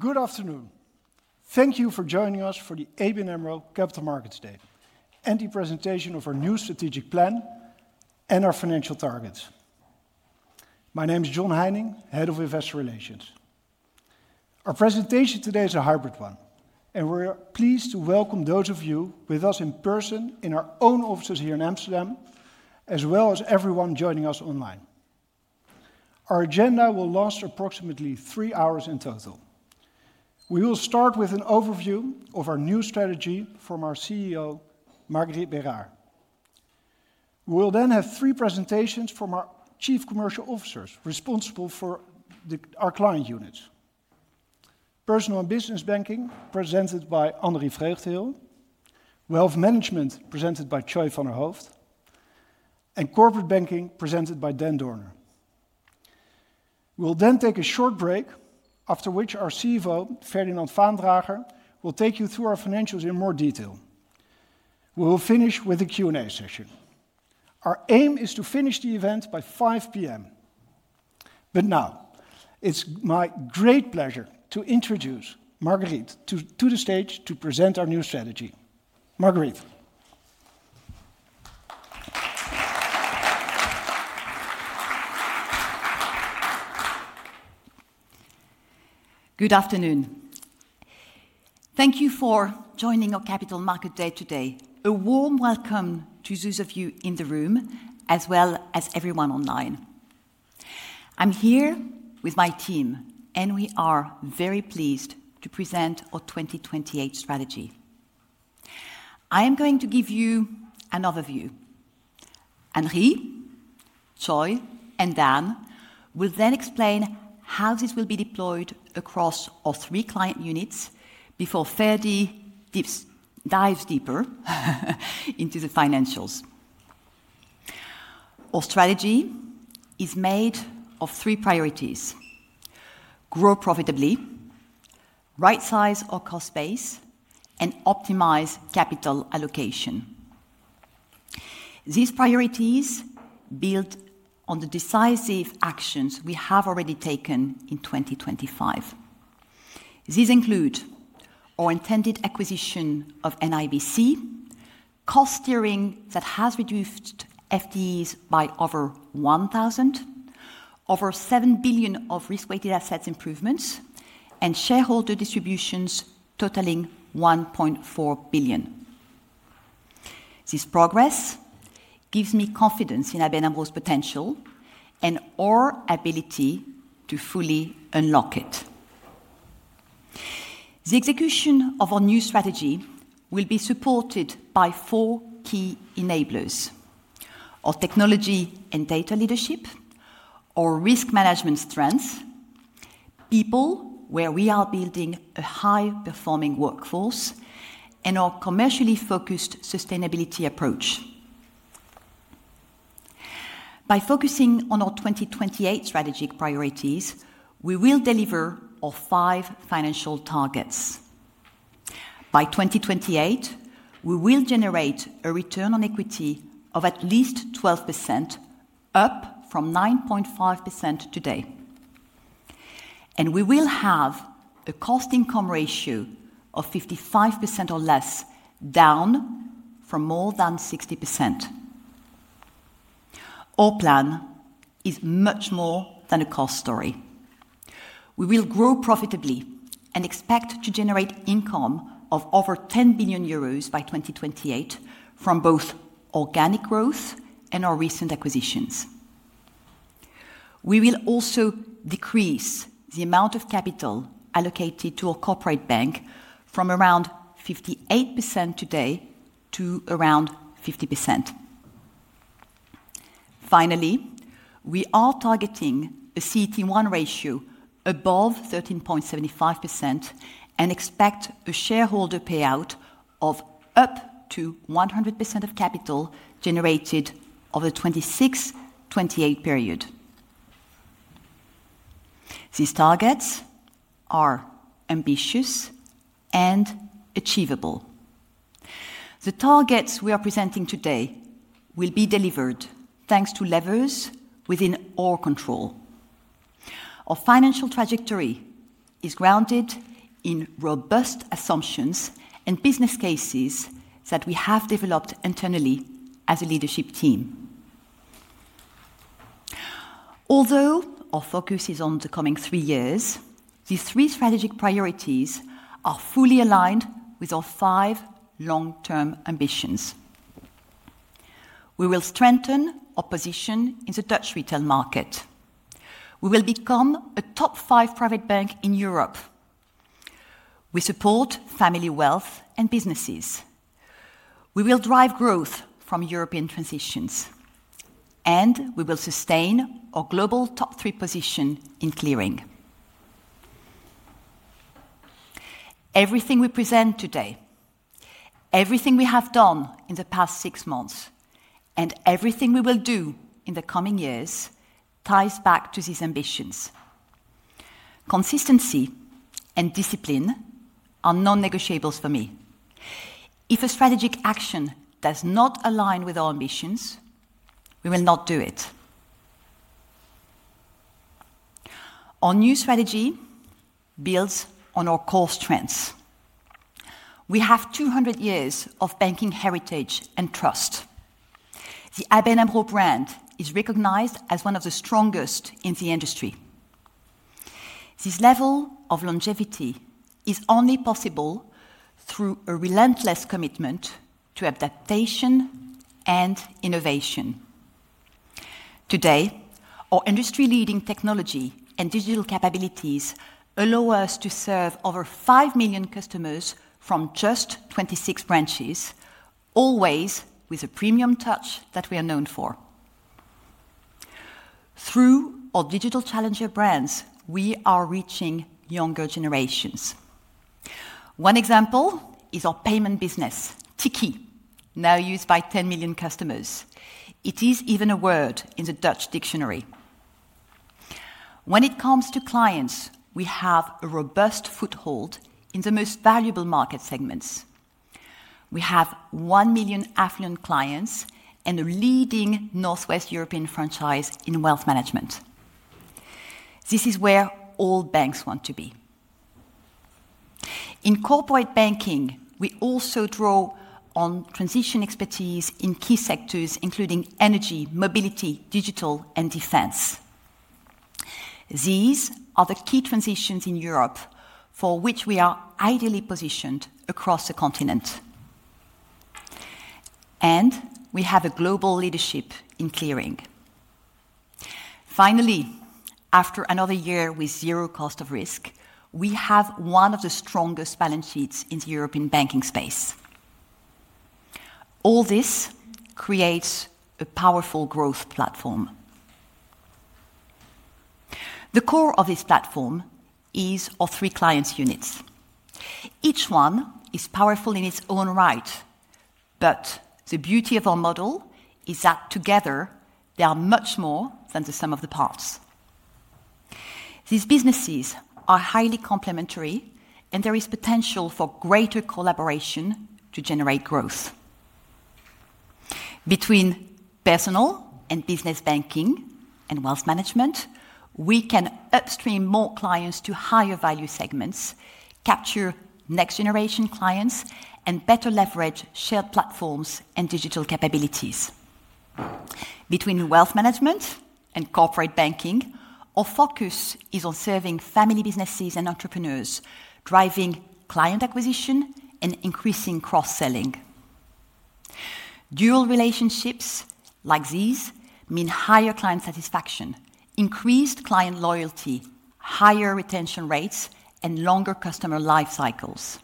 Good afternoon. Thank you for joining us for the ABN AMRO Capital Markets Day, and the presentation of our new strategic plan and our financial targets. My name is John Heijning, Head of Investor Relations. Our presentation today is a hybrid one, and we're pleased to welcome those of you with us in person in our own offices here in Amsterdam, as well as everyone joining us online. Our agenda will last approximately three hours in total. We will start with an overview of our new strategy from our CEO, Marguerite Bérard. We will then have three presentations from our Chief Commercial Officers responsible for our client units: Personal and Business Banking, presented by Annerie Vreugdenhil; Wealth Management, presented by Choy van der Hooft; and Corporate Banking, presented by Dan Dorner. We will then take a short break, after which our CFO, Ferdinand Vaandrager, will take you through our financials in more detail. We will finish with a Q&A session. Our aim is to finish the event by 5:00 P.M. Now, it's my great pleasure to introduce Marguerite to the stage to present our new strategy. Marguerite. Good afternoon. Thank you for joining our Capital Markets Day today. A warm welcome to those of you in the room, as well as everyone online. I'm here with my team, and we are very pleased to present our 2028 strategy. I am going to give you an overview. Annerie, Choy and Dan will then explain how this will be deployed across our three client units before Ferdy dives deeper into the financials. Our strategy is made of three priorities: grow profitably, right-size our cost base, and optimize capital allocation. These priorities build on the decisive actions we have already taken in 2023. These include our intended acquisition of NIBC, cost steering that has reduced FTEs by over 1,000, over 7 billion of risk-weighted assets improvements, and shareholder distributions totaling 1.4 billion. This progress gives me confidence in ABN AMRO's potential and our ability to fully unlock it. The execution of our new strategy will be supported by four key enablers: our technology and data leadership, our risk management strengths, people, where we are building a high-performing workforce, and our commercially focused sustainability approach. By focusing on our 2028 strategic priorities, we will deliver our five financial targets. By 2028, we will generate a return on equity of at least 12%, up from 9.5% today. We will have a cost-income ratio of 55% or less, down from more than 60%. Our plan is much more than a cost story. We will grow profitably and expect to generate income of over 10 billion euros by 2028 from both organic growth and our recent acquisitions. We will also decrease the amount of capital allocated to our Corporate Bank from around 58% today to around 50%. Finally, we are targeting a CET1 ratio above 13.75% and expect a shareholder payout of up to 100% of capital generated over the 2026-2028 period. These targets are ambitious and achievable. The targets we are presenting today will be delivered thanks to levers within our control. Our financial trajectory is grounded in robust assumptions and business cases that we have developed internally as a leadership team. Although our focus is on the coming three years, these three strategic priorities are fully aligned with our five long-term ambitions. We will strengthen our position in the Dutch retail market. We will become a top five Private Bank in Europe. We support family wealth and businesses. We will drive growth from European transitions. We will sustain our global top three position in Clearing. Everything we present today, everything we have done in the past six months, and everything we will do in the coming years ties back to these ambitions. Consistency and discipline are non-negotiables for me. If a strategic action does not align with our ambitions, we will not do it. Our new strategy builds on our core strengths. We have 200 years of banking heritage and trust. The ABN AMRO brand is recognized as one of the strongest in the industry. This level of longevity is only possible through a relentless commitment to adaptation and innovation. Today, our industry-leading technology and digital capabilities allow us to serve over 5 million customers from just 26 branches, always with the premium touch that we are known for. Through our digital challenger brands, we are reaching younger generations. One example is our payment business, Tikkie, now used by 10 million customers. It is even a word in the Dutch dictionary. When it comes to clients, we have a robust foothold in the most valuable market segments. We have 1 million affluent clients and a leading Northwest European franchise in Wealth Management. This is where all banks want to be. In Corporate Banking, we also draw on transition expertise in key sectors, including energy, mobility, digital, and defense. These are the key transitions in Europe for which we are ideally positioned across the continent. We have a global leadership in clearing. Finally, after another year with zero cost of risk, we have one of the strongest balance sheets in the European banking space. All this creates a powerful growth platform. The core of this platform is our three client units. Each one is powerful in its own right, but the beauty of our model is that together, they are much more than the sum of the parts. These businesses are highly complementary, and there is potential for greater collaboration to generate growth. Between Personal and Business Banking and Wealth Management, we can upstream more clients to higher value segments, capture next-generation clients, and better leverage shared platforms and digital capabilities. Between Wealth Management and Corporate Banking, our focus is on serving family businesses and entrepreneurs, driving client acquisition and increasing cross-selling. Dual relationships like these mean higher client satisfaction, increased client loyalty, higher retention rates, and longer customer lifecycles.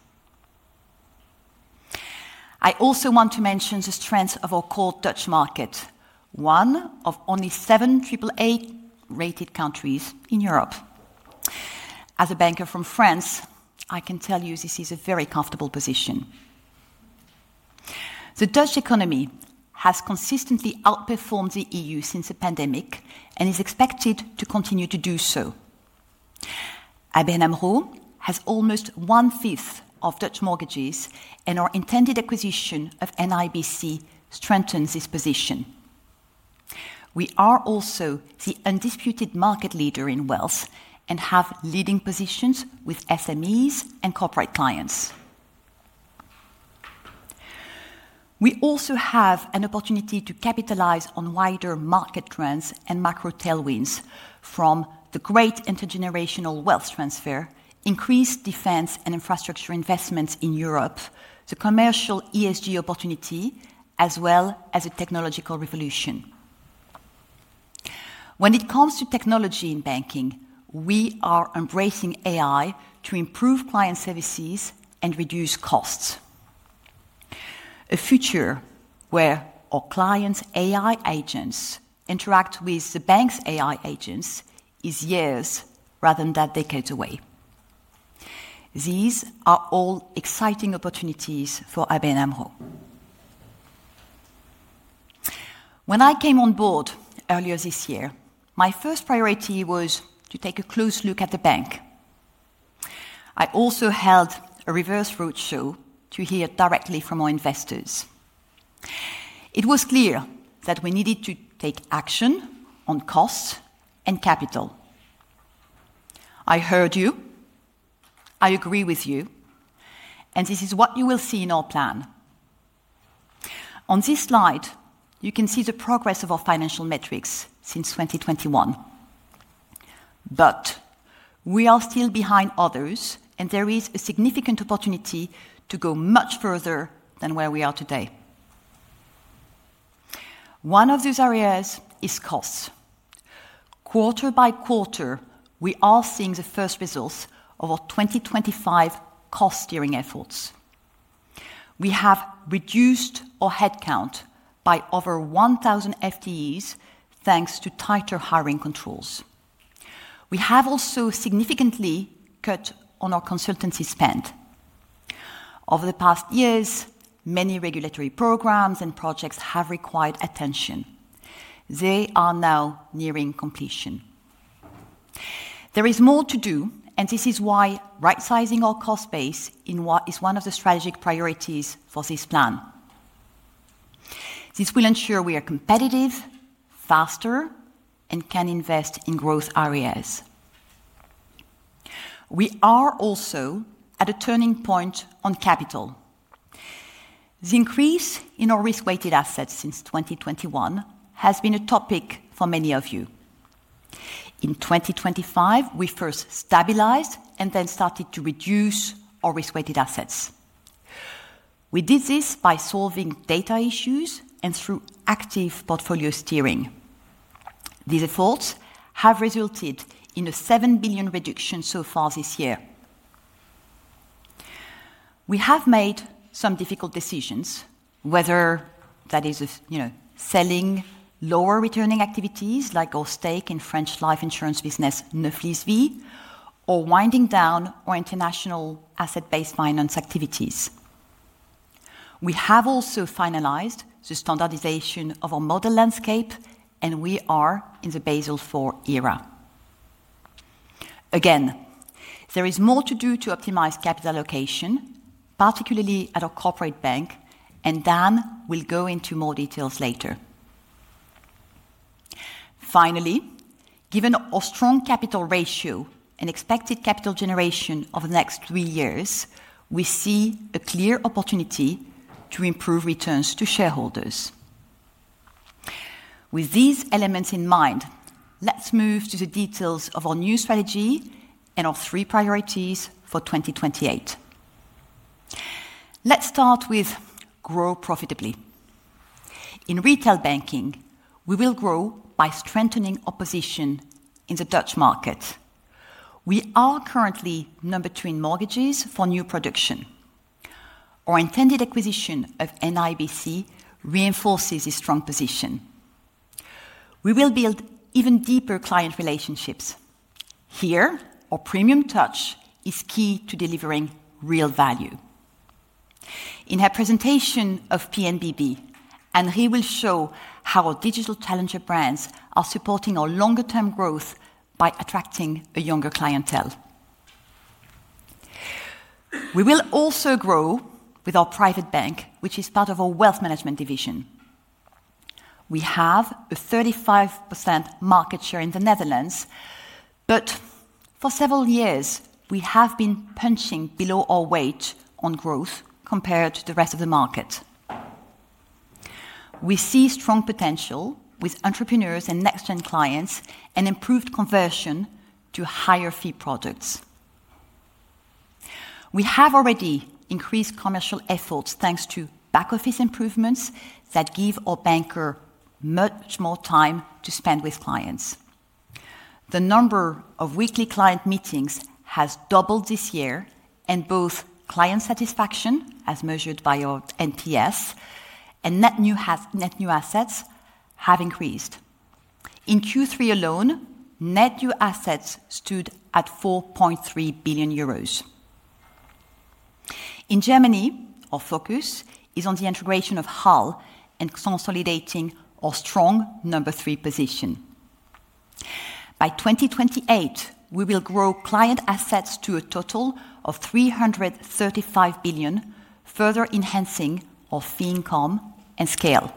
I also want to mention the strength of our core Dutch market, one of only seven triple-A rated countries in Europe. As a banker from France, I can tell you this is a very comfortable position. The Dutch economy has consistently outperformed the EU since the pandemic and is expected to continue to do so. ABN AMRO has almost one-fifth of Dutch mortgages, and our intended acquisition of NIBC strengthens this position. We are also the undisputed market leader in wealth and have leading positions with SMEs and corporate clients. We also have an opportunity to capitalize on wider market trends and macro tailwinds from the great intergenerational wealth transfer, increased defense and infrastructure investments in Europe, the commercial ESG opportunity, as well as a technological revolution. When it comes to technology in banking, we are embracing AI to improve client services and reduce costs. A future where our clients' AI agents interact with the bank's AI agents is years rather than decades away. These are all exciting opportunities for ABN AMRO. When I came on board earlier this year, my first priority was to take a close look at the bank. I also held a reverse roadshow to hear directly from our investors. It was clear that we needed to take action on cost and capital. I heard you. I agree with you. This is what you will see in our plan. On this slide, you can see the progress of our financial metrics since 2021. We are still behind others, and there is a significant opportunity to go much further than where we are today. One of those areas is cost. Quarter by quarter, we are seeing the first results of our 2025 cost steering efforts. We have reduced our headcount by over 1,000 FTEs thanks to tighter hiring controls. We have also significantly cut on our consultancy spend. Over the past years, many regulatory programs and projects have required attention. They are now nearing completion. There is more to do, and this is why right-sizing our cost base is one of the strategic priorities for this plan. This will ensure we are competitive, faster, and can invest in growth areas. We are also at a turning point on capital. The increase in our risk-weighted assets since 2021 has been a topic for many of you. In 2025, we first stabilized and then started to reduce our risk-weighted assets. We did this by solving data issues and through active portfolio steering. These efforts have resulted in a 7 billion reduction so far this year. We have made some difficult decisions, whether that is selling lower-returning activities like our stake in French life insurance business Neuflize Vie or winding down our international asset-based finance activities. We have also finalized the standardization of our model landscape, and we are in the Basel IV era. Again, there is more to do to optimize capital allocation, particularly at our Corporate Bank, and Dan will go into more details later. Finally, given our strong capital ratio and expected capital generation over the next three years, we see a clear opportunity to improve returns to shareholders. With these elements in mind, let's move to the details of our new strategy and our three priorities for 2028. Let's start with grow profitably. In retail banking, we will grow by strengthening our position in the Dutch market. We are currently number two in mortgages for new production. Our intended acquisition of NIBC reinforces this strong position. We will build even deeper client relationships. Here, our premium touch is key to delivering real value. In her presentation of PNBB, Annerie will show how our digital challenger brands are supporting our longer-term growth by attracting a younger clientele. We will also grow with our Private Bank, which is part of our Wealth Management division. We have a 35% market share in the Netherlands, but for several years, we have been punching below our weight on growth compared to the rest of the market. We see strong potential with entrepreneurs and next-gen clients and improved conversion to higher-fee products. We have already increased commercial efforts thanks to back-office improvements that give our banker much more time to spend with clients. The number of weekly client meetings has doubled this year, and both client satisfaction, as measured by our NPS, and net new assets have increased. In Q3 alone, net new assets stood at 4.3 billion euros. In Germany, our focus is on the integration of HAL and consolidating our strong number three position. By 2028, we will grow client assets to a total of 335 billion, further enhancing our fee income and scale.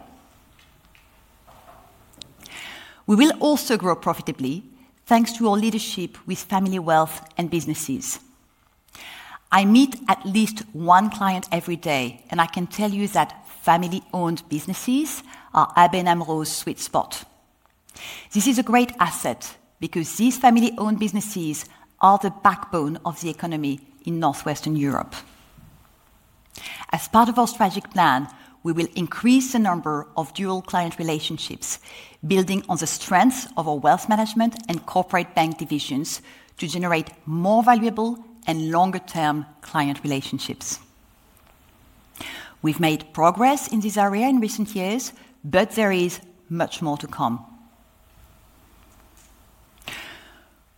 We will also grow profitably thanks to our leadership with family wealth and businesses. I meet at least one client every day, and I can tell you that family-owned businesses are ABN AMRO's sweet spot. This is a great asset because these family-owned businesses are the backbone of the economy in Northwest Europe. As part of our strategic plan, we will increase the number of dual client relationships, building on the strengths of our Wealth Management and Corporate Bank divisions to generate more valuable and longer-term client relationships. We've made progress in this area in recent years, but there is much more to come.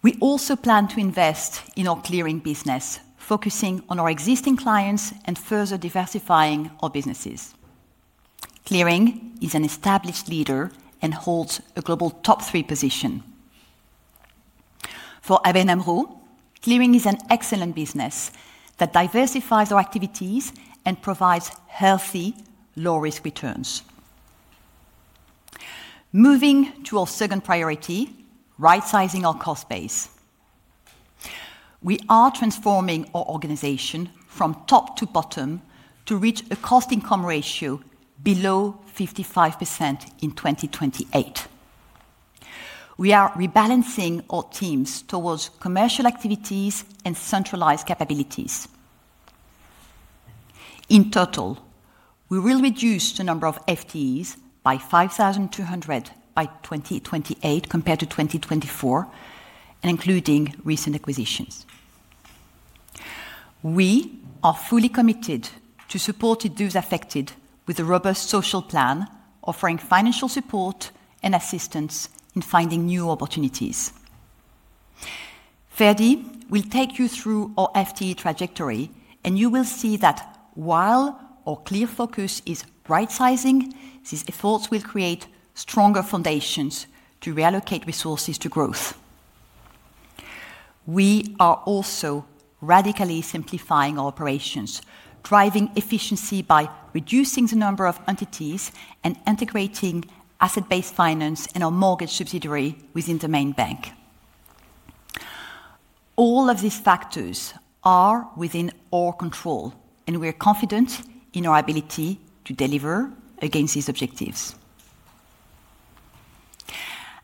We also plan to invest in our clearing business, focusing on our existing clients and further diversifying our businesses. Clearing is an established leader and holds a global top three position. For ABN AMRO, clearing is an excellent business that diversifies our activities and provides healthy, low-risk returns. Moving to our second priority, right-sizing our cost base. We are transforming our organization from top to bottom to reach a cost-income ratio below 55% in 2028. We are rebalancing our teams towards commercial activities and centralized capabilities. In total, we will reduce the number of FTEs by 5,200 by 2028 compared to 2024, including recent acquisitions. We are fully committed to supporting those affected with a robust social plan, offering financial support and assistance in finding new opportunities. Ferdy will take you through our FTE trajectory, and you will see that while our clear focus is right-sizing, these efforts will create stronger foundations to reallocate resources to growth. We are also radically simplifying our Operations, driving efficiency by reducing the number of entities and integrating asset-based finance and our mortgage subsidiary within the main bank. All of these factors are within our control, and we are confident in our ability to deliver against these objectives.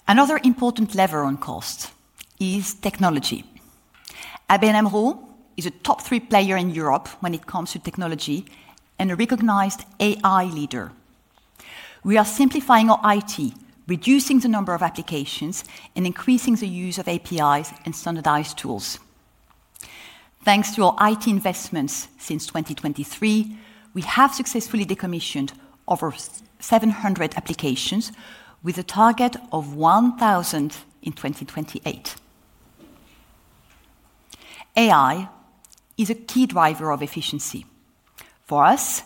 Another important lever on cost is technology. ABN AMRO is a top three player in Europe when it comes to technology and a recognized AI leader. We are simplifying our IT, reducing the number of applications, and increasing the use of APIs and standardized tools. Thanks to our IT investments since 2023, we have successfully decommissioned over 700 applications with a target of 1,000 in 2028. AI is a key driver of efficiency. For us,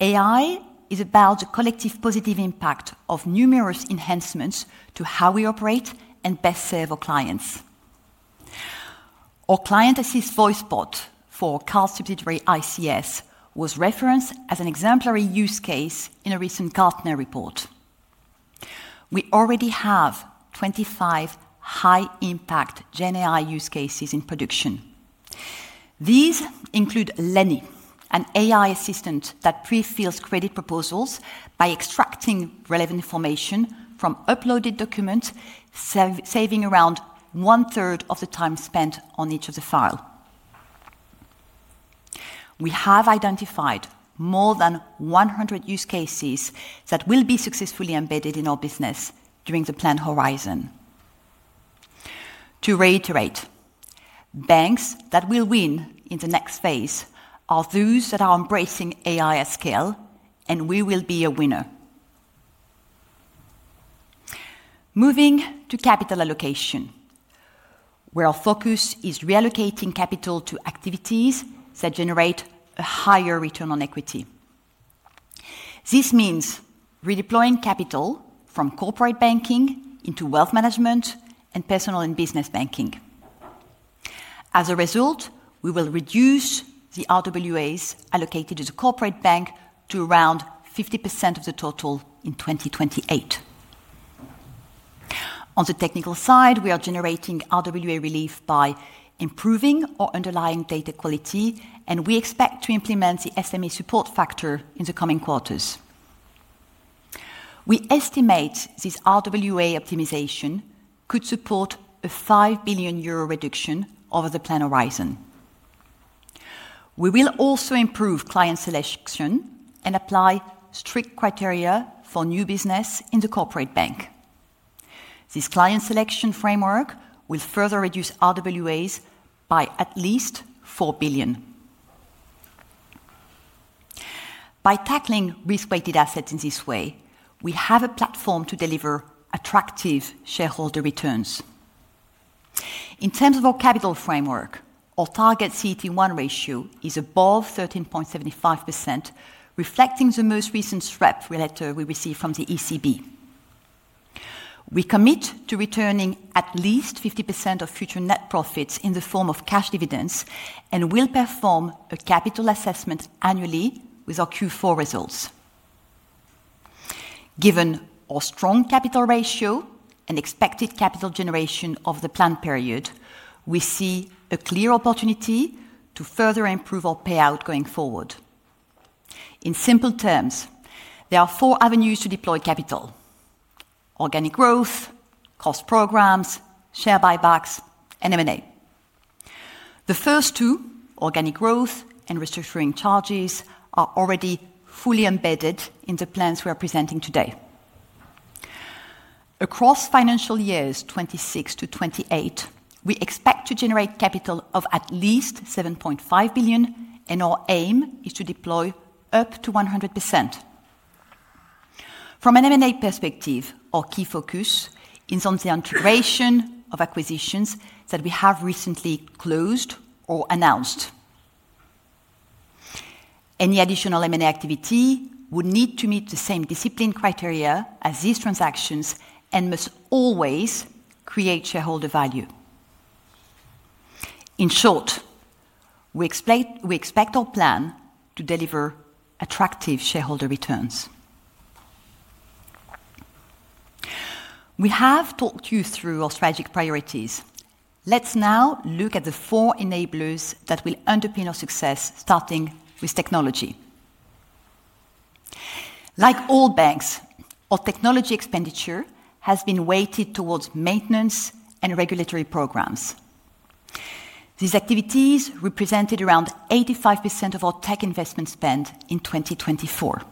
AI is about the collective positive impact of numerous enhancements to how we operate and best serve our clients. Our client-assist voicebot for Car Subsidiary ICS was referenced as an exemplary use case in a recent Gartner report. We already have 25 high-impact GenAI use cases in production. These include Lenny, an AI assistant that prefills credit proposals by extracting relevant information from uploaded documents, saving around one-third of the time spent on each of the files. We have identified more than 100 use cases that will be successfully embedded in our business during the planned horizon. To reiterate, banks that will win in the next phase are those that are embracing AI at scale, and we will be a winner. Moving to capital allocation, where our focus is reallocating capital to activities that generate a higher return on equity. This means redeploying capital from Corporate Banking into Wealth Management and Personal and Business Banking. As a result, we will reduce the RWAs allocated to the Corporate Bank to around 50% of the total in 2028. On the technical side, we are generating RWA relief by improving our underlying data quality, and we expect to implement the SME support factor in the coming quarters. We estimate this RWA optimization could support a 5 billion euro reduction over the planned horizon. We will also improve client selection and apply strict criteria for new business in the Corporate Bank. This client selection framework will further reduce RWAs by at least EUR 4 billion. By tackling risk-weighted assets in this way, we have a platform to deliver attractive shareholder returns. In terms of our capital framework, our target CET1 ratio is above 13.75%, reflecting the most recent SREP letter we received from the ECB. We commit to returning at least 50% of future net profits in the form of cash dividends and will perform a capital assessment annually with our Q4 results. Given our strong capital ratio and expected capital generation over the planned period, we see a clear opportunity to further improve our payout going forward. In simple terms, there are four avenues to deploy capital: organic growth, cost programs, share buybacks, and M&A. The first two, organic growth and restructuring charges, are already fully embedded in the plans we are presenting today. Across financial years 2026-2028, we expect to generate capital of at least 7.5 billion, and our aim is to deploy up to 100%. From an M&A perspective, our key focus is on the integration of acquisitions that we have recently closed or announced. Any additional M&A activity would need to meet the same discipline criteria as these transactions and must always create shareholder value. In short, we expect our plan to deliver attractive shareholder returns. We have talked you through our strategic priorities. Let's now look at the four enablers that will underpin our success, starting with technology. Like all banks, our technology expenditure has been weighted towards maintenance and regulatory programs. These activities represented around 85% of our tech investment spend in 2024.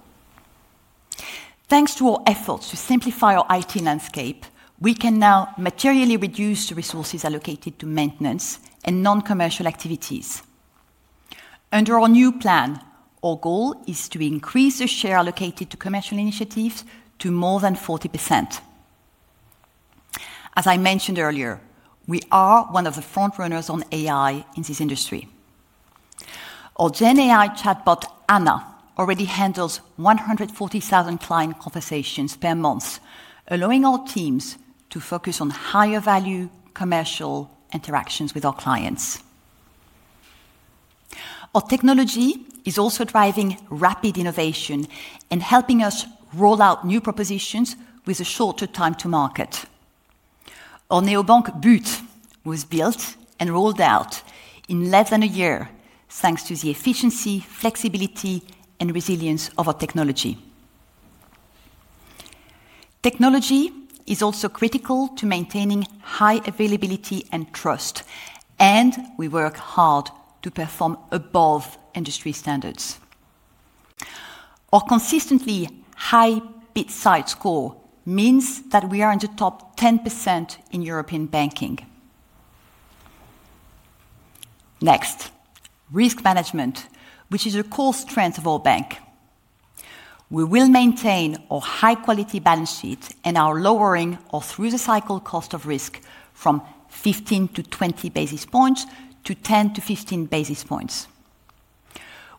Thanks to our efforts to simplify our IT landscape, we can now materially reduce the resources allocated to maintenance and non-commercial activities. Under our new plan, our goal is to increase the share allocated to commercial initiatives to more than 40%. As I mentioned earlier, we are one of the front-runners on AI in this industry. Our GenAI chatbot, Anna, already handles 140,000 client conversations per month, allowing our teams to focus on higher-value commercial interactions with our clients. Our technology is also driving rapid innovation and helping us roll out new propositions with a shorter time to market. Our neobank Boot was built and rolled out in less than a year, thanks to the efficiency, flexibility, and resilience of our technology. Technology is also critical to maintaining high availability and trust, and we work hard to perform above industry standards. Our consistently high bid-side score means that we are in the top 10% in European banking. Next, risk management, which is a core strength of our bank. We will maintain our high-quality balance sheet and are lowering our through-the-cycle cost of risk from 15-20 basis points to 10-15 basis points.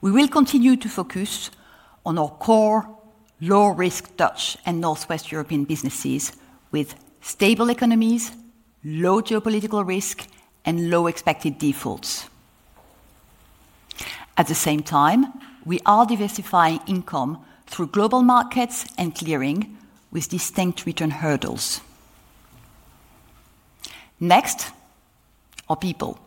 We will continue to focus on our core low-risk Dutch and Northwest European businesses with stable economies, low geopolitical risk, and low expected defaults. At the same time, we are diversifying income through Global Markets and Clearing with distinct return hurdles. Next, our people.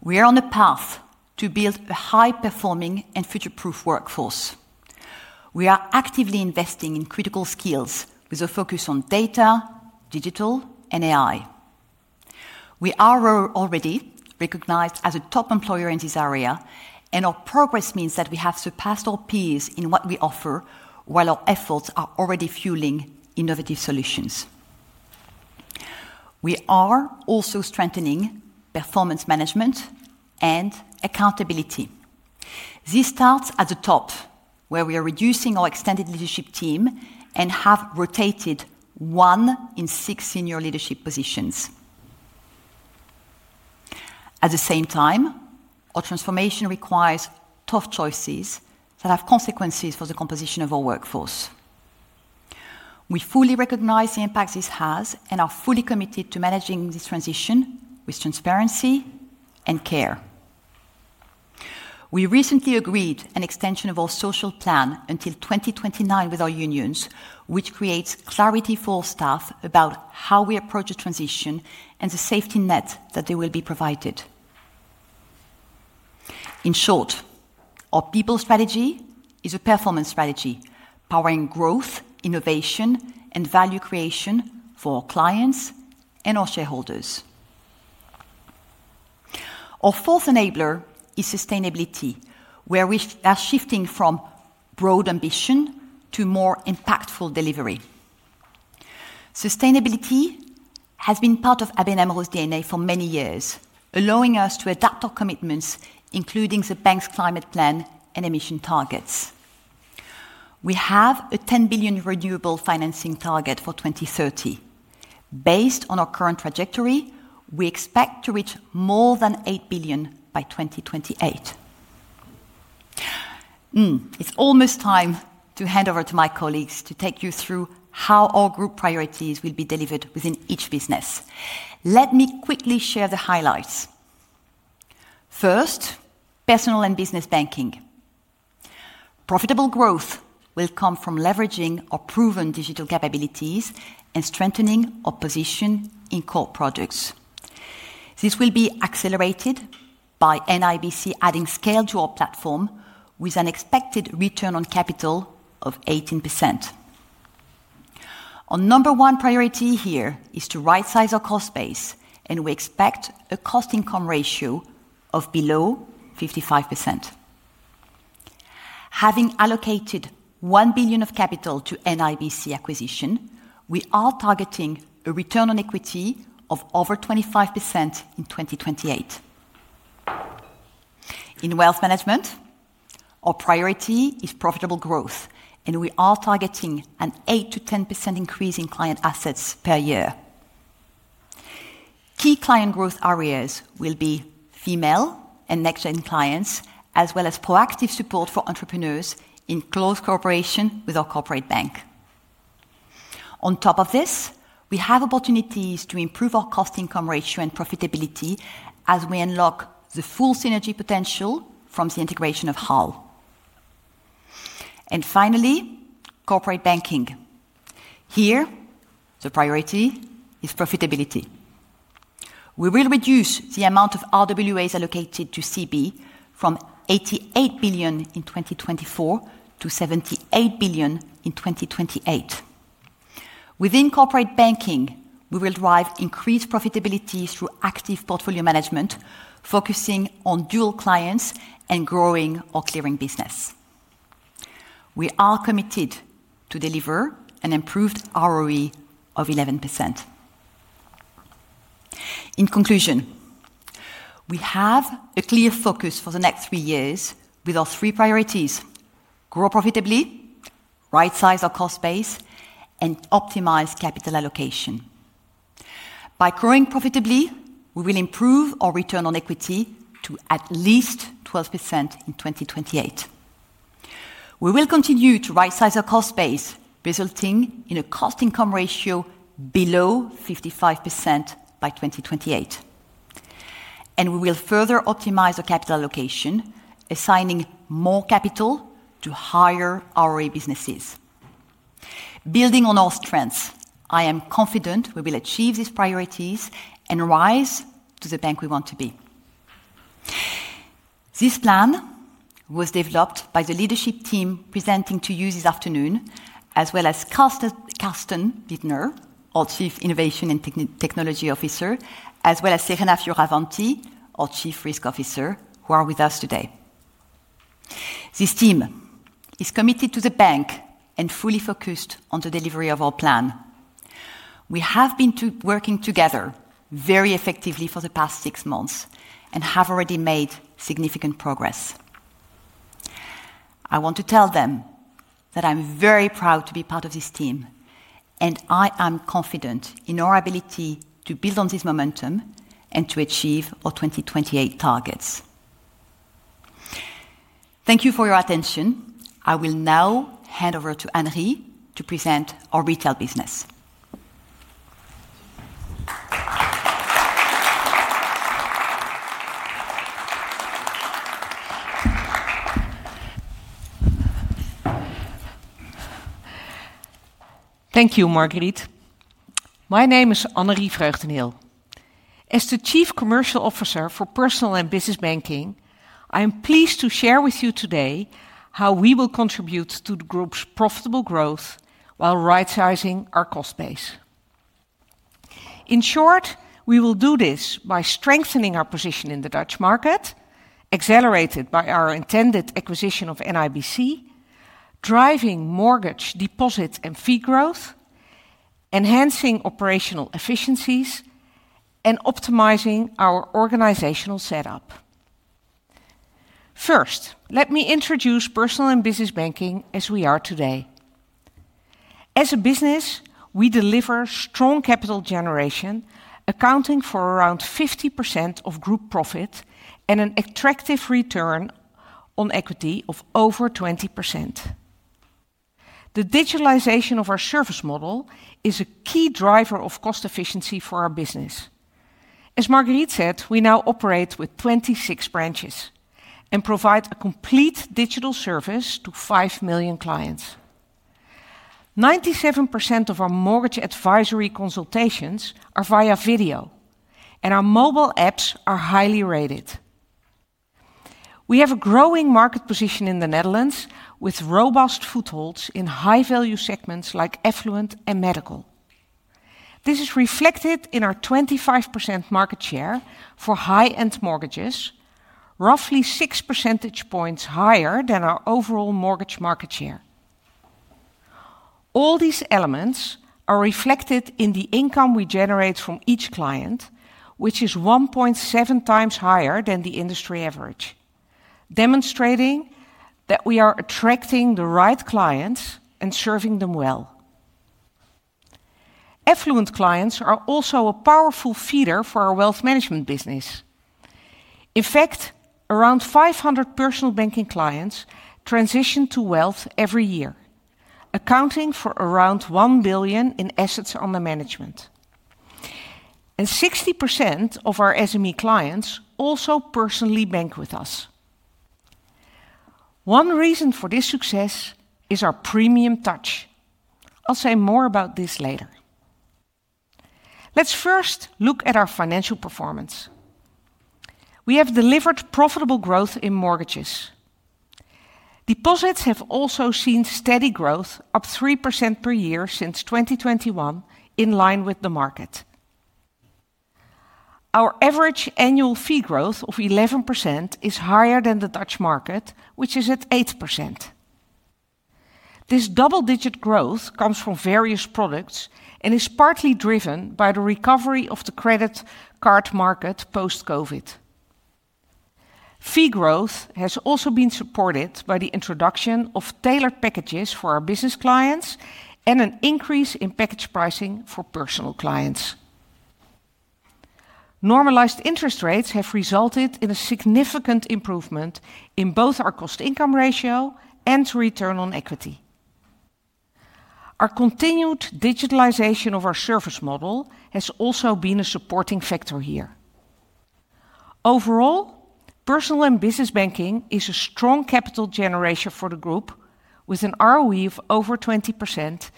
We are on a path to build a high-performing and future-proof workforce. We are actively investing in critical skills with a focus on data, digital, and AI. We are already recognized as a top employer in this area, and our progress means that we have surpassed our peers in what we offer, while our efforts are already fueling innovative solutions. We are also strengthening performance management and accountability. This starts at the top, where we are reducing our extended leadership team and have rotated one in six senior leadership positions. At the same time, our transformation requires tough choices that have consequences for the composition of our workforce. We fully recognize the impact this has and are fully committed to managing this transition with transparency and care. We recently agreed on an extension of our social plan until 2029 with our unions, which creates clarity for our staff about how we approach the transition and the safety net that they will be provided. In short, our people strategy is a performance strategy powering growth, innovation, and value creation for our clients and our shareholders. Our fourth enabler is sustainability, where we are shifting from broad ambition to more impactful delivery. Sustainability has been part of ABN AMRO's DNA for many years, allowing us to adapt our commitments, including the bank's climate plan and emission targets. We have a 10 billion renewable financing target for 2030. Based on our current trajectory, we expect to reach more than 8 billion by 2028. It's almost time to hand over to my colleagues to take you through how our group priorities will be delivered within each business. Let me quickly share the highlights. First, Personal and Business Banking. Profitable growth will come from leveraging our proven digital capabilities and strengthening our position in core products. This will be accelerated by NIBC adding scale to our platform with an expected return on capital of 18%. Our number one priority here is to right-size our cost base, and we expect a cost-income ratio of below 55%. Having allocated 1 billion of capital to NIBC acquisition, we are targeting a return on equity of over 25% in 2028. In Wealth Management, our priority is profitable growth, and we are targeting an 8-10% increase in client assets per year. Key client growth areas will be female and next-gen clients, as well as proactive support for entrepreneurs in close cooperation with our Corporate Bank. On top of this, we have opportunities to improve our cost-income ratio and profitability as we unlock the full synergy potential from the integration of HAL. Finally, Corporate Banking. Here, the priority is profitability. We will reduce the amount of RWAs allocated to CB from 88 billion in 2024 to 78 billion in 2028. Within Corporate Banking, we will drive increased profitability through active portfolio management, focusing on dual clients and growing our clearing business. We are committed to deliver an improved ROE of 11%. In conclusion, we have a clear focus for the next three years with our three priorities: grow profitably, right-size our cost base, and optimize capital allocation. By growing profitably, we will improve our return on equity to at least 12% in 2028. We will continue to right-size our cost base, resulting in a cost-income ratio below 55% by 2028. We will further optimize our capital allocation, assigning more capital to higher ROE businesses. Building on our strengths, I am confident we will achieve these priorities and rise to the bank we want to be. This plan was developed by the leadership team presenting to you this afternoon, as well as Carsten Bittner, our Chief Innovation and Technology Officer, as well as Serena Fioravanti, our Chief Risk Officer, who are with us today. This team is committed to the bank and fully focused on the delivery of our plan. We have been working together very effectively for the past six months and have already made significant progress. I want to tell them that I'm very proud to be part of this team, and I am confident in our ability to build on this momentum and to achieve our 2028 targets. Thank you for your attention. I will now hand over to Annerie to present our retail business. Thank you, Marguerite. My name is Annerie Vreugdenhil. As the Chief Commercial Officer for Personal and Business Banking, I am pleased to share with you today how we will contribute to the group's profitable growth while right-sizing our cost base. In short, we will do this by strengthening our position in the Dutch market, accelerated by our intended acquisition of NIBC, driving mortgage deposit and fee growth, enhancing operational efficiencies, and optimizing our organizational setup. First, let me introduce Personal and Business Banking as we are today. As a business, we deliver strong capital generation, accounting for around 50% of group profit and an attractive return on equity of over 20%. The digitalization of our service model is a key driver of cost efficiency for our business. As Marguerite said, we now operate with 26 branches and provide a complete digital service to 5 million clients. 97% of our mortgage advisory consultations are via video, and our mobile apps are highly rated. We have a growing market position in the Netherlands with robust footholds in high-value segments like affluent and medical. This is reflected in our 25% market share for high-end mortgages, roughly 6 percentage points higher than our overall mortgage market share. All these elements are reflected in the income we generate from each client, which is 1.7 times higher than the industry average, demonstrating that we are attracting the right clients and serving them well. Affluent clients are also a powerful feeder for our Wealth Management business. In fact, around 500 personal banking clients transition to Wealth every year, accounting for around 1 billion in assets under management. 60% of our SME clients also personally bank with us. One reason for this success is our premium touch. I'll say more about this later. Let's first look at our financial performance. We have delivered profitable growth in mortgages. Deposits have also seen steady growth, up 3% per year since 2021, in line with the market. Our average annual fee growth of 11% is higher than the Dutch market, which is at 8%. This double-digit growth comes from various products and is partly driven by the recovery of the credit card market post-COVID. Fee growth has also been supported by the introduction of tailored packages for our business clients and an increase in package pricing for personal clients. Normalized interest rates have resulted in a significant improvement in both our cost-income ratio and return on equity. Our continued digitalization of our service model has also been a supporting factor here. Overall, Personal and Business Banking is a strong capital generation for the group with an ROE of over 20%,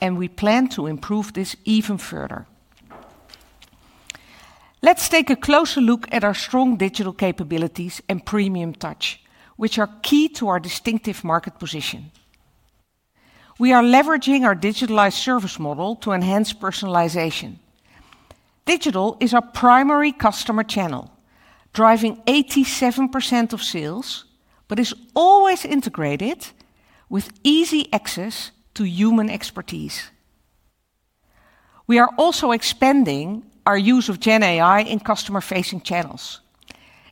and we plan to improve this even further. Let's take a closer look at our strong digital capabilities and premium touch, which are key to our distinctive market position. We are leveraging our digitalized service model to enhance personalization. Digital is our primary customer channel, driving 87% of sales, but is always integrated with easy access to human expertise. We are also expanding our use of GenAI in customer-facing channels.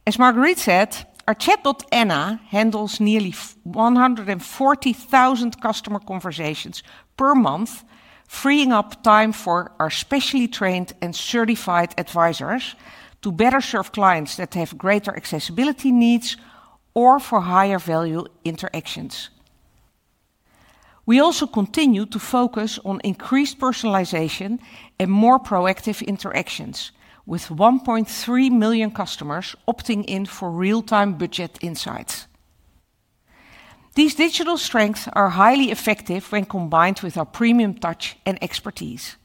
As Marguerite said, our chatbot Anna handles nearly 140,000 customer conversations per month, freeing up time for our specially trained and certified advisors to better serve clients that have greater accessibility needs or for higher value interactions. We also continue to focus on increased personalization and more proactive interactions, with 1.3 million customers opting in for real-time budget insights. These digital strengths are highly effective when combined with our premium touch and expertise.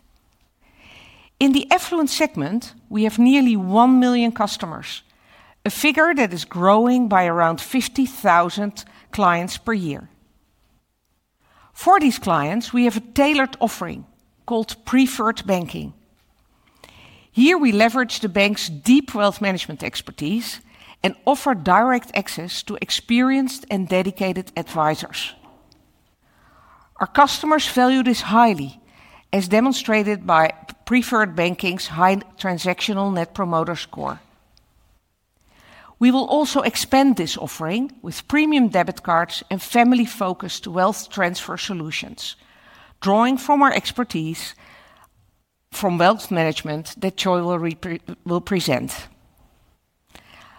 In the affluent segment, we have nearly 1 million customers, a figure that is growing by around 50,000 clients per year. For these clients, we have a tailored offering called Preferred Banking. Here, we leverage the bank's deep Wealth Management expertise and offer direct access to experienced and dedicated advisors. Our customers value this highly, as demonstrated by Preferred Banking's high transactional Net Promoter Score. We will also expand this offering with premium debit cards and family-focused wealth transfer solutions, drawing from our expertise from Wealth Management that Choy will present.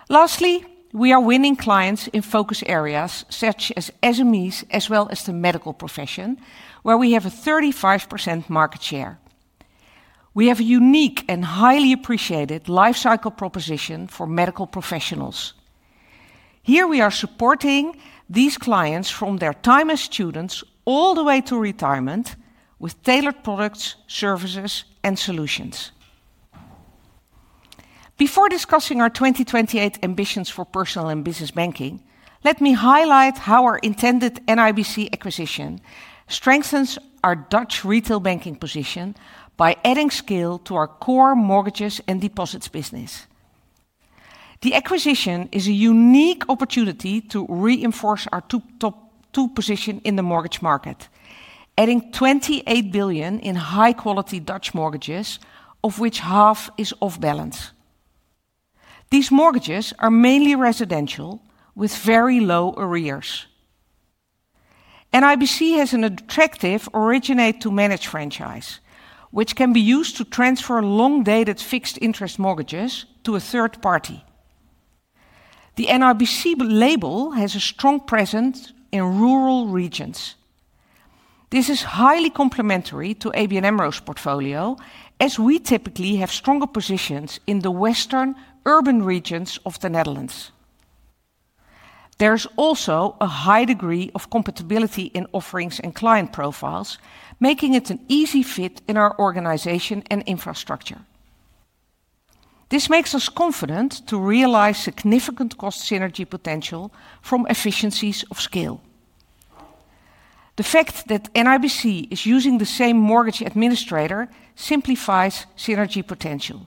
Lastly, we are winning clients in focus areas such as SMEs as well as the medical profession, where we have a 35% market share. We have a unique and highly appreciated lifecycle proposition for medical professionals. Here, we are supporting these clients from their time as students all the way to retirement with tailored products, services, and solutions. Before discussing our 2028 ambitions for Personal and Business Banking, let me highlight how our intended NIBC acquisition strengthens our Dutch retail banking position by adding scale to our core mortgages and deposits business. The acquisition is a unique opportunity to reinforce our top two position in the mortgage market, adding 28 billion in high-quality Dutch mortgages, of which half is off-balance. These mortgages are mainly residential with very low arrears. NIBC has an attractive originate-to-manage franchise, which can be used to transfer long-dated fixed interest mortgages to a third party. The NIBC label has a strong presence in rural regions. This is highly complementary to ABN AMRO's portfolio, as we typically have stronger positions in the western urban regions of the Netherlands. There is also a high degree of compatibility in offerings and client profiles, making it an easy fit in our organization and infrastructure. This makes us confident to realize significant cost synergy potential from efficiencies of scale. The fact that NIBC is using the same mortgage administrator simplifies synergy potential.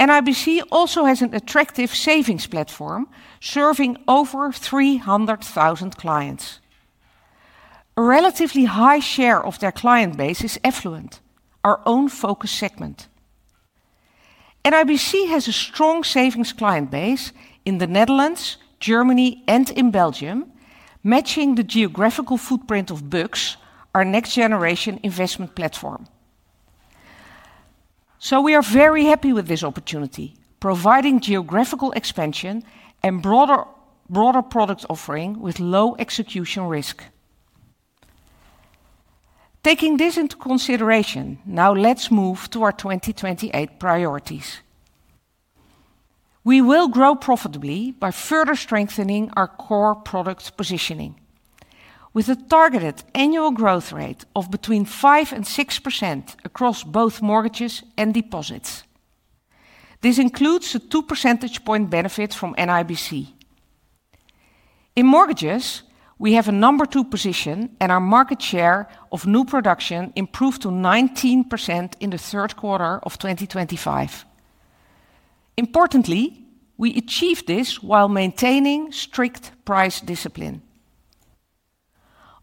NIBC also has an attractive savings platform serving over 300,000 clients. A relatively high share of their client base is affluent, our own focus segment. NIBC has a strong savings client base in the Netherlands, Germany, and in Belgium, matching the geographical footprint of BEUX, our next-generation investment platform. We are very happy with this opportunity, providing geographical expansion and broader product offering with low execution risk. Taking this into consideration, now let's move to our 2028 priorities. We will grow profitably by further strengthening our core product positioning, with a targeted annual growth rate of between 5% and 6% across both mortgages and deposits. This includes a 2 percentage point benefit from NIBC. In mortgages, we have a number two position and our market share of new production improved to 19% in the third quarter of 2025. Importantly, we achieve this while maintaining strict price discipline.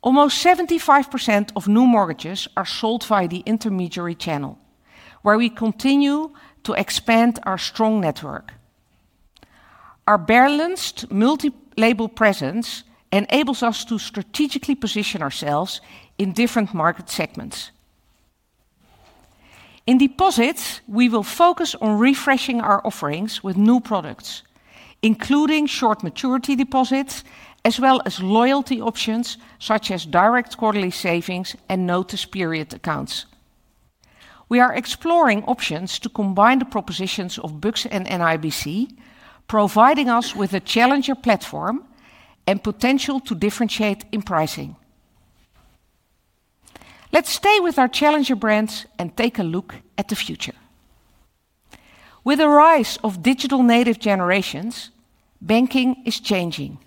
Almost 75% of new mortgages are sold via the intermediary channel, where we continue to expand our strong network. Our balanced multi-label presence enables us to strategically position ourselves in different market segments. In deposits, we will focus on refreshing our offerings with new products, including short maturity deposits, as well as loyalty options such as direct quarterly savings and notice period accounts. We are exploring options to combine the propositions of BEUX and NIBC, providing us with a challenger platform and potential to differentiate in pricing. Let's stay with our challenger brands and take a look at the future. With the rise of digital native generations, banking is changing.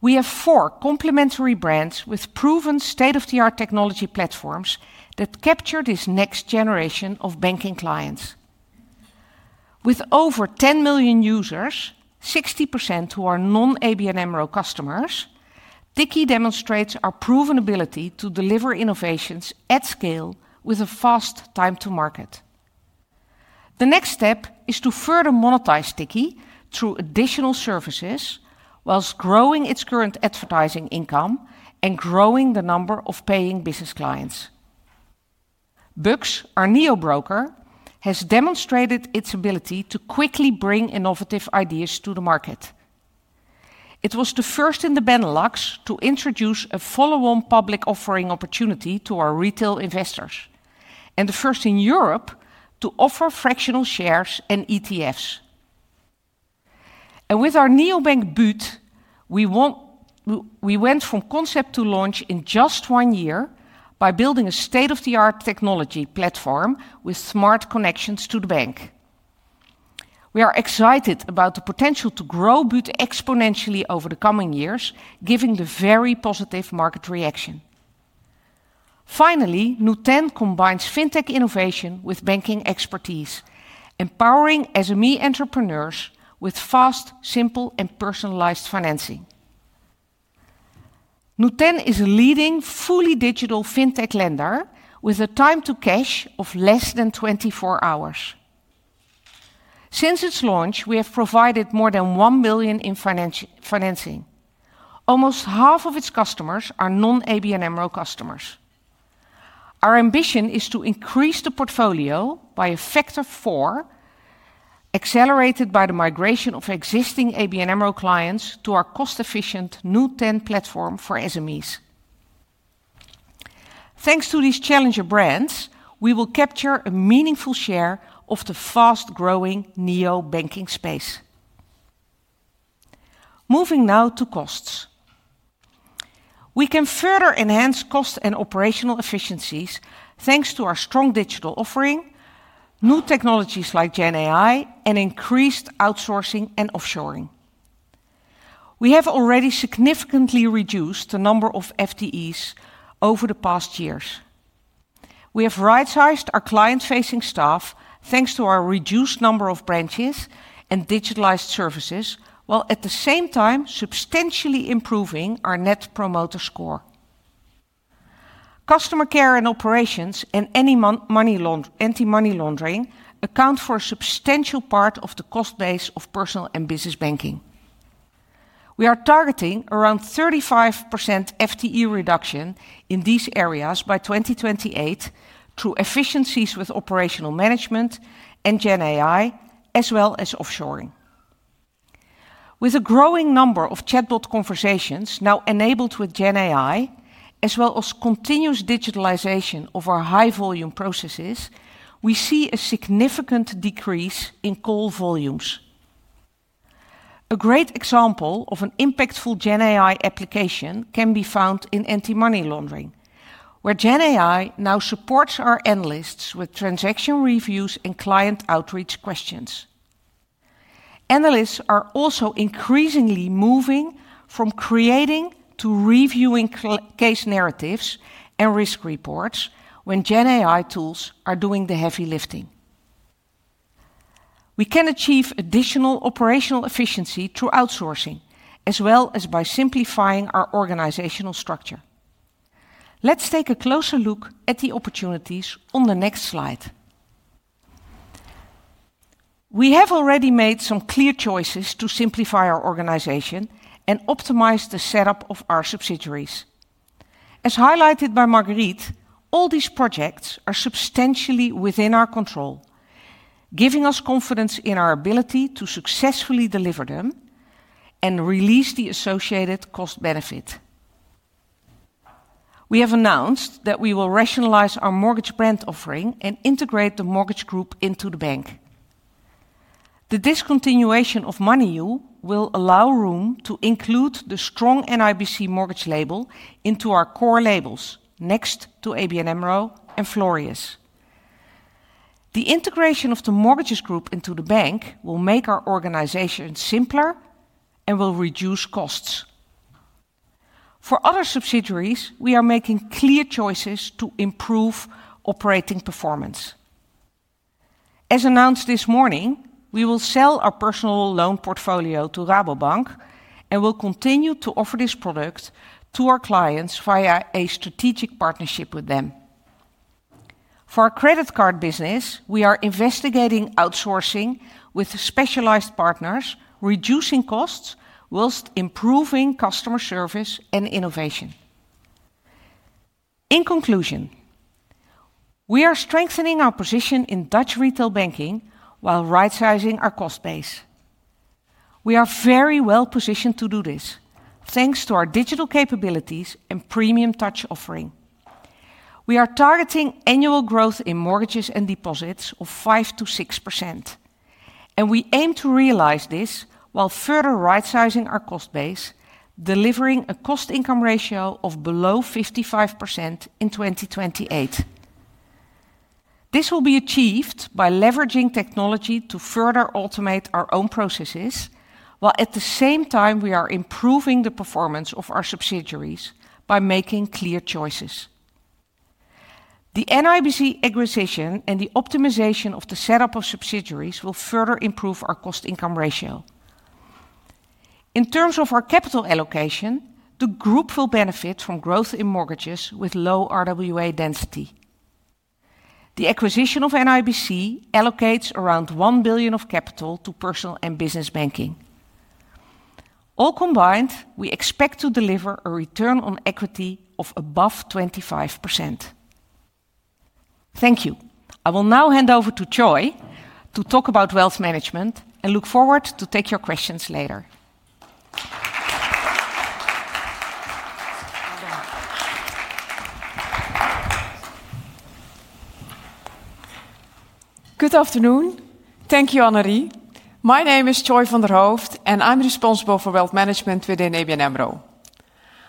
We have four complementary brands with proven state-of-the-art technology platforms that capture this next generation of banking clients. With over 10 million users, 60% who are non-ABN AMRO customers, Tikkie demonstrates our proven ability to deliver innovations at scale with a fast time to market. The next step is to further monetize Tikkie through additional services, whilst growing its current advertising income and growing the number of paying business clients. BEUX, our neo broker, has demonstrated its ability to quickly bring innovative ideas to the market. It was the first in the Benelux to introduce a follow-on public offering opportunity to our retail investors, and the first in Europe to offer fractional shares and ETFs. With our neobank Boot, we went from concept to launch in just one year by building a state-of-the-art technology platform with smart connections to the bank. We are excited about the potential to grow Boot exponentially over the coming years, given the very positive market reaction. Finally, Nuten combines fintech innovation with banking expertise, empowering SME entrepreneurs with fast, simple, and personalized financing. Nuten is a leading fully digital fintech lender with a time to cash of less than 24 hours. Since its launch, we have provided more than 1 million in financing. Almost half of its customers are non-ABN AMRO customers. Our ambition is to increase the portfolio by a factor of four, accelerated by the migration of existing ABN AMRO clients to our cost-efficient Nuten platform for SMEs. Thanks to these challenger brands, we will capture a meaningful share of the fast-growing neobanking space. Moving now to costs. We can further enhance cost and operational efficiencies thanks to our strong digital offering, new technologies like GenAI, and increased outsourcing and offshoring. We have already significantly reduced the number of FTEs over the past years. We have right-sized our client-facing staff thanks to our reduced number of branches and digitalized services, while at the same time substantially improving our Net Promoter Score. Customer Care and Operations and Anti-Money Laundering account for a substantial part of the cost base of Personal and Business Banking. We are targeting around 35% FTE reduction in these areas by 2028 through efficiencies with operational management and GenAI, as well as offshoring. With a growing number of chatbot conversations now enabled with GenAI, as well as continuous digitalization of our high-volume processes, we see a significant decrease in call volumes. A great example of an impactful GenAI application can be found in Anti-Money Laundering, where GenAI now supports our analysts with transaction reviews and client outreach questions. Analysts are also increasingly moving from creating to reviewing case narratives and risk reports when GenAI tools are doing the heavy lifting. We can achieve additional operational efficiency through outsourcing, as well as by simplifying our organizational structure. Let's take a closer look at the opportunities on the next slide. We have already made some clear choices to simplify our organization and optimize the setup of our subsidiaries. As highlighted by Marguerite, all these projects are substantially within our control, giving us confidence in our ability to successfully deliver them and release the associated cost benefit. We have announced that we will rationalize our mortgage brand offering and integrate the mortgage group into the bank. The discontinuation of MoneyU will allow room to include the strong NIBC mortgage label into our core labels, next to ABN AMRO and Florius. The integration of the mortgages group into the bank will make our organization simpler and will reduce costs. For other subsidiaries, we are making clear choices to improve operating performance. As announced this morning, we will sell our personal loan portfolio to Rabobank and will continue to offer this product to our clients via a strategic partnership with them. For our credit card business, we are investigating outsourcing with specialized partners, reducing costs whilst improving customer service and innovation. In conclusion, we are strengthening our position in Dutch retail banking while right-sizing our cost base. We are very well positioned to do this, thanks to our digital capabilities and premium touch offering. We are targeting annual growth in mortgages and deposits of 5%-6%, and we aim to realize this while further right-sizing our cost base, delivering a cost income ratio of below 55% in 2028. This will be achieved by leveraging technology to further automate our own processes, while at the same time we are improving the performance of our subsidiaries by making clear choices. The NIBC acquisition and the optimization of the setup of subsidiaries will further improve our cost income ratio. In terms of our capital allocation, the group will benefit from growth in mortgages with low RWA density. The acquisition of NIBC allocates around 1 billion of capital to Personal and Business Banking. All combined, we expect to deliver a return on equity of above 25%. Thank you. I will now hand over to Choy to talk about Wealth Management and look forward to take your questions later. Good afternoon. Thank you, Annerie. My name is Choy van der Hooft, and I'm responsible for Wealth Management within ABN AMRO.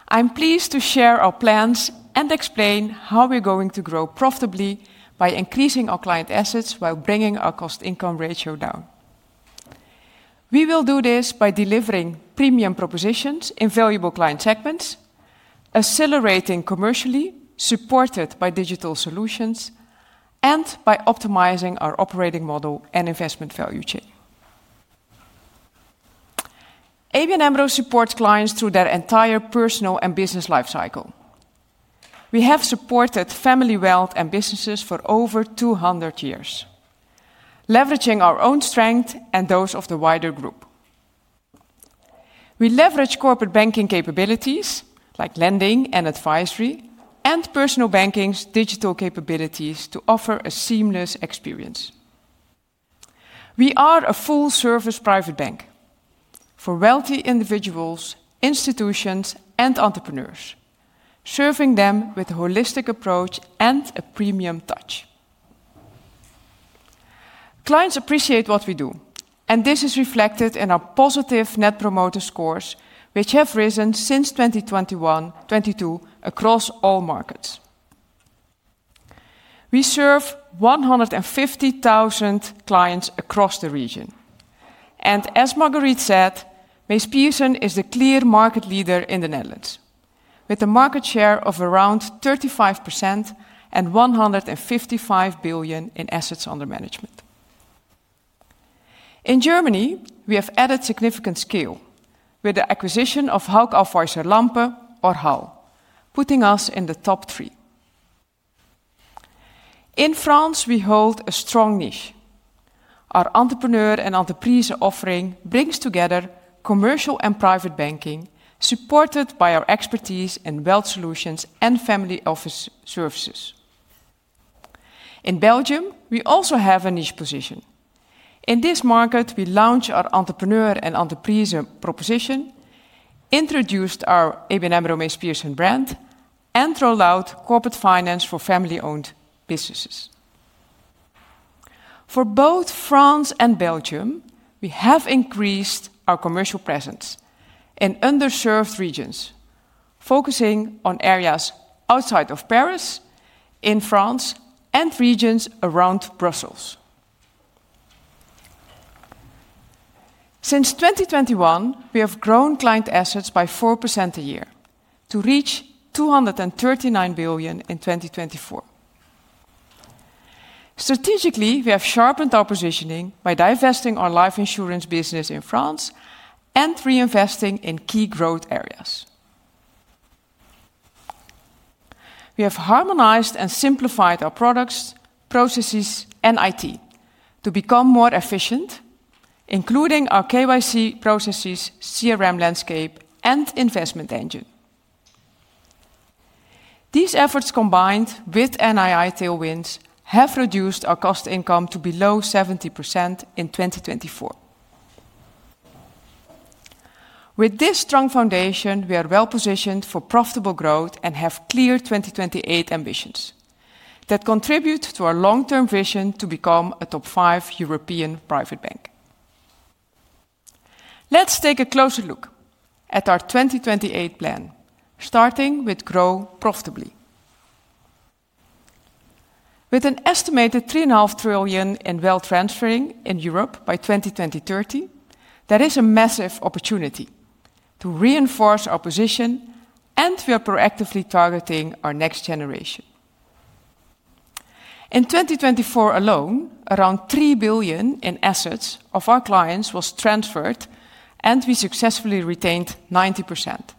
I'm pleased to share our plans and explain how we're going to grow profitably by increasing our client assets while bringing our cost-income ratio down. We will do this by delivering premium propositions in valuable client segments, accelerating commercially, supported by digital solutions, and by optimizing our operating model and investment value chain. ABN AMRO supports clients through their entire personal and business lifecycle. We have supported family wealth and businesses for over 200 years, leveraging our own strength and those of the wider group. We leverage Corporate Banking capabilities like lending and advisory and personal banking's digital capabilities to offer a seamless experience. We are a full-service Private Bank for wealthy individuals, institutions, and entrepreneurs, serving them with a holistic approach and a premium touch. Clients appreciate what we do, and this is reflected in our positive Net Promoter Scores, which have risen since 2021-2022 across all markets. We serve 150,000 clients across the region. As Marguerite said, MeesPierson is the clear market leader in the Netherlands, with a market share of around 35% and 155 billion in assets under management. In Germany, we have added significant scale with the acquisition of Hauck Aufhäuser Lampe or HAL, putting us in the top three. In France, we hold a strong niche. Our entrepreneur and entreprise offering brings together commercial and Private Banking, supported by our expertise in wealth solutions and family office services. In Belgium, we also have a niche position. In this market, we launch our entrepreneur and entreprise proposition, introduced our ABN AMRO MeesPierson brand, and rolled out corporate finance for family-owned businesses. For both France and Belgium, we have increased our commercial presence in underserved regions, focusing on areas outside of Paris, in France, and regions around Brussels. Since 2021, we have grown client assets by 4% a year to reach 239 billion in 2024. Strategically, we have sharpened our positioning by divesting our life insurance business in France and reinvesting in key growth areas. We have harmonized and simplified our products, processes, and IT to become more efficient, including our KYC processes, CRM landscape, and investment engine. These efforts, combined with NII tailwinds, have reduced our cost income to below 70% in 2024. With this strong foundation, we are well positioned for profitable growth and have clear 2028 ambitions that contribute to our long-term vision to become a top five European Private Bank. Let's take a closer look at our 2028 plan, starting with Grow Profitably. With an estimated 3.5 trillion in wealth transferring in Europe by 2020-2030, there is a massive opportunity to reinforce our position, and we are proactively targeting our next generation. In 2024 alone, around 3 billion in assets of our clients was transferred, and we successfully retained 90%,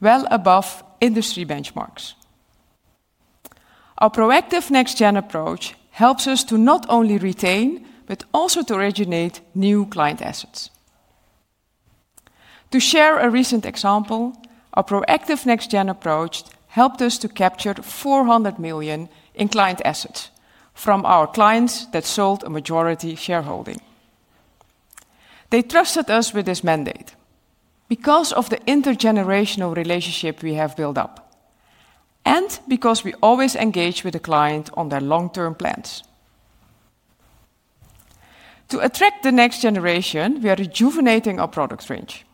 well above industry benchmarks. Our proactive next-gen approach helps us to not only retain, but also to originate new client assets. To share a recent example, our proactive next-gen approach helped us to capture 400 million in client assets from our clients that sold a majority shareholding. They trusted us with this mandate because of the intergenerational relationship we have built up, and because we always engage with the client on their long-term plans. To attract the next generation, we are rejuvenating our product range.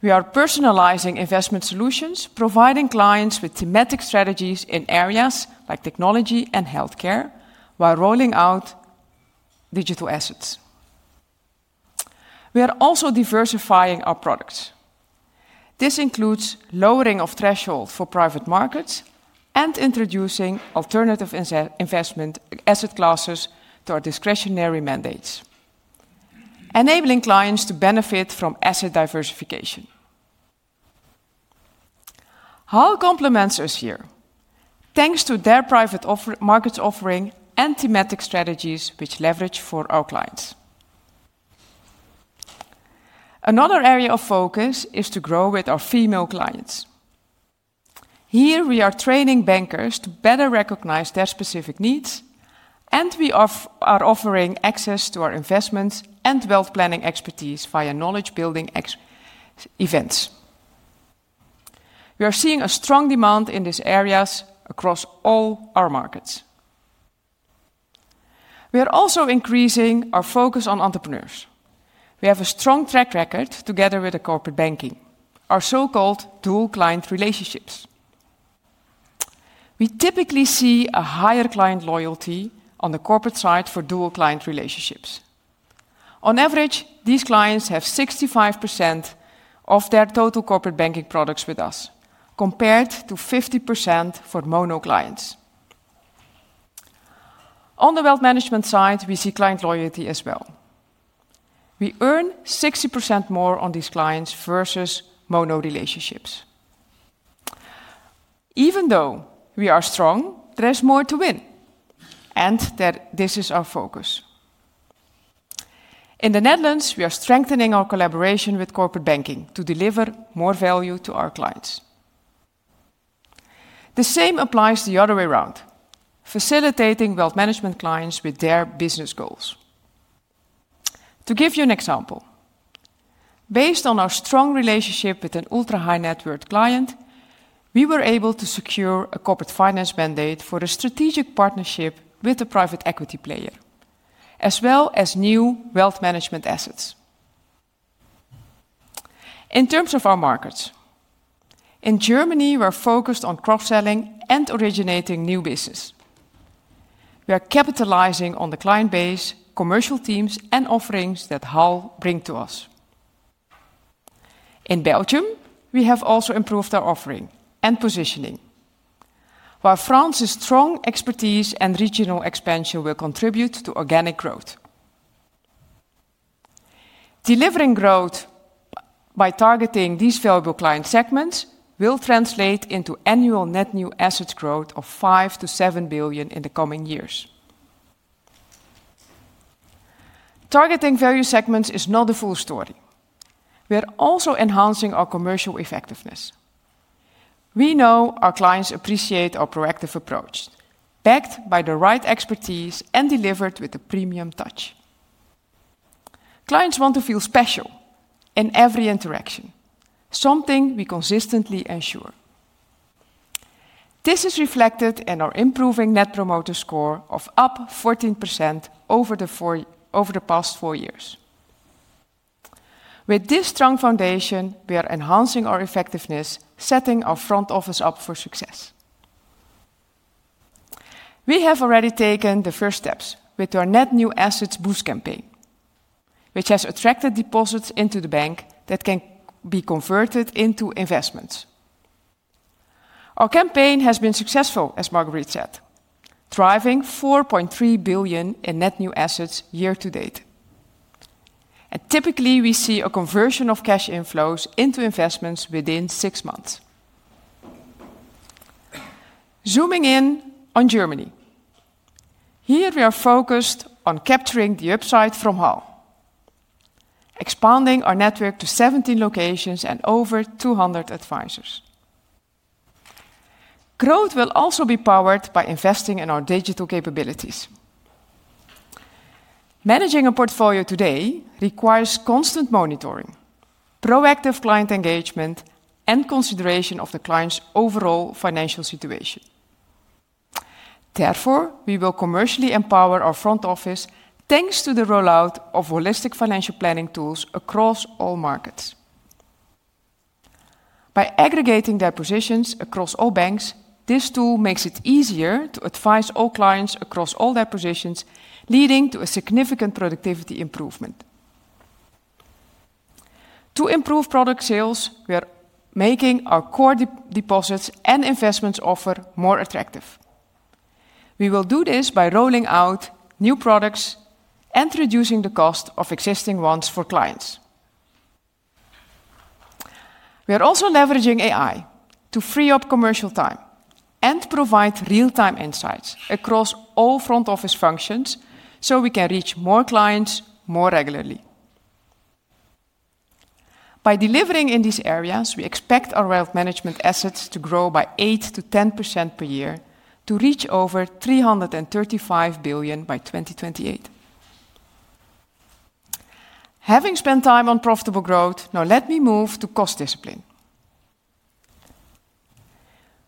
We are personalizing investment solutions, providing clients with thematic strategies in areas like technology and healthcare while rolling out digital assets. We are also diversifying our products. This includes lowering of thresholds for private markets and introducing alternative investment asset classes to our discretionary mandates, enabling clients to benefit from asset diversification. HAL complements us here, thanks to their private markets offering and thematic strategies which leverage for our clients. Another area of focus is to grow with our female clients. Here, we are training bankers to better recognize their specific needs, and we are offering access to our investments and wealth planning expertise via knowledge-building events. We are seeing a strong demand in these areas across all our markets. We are also increasing our focus on entrepreneurs. We have a strong track record together with Corporate Banking, our so-called dual client relationships. We typically see a higher client loyalty on the corporate side for dual client relationships. On average, these clients have 65% of their total Corporate Banking products with us, compared to 50% for mono clients. On the Wealth Management side, we see client loyalty as well. We earn 60% more on these clients versus mono relationships. Even though we are strong, there is more to win, and this is our focus. In the Netherlands, we are strengthening our collaboration with Corporate Banking to deliver more value to our clients. The same applies the other way around, facilitating Wealth Management clients with their business goals. To give you an example, based on our strong relationship with an ultra-high net worth client, we were able to secure a corporate finance mandate for a strategic partnership with a private equity player, as well as new Wealth Management assets. In terms of our markets, in Germany, we are focused on cross-selling and originating new business. We are capitalizing on the client base, commercial teams, and offerings that HAL brings to us. In Belgium, we have also improved our offering and positioning, while France's strong expertise and regional expansion will contribute to organic growth. Delivering growth by targeting these valuable client segments will translate into annual net new assets growth of 5 billion-7 billion in the coming years. Targeting value segments is not the full story. We are also enhancing our commercial effectiveness. We know our clients appreciate our proactive approach, backed by the right expertise and delivered with a premium touch. Clients want to feel special in every interaction, something we consistently ensure. This is reflected in our improving Net Promoter Score, up 14% over the past four years. With this strong foundation, we are enhancing our effectiveness, setting our front office up for success. We have already taken the first steps with our net new assets boost campaign, which has attracted deposits into the bank that can be converted into investments. Our campaign has been successful, as Marguerite said, driving 4.3 billion in net new assets year to date. Typically, we see a conversion of cash inflows into investments within six months. Zooming in on Germany, here we are focused on capturing the upside from HAL, expanding our network to 17 locations and over 200 advisors. Growth will also be powered by investing in our digital capabilities. Managing a portfolio today requires constant monitoring, proactive client engagement, and consideration of the client's overall financial situation. Therefore, we will commercially empower our front office thanks to the rollout of holistic financial planning tools across all markets. By aggregating their positions across all banks, this tool makes it easier to advise all clients across all their positions, leading to a significant productivity improvement. To improve product sales, we are making our core deposits and investments offer more attractive. We will do this by rolling out new products and reducing the cost of existing ones for clients. We are also leveraging AI to free up commercial time and provide real-time insights across all front office functions so we can reach more clients more regularly. By delivering in these areas, we expect our Wealth Management assets to grow by 8-10% per year to reach over 335 billion by 2028. Having spent time on profitable growth, now let me move to cost discipline.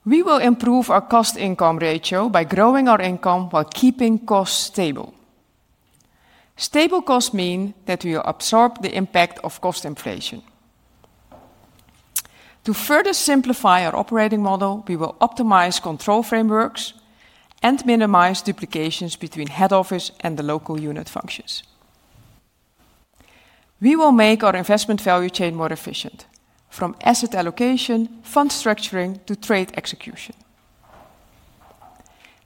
We will improve our cost income ratio by growing our income while keeping costs stable. Stable costs mean that we will absorb the impact of cost inflation. To further simplify our operating model, we will optimize control frameworks and minimize duplications between head office and the local unit functions. We will make our investment value chain more efficient from asset allocation, fund structuring, to trade execution.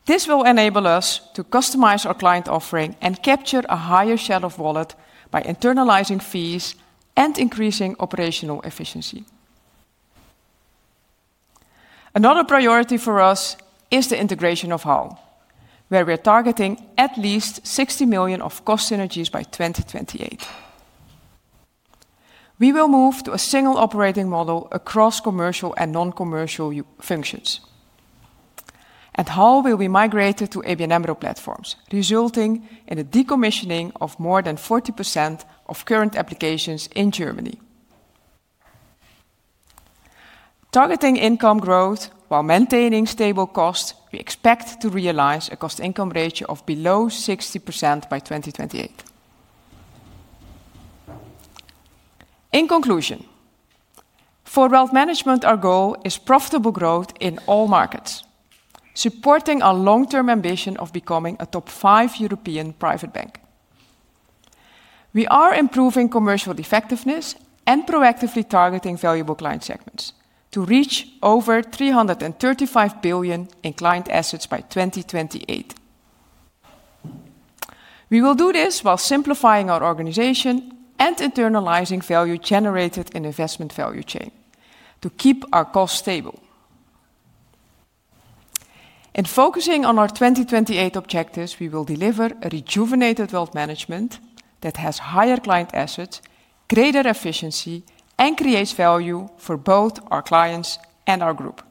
This will enable us to customize our client offering and capture a higher share of wallet by internalizing fees and increasing operational efficiency. Another priority for us is the integration of HAL, where we are targeting at least 60 million of cost synergies by 2028. We will move to a single operating model across commercial and non-commercial functions. At HAL, we will be migrated to ABN AMRO platforms, resulting in a decommissioning of more than 40% of current applications in Germany. Targeting income growth while maintaining stable costs, we expect to realize a cost-income ratio of below 60% by 2028. In conclusion, for Wealth Management, our goal is profitable growth in all markets, supporting our long-term ambition of becoming a top five European Private Bank. We are improving commercial effectiveness and proactively targeting valuable client segments to reach over 335 billion in client assets by 2028. We will do this while simplifying our organization and internalizing value generated in investment value chain to keep our costs stable. In focusing on our 2028 objectives, we will deliver a rejuvenated Wealth Management that has higher client assets, greater efficiency, and creates value for both our clients and our group.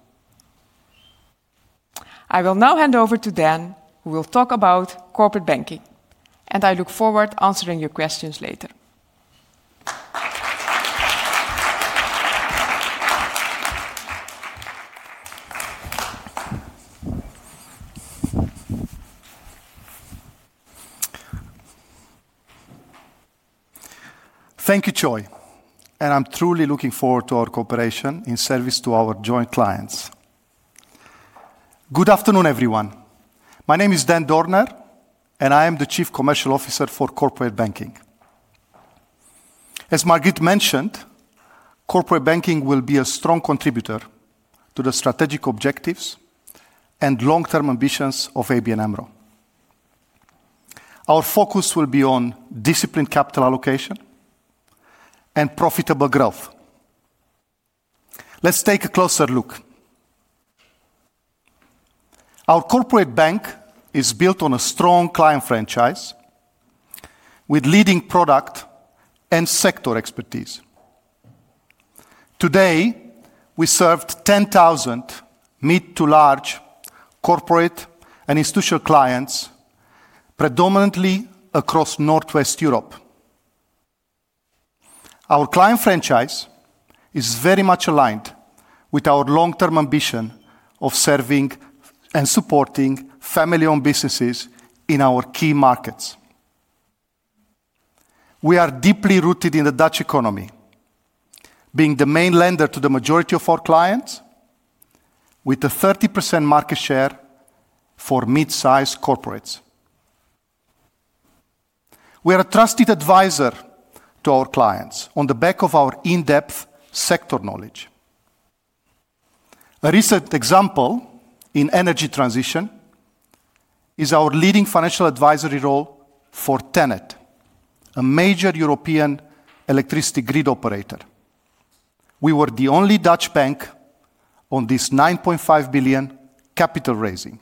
I will now hand over to Dan, who will talk about Corporate Banking, and I look forward to answering your questions later. Thank you, Choy, and I'm truly looking forward to our cooperation in service to our joint clients. Good afternoon, everyone. My name is Dan Dorner, and I am the Chief Commercial Officer for Corporate Banking. As Marguerite mentioned, Corporate Banking will be a strong contributor to the strategic objectives and long-term ambitions of ABN AMRO. Our focus will be on disciplined capital allocation and profitable growth. Let's take a closer look. Our Corporate Bank is built on a strong client franchise with leading product and sector expertise. Today, we served 10,000 mid to large corporate and institutional clients, predominantly across Northwest Europe. Our client franchise is very much aligned with our long-term ambition of serving and supporting family-owned businesses in our key markets. We are deeply rooted in the Dutch economy, being the main lender to the majority of our clients, with a 30% market share for mid-sized corporates. We are a trusted advisor to our clients on the back of our in-depth sector knowledge. A recent example in energy transition is our leading financial advisory role for TenneT, a major European electricity grid operator. We were the only Dutch bank on this 9.5 billion capital raising.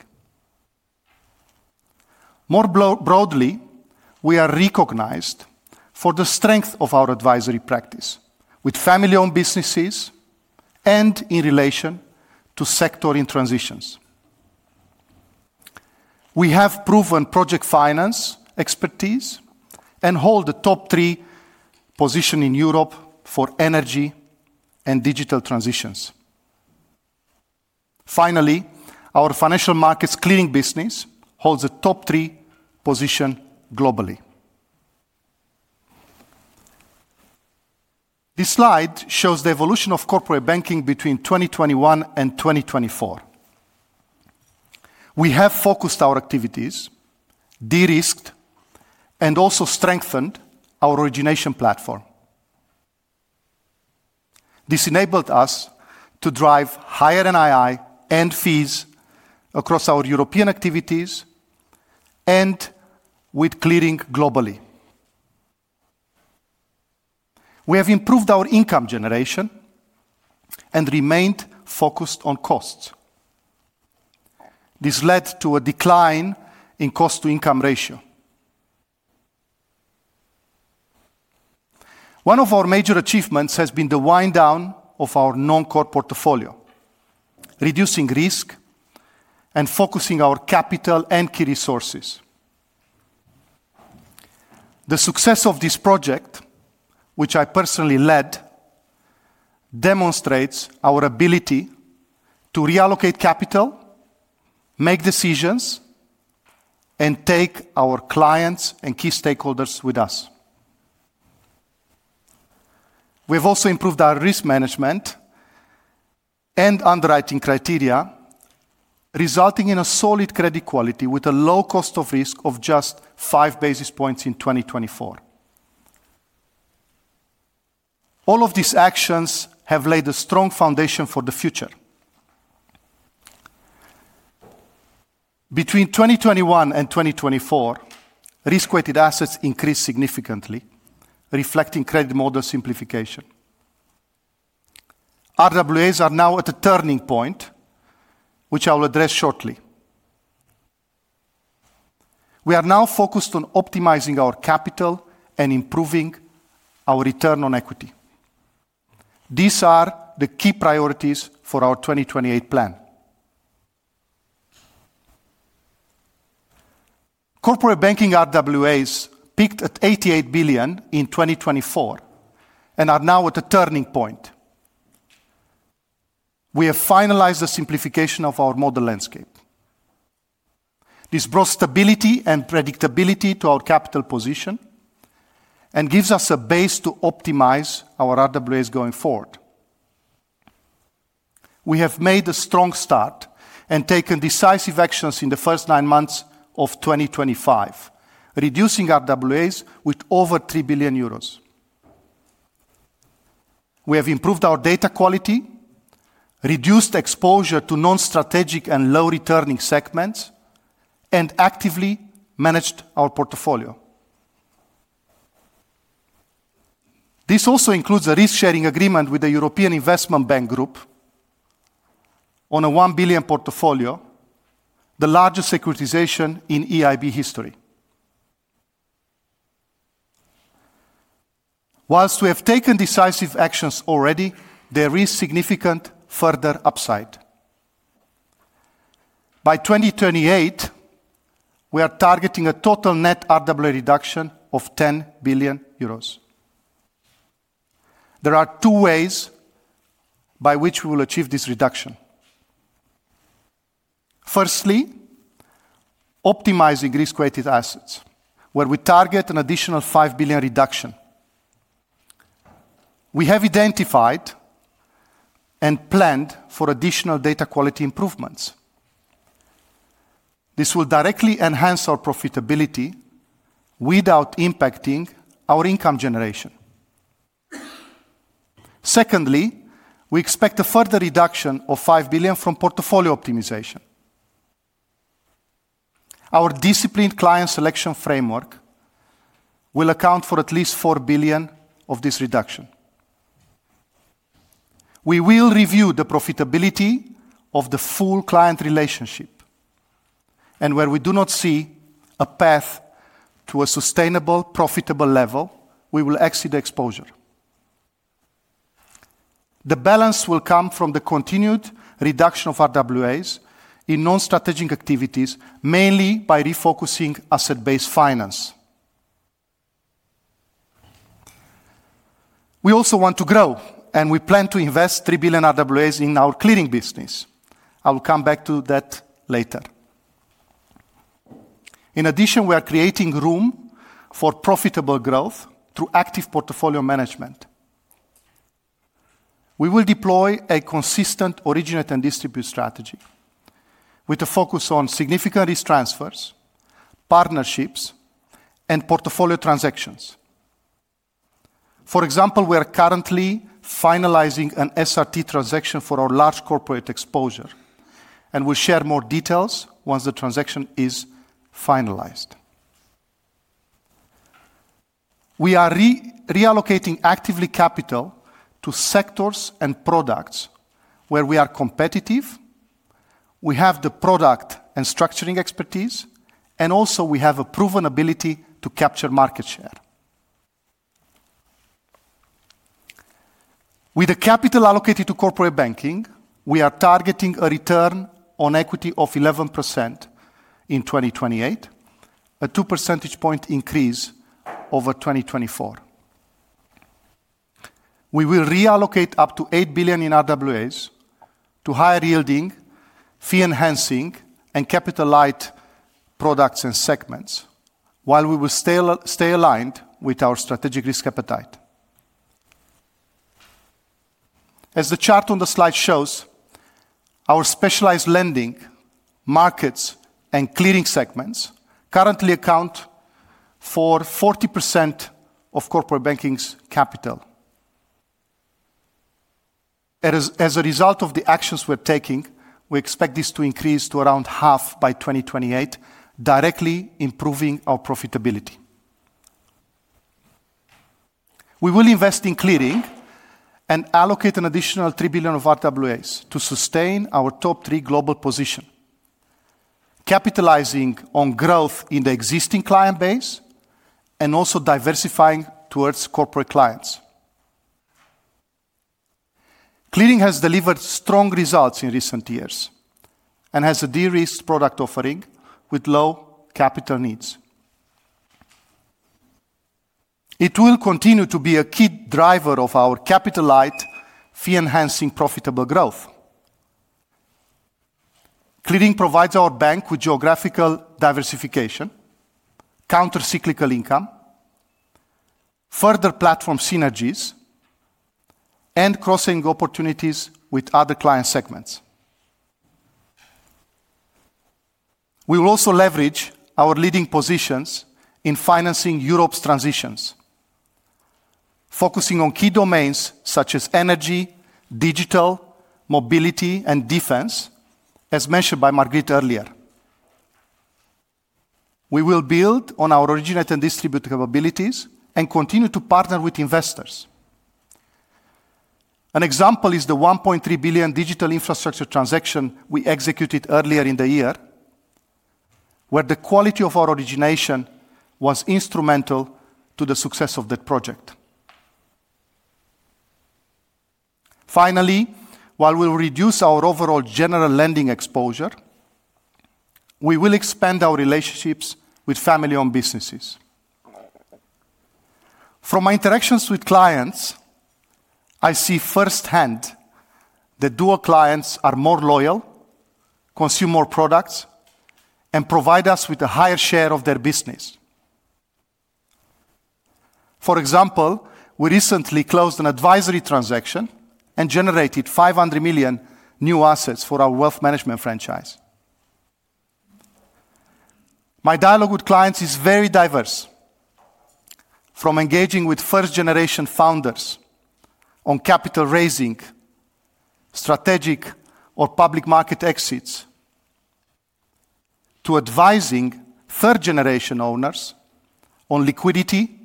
More broadly, we are recognized for the strength of our advisory practice with family-owned businesses and in relation to sectoring transitions. We have proven project finance expertise and hold the top three position in Europe for energy and digital transitions. Finally, our Financial Markets Clearing business holds the top three position globally. This slide shows the evolution of Corporate Banking between 2021 and 2024. We have focused our activities, de-risked, and also strengthened our origination platform. This enabled us to drive higher NII and fees across our European activities and with Clearing globally. We have improved our income generation and remained focused on costs. This led to a decline in cost-to-income ratio. One of our major achievements has been the wind down of our non-core portfolio, reducing risk and focusing our capital and key resources. The success of this project, which I personally led, demonstrates our ability to reallocate capital, make decisions, and take our clients and key stakeholders with us. We have also improved our risk management and underwriting criteria, resulting in a solid credit quality with a low cost of risk of just 5 basis points in 2024. All of these actions have laid a strong foundation for the future. Between 2021 and 2024, risk-weighted assets increased significantly, reflecting credit model simplification. RWAs are now at a turning point, which I will address shortly. We are now focused on optimizing our capital and improving our return on equity. These are the key priorities for our 2028 plan. Corporate Banking RWAs peaked at 88 billion in 2024 and are now at a turning point. We have finalized the simplification of our model landscape. This brought stability and predictability to our capital position and gives us a base to optimize our RWAs going forward. We have made a strong start and taken decisive actions in the first nine months of 2025, reducing RWAs with over 3 billion euros. We have improved our data quality, reduced exposure to non-strategic and low-returning segments, and actively managed our portfolio. This also includes a risk-sharing agreement with the European Investment Bank Group on a 1 billion portfolio, the largest securitization in EIB history. Whilst we have taken decisive actions already, there is significant further upside. By 2028, we are targeting a total net RWA reduction of 10 billion euros. There are two ways by which we will achieve this reduction. Firstly, optimizing risk-weighted assets, where we target an additional 5 billion reduction. We have identified and planned for additional data quality improvements. This will directly enhance our profitability without impacting our income generation. Secondly, we expect a further reduction of 5 billion from portfolio optimization. Our disciplined client selection framework will account for at least 4 billion of this reduction. We will review the profitability of the full client relationship, and where we do not see a path to a sustainable profitable level, we will exit the exposure. The balance will come from the continued reduction of RWAs in non-strategic activities, mainly by refocusing asset-based finance. We also want to grow, and we plan to invest 3 billion RWAs in our Clearing business. I will come back to that later. In addition, we are creating room for profitable growth through active portfolio management. We will deploy a consistent originate and distribute strategy with a focus on significant risk transfers, partnerships, and portfolio transactions. For example, we are currently finalizing an SRT transaction for our large corporate exposure, and we'll share more details once the transaction is finalized. We are reallocating actively capital to sectors and products where we are competitive. We have the product and structuring expertise, and also we have a proven ability to capture market share. With the capital allocated to Corporate Banking, we are targeting a return on equity of 11% in 2028, a 2 percentage point increase over 2024. We will reallocate up to 8 billion in RWAs to higher yielding, fee-enhancing, and capital-light products and segments, while we will stay aligned with our strategic risk appetite. As the chart on the slide shows, our specialized lending markets and Clearing segments currently account for 40% of Corporate Banking's capital. As a result of the actions we're taking, we expect this to increase to around half by 2028, directly improving our profitability. We will invest in Clearing and allocate an additional 3 billion of RWAs to sustain our top three global positions, capitalizing on growth in the existing client base and also diversifying towards corporate clients. Clearing has delivered strong results in recent years and has a de-risked product offering with low capital needs. It will continue to be a key driver of our capital-light, fee-enhancing, profitable growth. Clearing provides our bank with geographical diversification, counter-cyclical income, further platform synergies, and crossing opportunities with other client segments. We will also leverage our leading positions in financing Europe's transitions, focusing on key domains such as energy, digital, mobility, and defense, as mentioned by Marguerite earlier. We will build on our originate and distribute capabilities and continue to partner with investors. An example is the 1.3 billion digital infrastructure transaction we executed earlier in the year, where the quality of our origination was instrumental to the success of that project. Finally, while we will reduce our overall general lending exposure, we will expand our relationships with family-owned businesses. From my interactions with clients, I see firsthand that dual clients are more loyal, consume more products, and provide us with a higher share of their business. For example, we recently closed an advisory transaction and generated 500 million new assets for our Wealth Management franchise. My dialogue with clients is very diverse, from engaging with first-generation founders on capital raising, strategic or public market exits, to advising third-generation owners on liquidity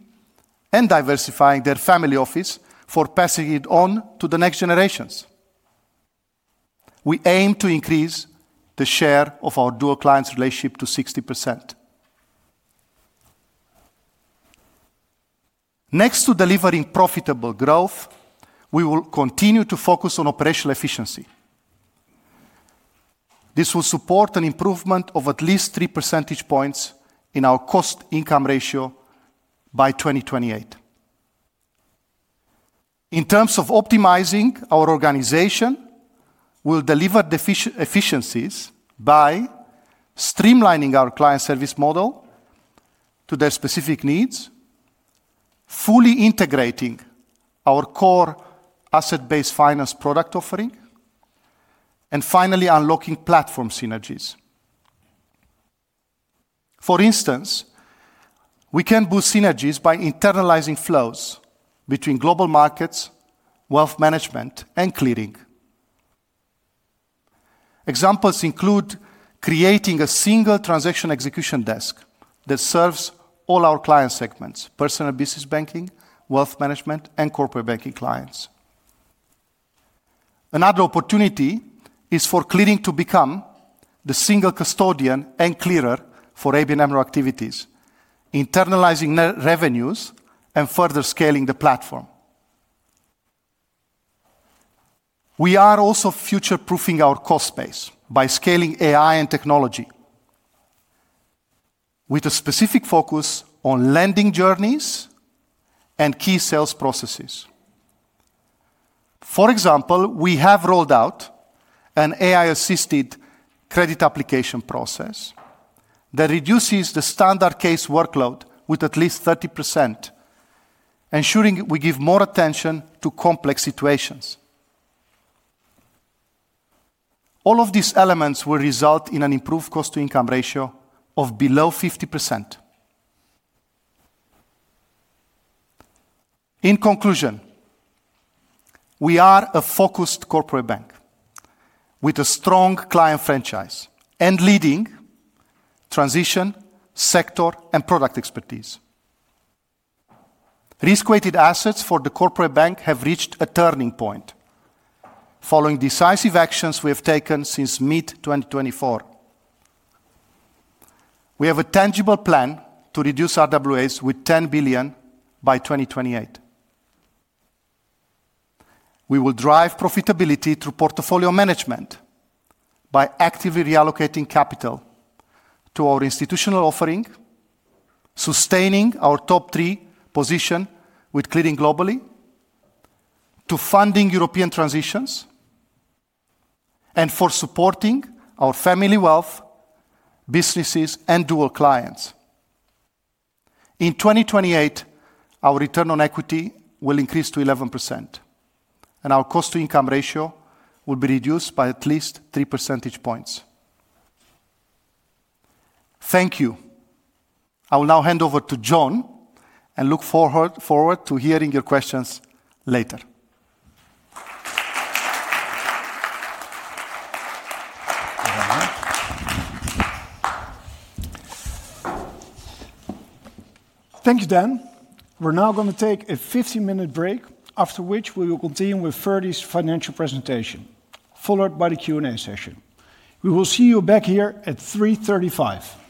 and diversifying their family office for passing it on to the next generations. We aim to increase the share of our dual clients' relationship to 60%. Next to delivering profitable growth, we will continue to focus on operational efficiency. This will support an improvement of at least 3 percentage points in our cost-to-income ratio by 2028. In terms of optimizing our organization, we will deliver efficiencies by streamlining our client service model to their specific needs, fully integrating our core asset-based finance product offering, and finally unlocking platform synergies. For instance, we can boost synergies by internalizing flows between Global Markets, Wealth Management, and Clearing. Examples include creating a single transaction execution desk that serves all our client segments: Personal Business Banking, Wealth Management, and Corporate Banking clients. Another opportunity is for Clearing to become the single custodian and clearer for ABN AMRO activities, internalizing revenues and further scaling the platform. We are also future-proofing our cost base by scaling AI and technology, with a specific focus on lending journeys and key sales processes. For example, we have rolled out an AI-assisted credit application process that reduces the standard case workload with at least 30%, ensuring we give more attention to complex situations. All of these elements will result in an improved cost-to-income ratio of below 50%. In conclusion, we are a focused Corporate Bank with a strong client franchise and leading transition, sector, and product expertise. Risk-weighted assets for the Corporate Bank have reached a turning point following decisive actions we have taken since mid-2024. We have a tangible plan to reduce RWAs with 10 billion by 2028. We will drive profitability through portfolio management by actively reallocating capital to our institutional offering, sustaining our top three position with Clearing globally, to funding European transitions, and for supporting our family wealth, businesses, and dual clients. In 2028, our return on equity will increase to 11%, and our cost-to-income ratio will be reduced by at least 3 percentage points. Thank you. I will now hand over to John and look forward to hearing your questions later. Thank you, Dan. We're now going to take a 15-minute break, after which we will continue with Ferdy's financial presentation, followed by the Q&A session. We will see you back here at 3:35 P.M.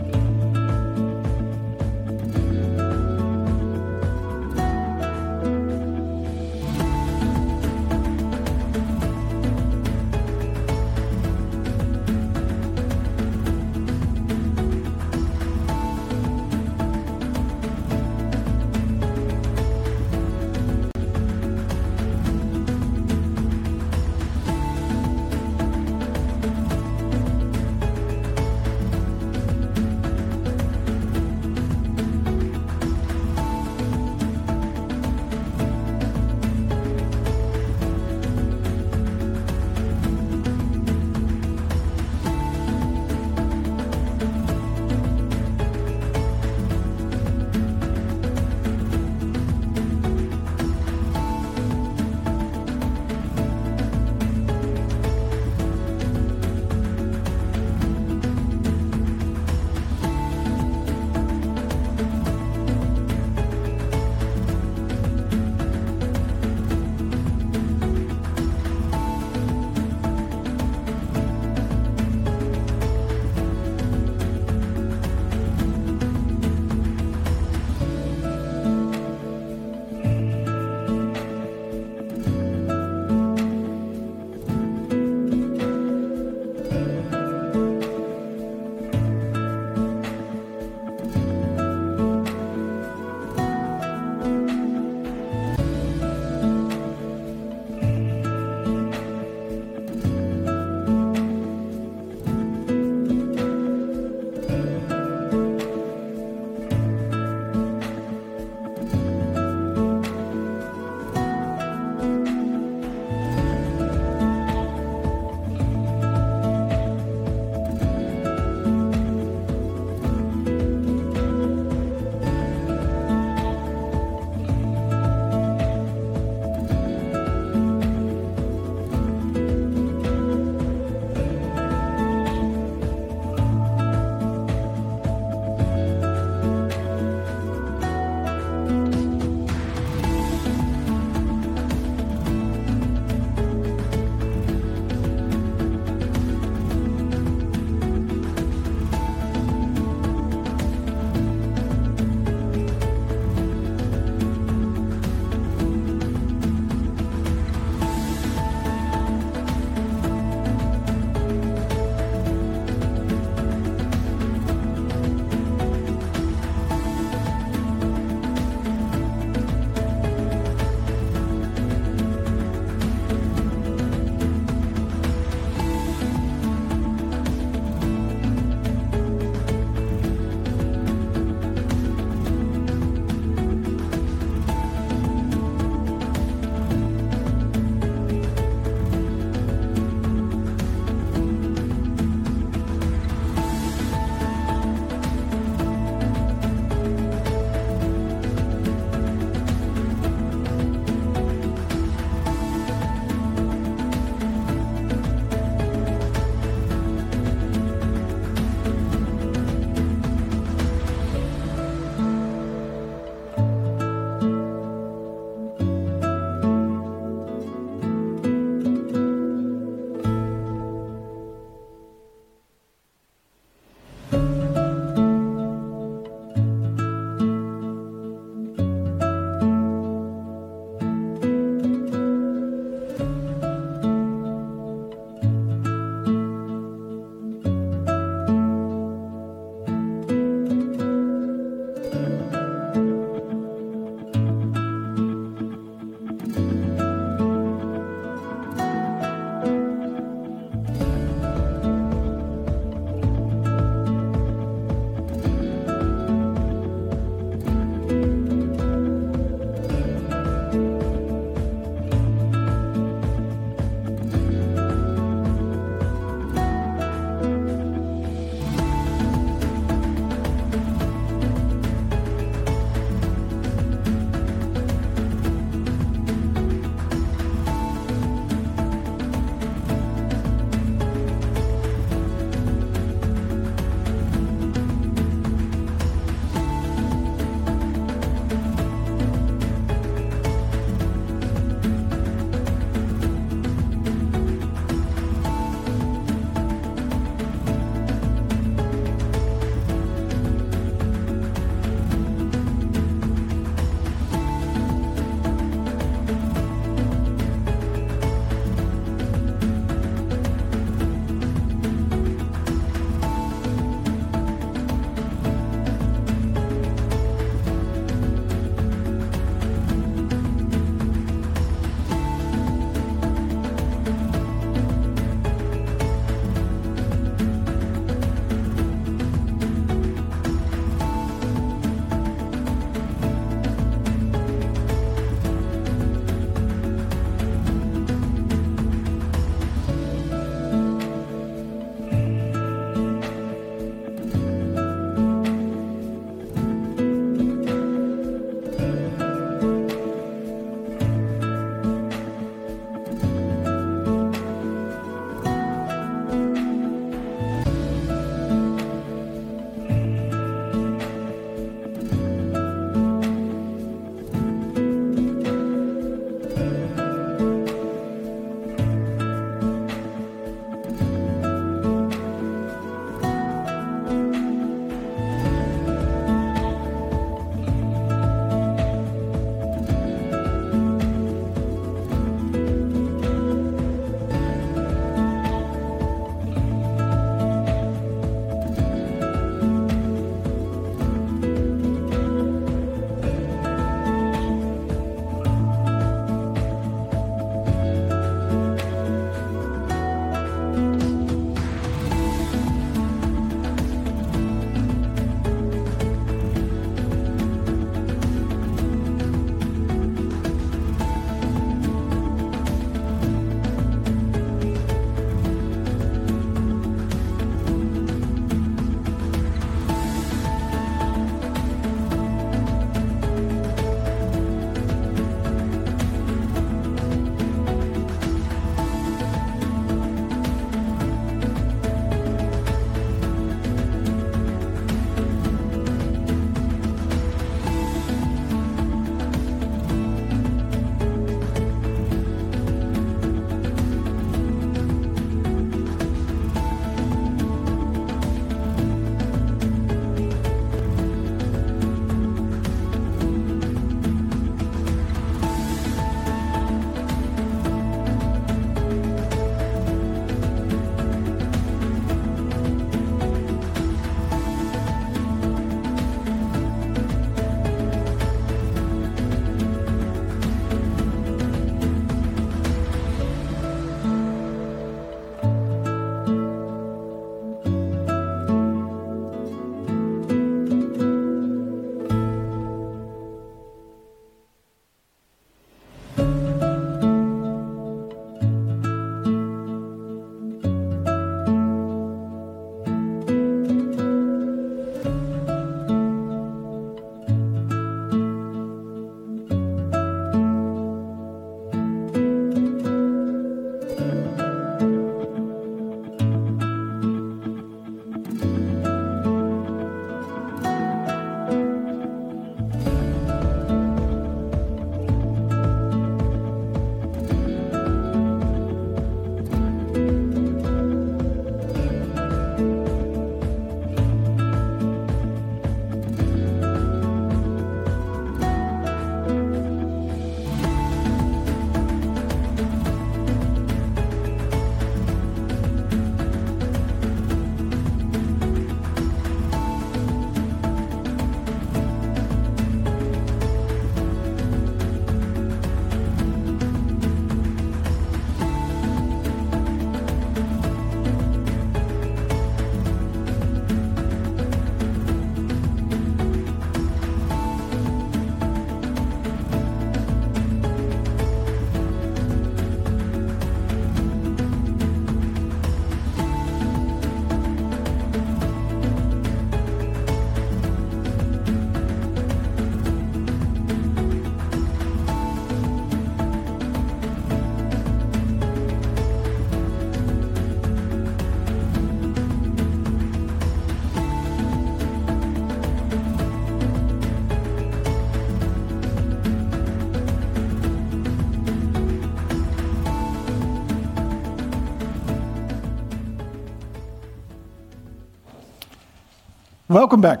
Welcome back.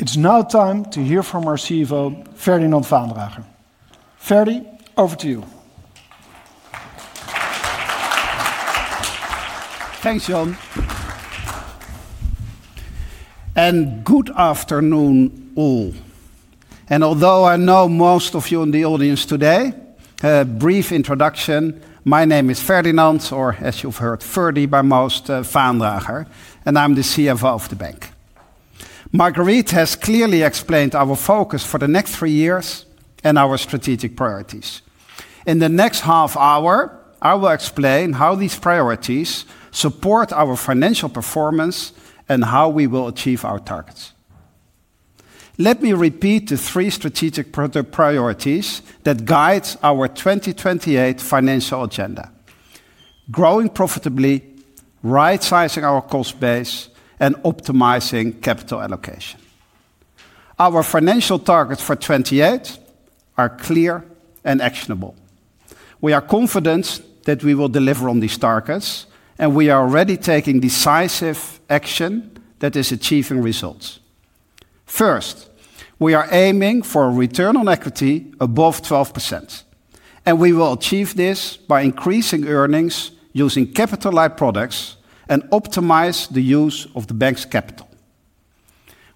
It's now time to hear from our CFO, Ferdinand Vaandrager. Ferdy, over to you. Thanks, John. Good afternoon, all. Although I know most of you in the audience today, a brief introduction: my name is Ferdinand, or as you've heard, Ferdy by most, Vaandrager, and I'm the CFO of the bank. Marguerite has clearly explained our focus for the next three years and our strategic priorities. In the next half hour, I will explain how these priorities support our financial performance and how we will achieve our targets. Let me repeat the three strategic priorities that guide our 2028 financial agenda: growing profitably, right-sizing our cost base, and optimizing capital allocation. Our financial targets for 2028 are clear and actionable. We are confident that we will deliver on these targets, and we are already taking decisive action that is achieving results. First, we are aiming for a return on equity above 12%, and we will achieve this by increasing earnings using capital-like products and optimizing the use of the bank's capital.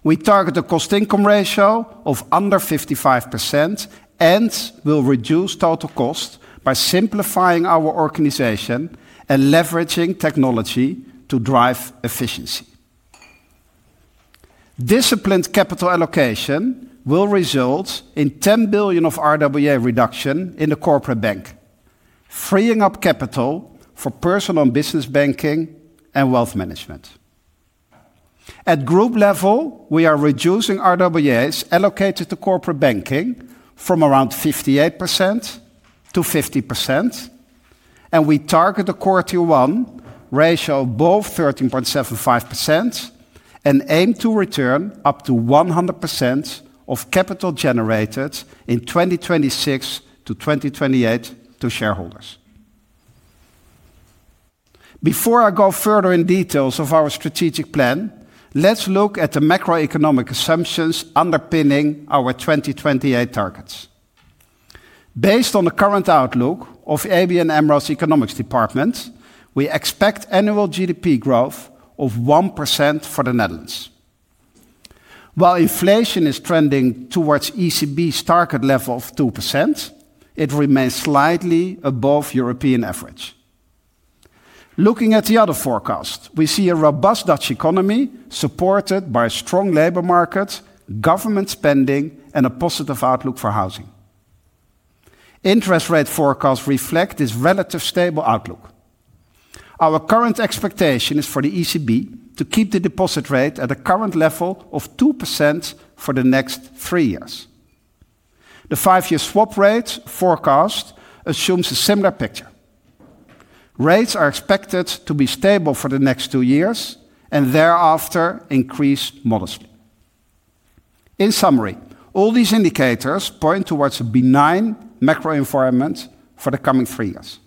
We target a cost-income ratio of under 55% and will reduce total costs by simplifying our organization and leveraging technology to drive efficiency. Disciplined capital allocation will result in 10 billion of RWA reduction in the Corporate Bank, freeing up capital for Personal and Business Banking and Wealth Management. At group level, we are reducing RWAs allocated to Corporate Banking from around 58% to 50%, and we target a CET1 ratio of above 13.75% and aim to return up to 100% of capital generated in 2026 to 2028 to shareholders. Before I go further in details of our strategic plan, let's look at the macroeconomic assumptions underpinning our 2028 targets. Based on the current outlook of ABN AMRO's Economics Department, we expect annual GDP growth of 1% for the Netherlands. While inflation is trending towards ECB's target level of 2%, it remains slightly above European average. Looking at the other forecasts, we see a robust Dutch economy supported by strong labor markets, government spending, and a positive outlook for housing. Interest rate forecasts reflect this relative stable outlook. Our current expectation is for the ECB to keep the deposit rate at the current level of 2% for the next three years. The five-year swap rate forecast assumes a similar picture. Rates are expected to be stable for the next two years and thereafter increase modestly. In summary, all these indicators point towards a benign macro environment for the coming three years.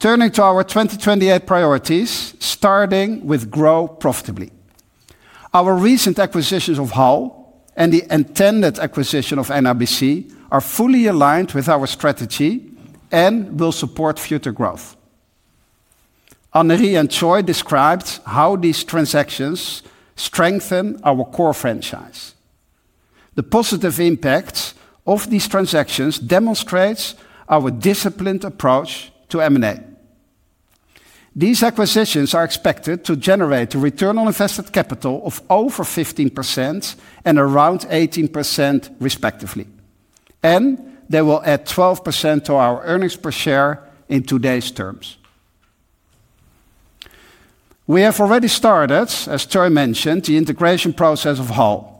Turning to our 2028 priorities, starting with grow profitably. Our recent acquisitions of HAL and the intended acquisition of NIBC are fully aligned with our strategy and will support future growth. Annerie and Choy described how these transactions strengthen our core franchise. The positive impact of these transactions demonstrates our disciplined approach to M&A. These acquisitions are expected to generate a return on invested capital of over 15% and around 18%, respectively, and they will add 12% to our earnings per share in today's terms. We have already started, as Choy mentioned, the integration process of HAL.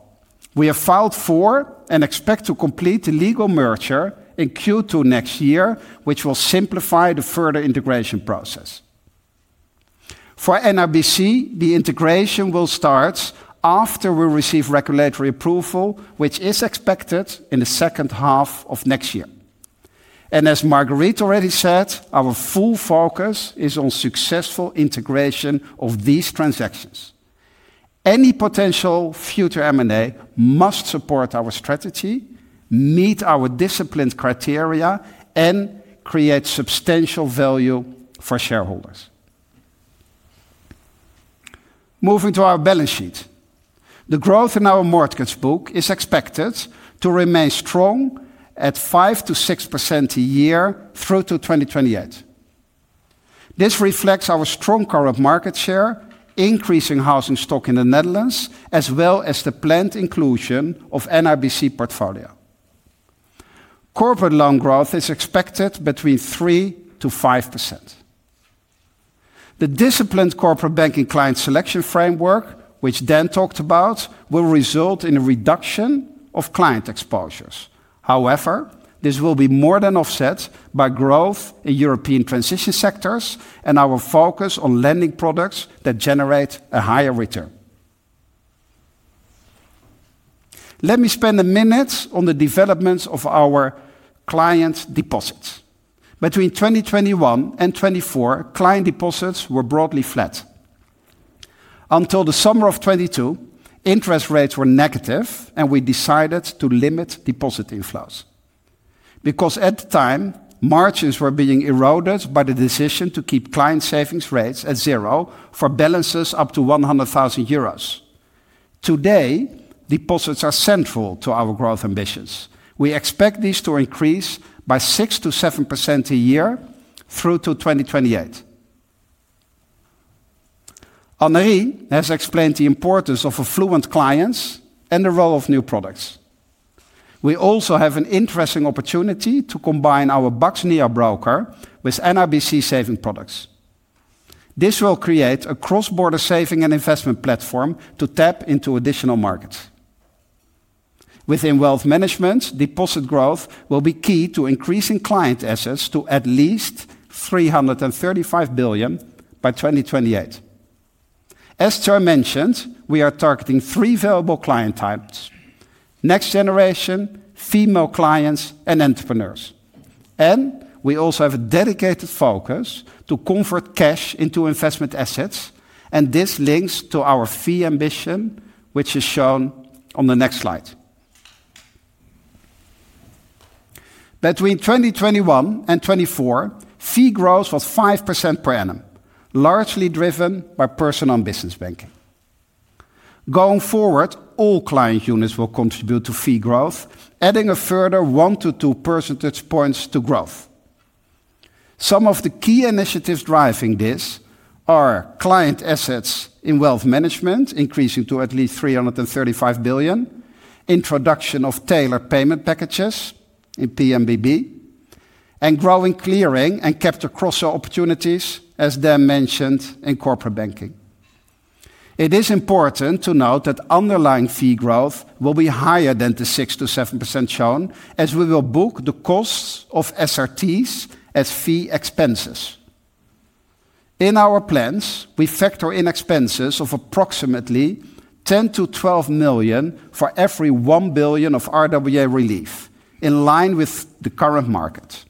We have filed for and expect to complete the legal merger in Q2 next year, which will simplify the further integration process. For NIBC, the integration will start after we receive regulatory approval, which is expected in the second half of next year. As Marguerite already said, our full focus is on successful integration of these transactions. Any potential future M&A must support our strategy, meet our disciplined criteria, and create substantial value for shareholders. Moving to our balance sheet, the growth in our mortgage book is expected to remain strong at 5%-6% a year through to 2028. This reflects our strong current market share, increasing housing stock in the Netherlands, as well as the planned inclusion of NRBC portfolio. Corporate loan growth is expected between 3% and 5%. The disciplined Corporate Banking client selection framework, which Dan talked about, will result in a reduction of client exposures. However, this will be more than offset by growth in European transition sectors and our focus on lending products that generate a higher return. Let me spend a minute on the development of our client deposits. Between 2021 and 2024, client deposits were broadly flat. Until the summer of 2022, interest rates were negative, and we decided to limit deposit inflows because at the time, margins were being eroded by the decision to keep client savings rates at zero for balances up to 100,000 euros. Today, deposits are central to our growth ambitions. We expect these to increase by 6%-7% a year through to 2028. Ann has explained the importance of affluent clients and the role of new products. We also have an interesting opportunity to combine our BEUX broker with NIBC saving products. This will create a cross-border saving and investment platform to tap into additional markets. Within Wealth Management, deposit growth will be key to increasing client assets to at least 335 billion by 2028. As Choy mentioned, we are targeting three valuable client types: next generation, female clients, and entrepreneurs. We also have a dedicated focus to convert cash into investment assets, and this links to our fee ambition, which is shown on the next slide. Between 2021 and 2024, fee growth was 5% per annum, largely driven by Personal and Business Banking. Going forward, all client units will contribute to fee growth, adding a further 1%-2% points to growth. Some of the key initiatives driving this are client assets in Wealth Management increasing to at least 335 billion, introduction of tailored payment packages in PMBB, and growing Clearing and capital crossover opportunities, as Dan mentioned, in Corporate Banking. It is important to note that underlying fee growth will be higher than the 6%-7% shown, as we will book the costs of SRTs as fee expenses. In our plans, we factor in expenses of approximately 10 million-12 million for every 1 billion of RWA relief, in line with the current market.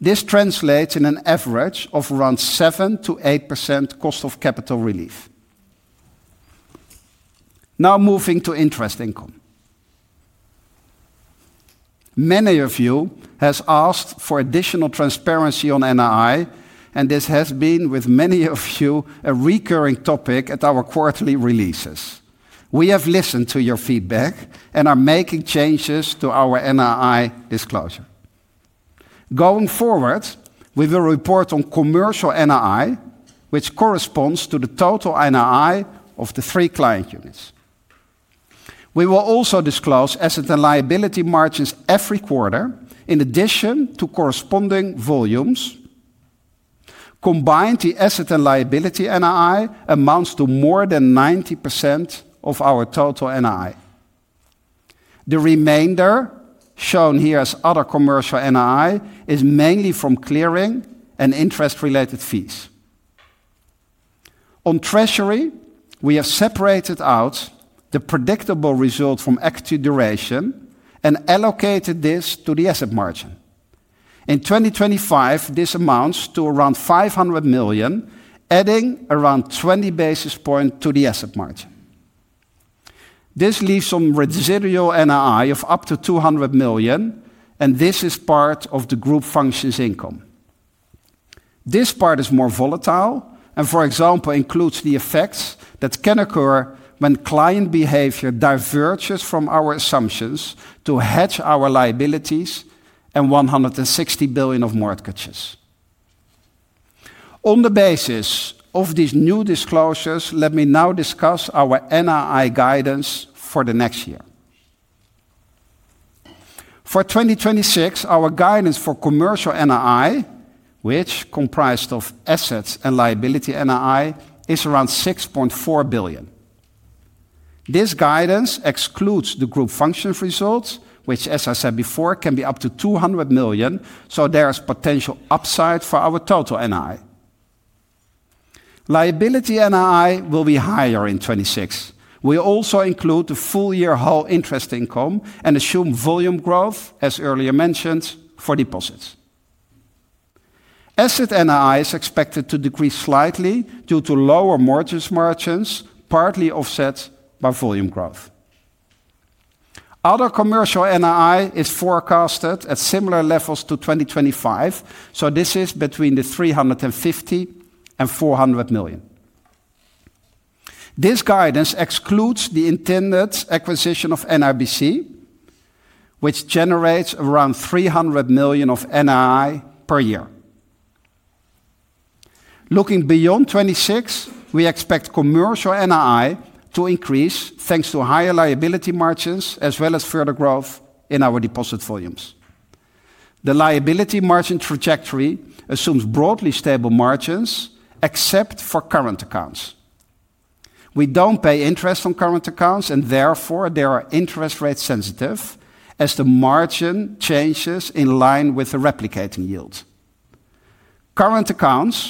This translates in an average of around 7%-8% cost of capital relief. Now moving to interest income. Many of you have asked for additional transparency on NRI, and this has been, with many of you, a recurring topic at our quarterly releases. We have listened to your feedback and are making changes to our NRI disclosure. Going forward, we will report on commercial NRI, which corresponds to the total NRI of the three client units. We will also disclose asset and liability margins every quarter, in addition to corresponding volumes. Combined, the asset and liability NRI amounts to more than 90% of our total NRI. The remainder, shown here as other commercial NRI, is mainly from Clearing and interest-related fees. On treasury, we have separated out the predictable result from equity duration and allocated this to the asset margin. In 2025, this amounts to around 500 million, adding around 20 basis points to the asset margin. This leaves some residual NRI of up to 200 million, and this is part of the group functions income. This part is more volatile and, for example, includes the effects that can occur when client behavior diverges from our assumptions to hedge our liabilities and 160 billion of mortgages. On the basis of these new disclosures, let me now discuss our NRI guidance for the next year. For 2026, our guidance for commercial NRI, which comprised of assets and liability NRI, is around 6.4 billion. This guidance excludes the group functions results, which, as I said before, can be up to 200 million, so there is potential upside for our total NRI. Liability NRI will be higher in 2026. We also include the full-year whole interest income and assume volume growth, as earlier mentioned, for deposits. Asset NII is expected to decrease slightly due to lower mortgage margins, partly offset by volume growth. Other commercial NII is forecasted at similar levels to 2025, so this is between 350 million-400 million. This guidance excludes the intended acquisition of NIBC, which generates around 300 million of NII per year. Looking beyond 2026, we expect commercial NII to increase thanks to higher liability margins as well as further growth in our deposit volumes. The liability margin trajectory assumes broadly stable margins except for current accounts. We do not pay interest on current accounts, and therefore they are interest rate sensitive as the margin changes in line with the replicating yield. Current accounts,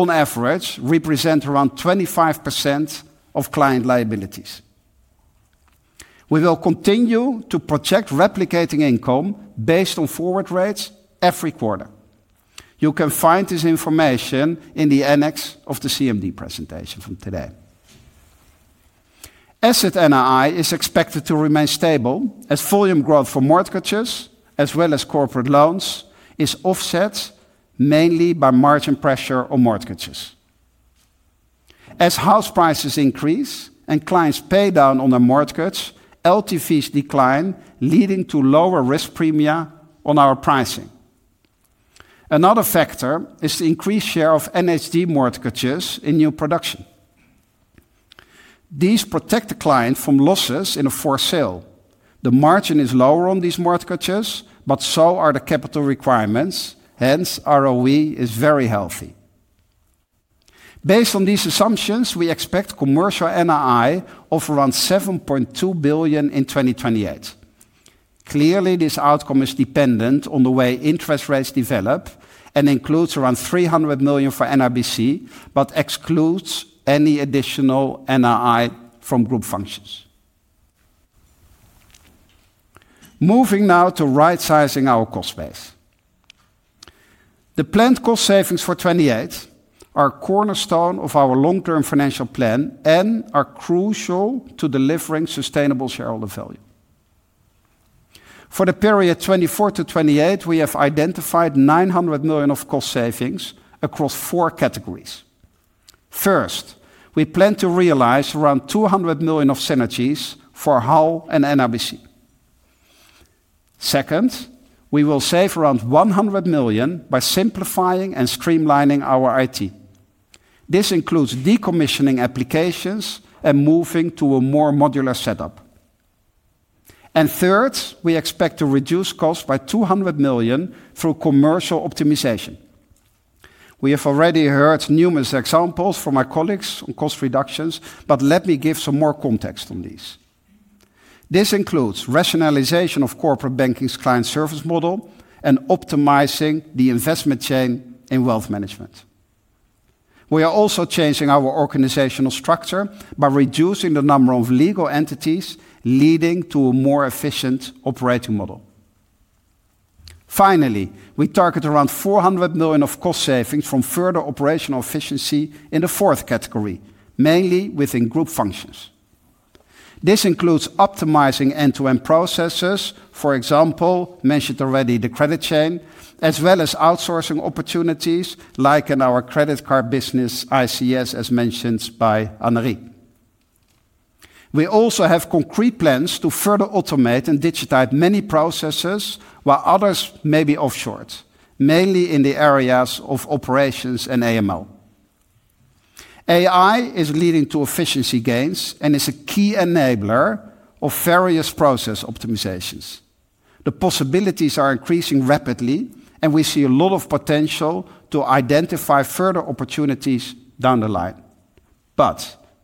on average, represent around 25% of client liabilities. We will continue to project replicating income based on forward rates every quarter. You can find this information in the annex of the CMD presentation from today. Asset NII is expected to remain stable as volume growth for mortgages, as well as corporate loans, is offset mainly by margin pressure on mortgages. As house prices increase and clients pay down on their mortgage, LTVs decline, leading to lower risk premia on our pricing. Another factor is the increased share of NHG mortgages in new production. These protect the client from losses in a forced sale. The margin is lower on these mortgages, but so are the capital requirements, hence, ROE is very healthy. Based on these assumptions, we expect commercial NII of around 7.2 billion in 2028. Clearly, this outcome is dependent on the way interest rates develop and includes around 300 million for NRBC, but excludes any additional NII from group functions. Moving now to right-sizing our cost base. The planned cost savings for 2028 are a cornerstone of our long-term financial plan and are crucial to delivering sustainable shareholder value. For the period 2024 to 2028, we have identified 900 million of cost savings across four categories. First, we plan to realize around 200 million of synergies for HAL and NIBC. Second, we will save around 100 million by simplifying and streamlining our IT. This includes decommissioning applications and moving to a more modular setup. Third, we expect to reduce costs by 200 million through commercial optimization. We have already heard numerous examples from our colleagues on cost reductions, but let me give some more context on these. This includes rationalization of Corporate Banking's client service model and optimizing the investment chain in Wealth Management. We are also changing our organizational structure by reducing the number of legal entities, leading to a more efficient operating model. Finally, we target around 400 million of cost savings from further operational efficiency in the fourth category, mainly within group functions. This includes optimizing end-to-end processes, for example, mentioned already the credit chain, as well as outsourcing opportunities like in our credit card business ICS, as mentioned by Aneri. We also have concrete plans to further automate and digitize many processes while others may be offshored, mainly in the areas of Operations and AML. AI is leading to efficiency gains and is a key enabler of various process optimizations. The possibilities are increasing rapidly, and we see a lot of potential to identify further opportunities down the line.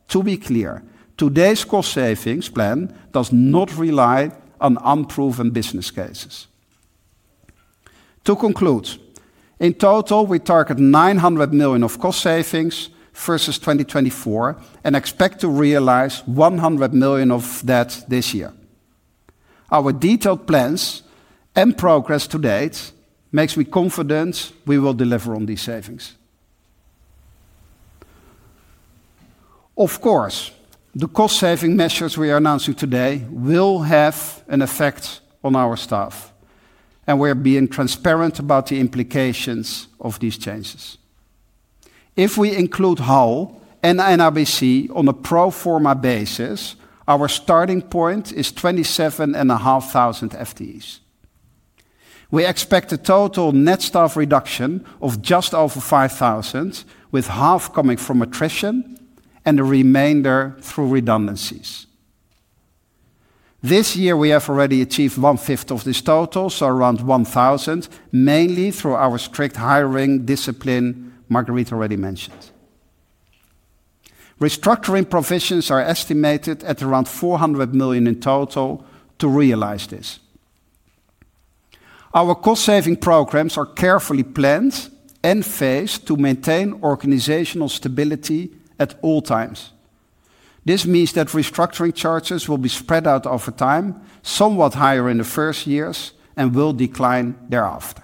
To be clear, today's cost savings plan does not rely on unproven business cases. To conclude, in total, we target 900 million of cost savings versus 2024 and expect to realize 100 million of that this year. Our detailed plans and progress to date makes me confident we will deliver on these savings. Of course, the cost saving measures we are announcing today will have an effect on our staff, and we are being transparent about the implications of these changes. If we include HAL and NIBC on a pro forma basis, our starting point is 27,500 FTEs. We expect a total net staff reduction of just over 5,000, with half coming from attrition and the remainder through redundancies. This year, we have already achieved one-fifth of this total, so around 1,000, mainly through our strict hiring discipline Marguerite already mentioned. Restructuring provisions are estimated at 400 million in total to realize this. Our cost saving programs are carefully planned and phased to maintain organizational stability at all times. This means that restructuring charges will be spread out over time, somewhat higher in the first years, and will decline thereafter.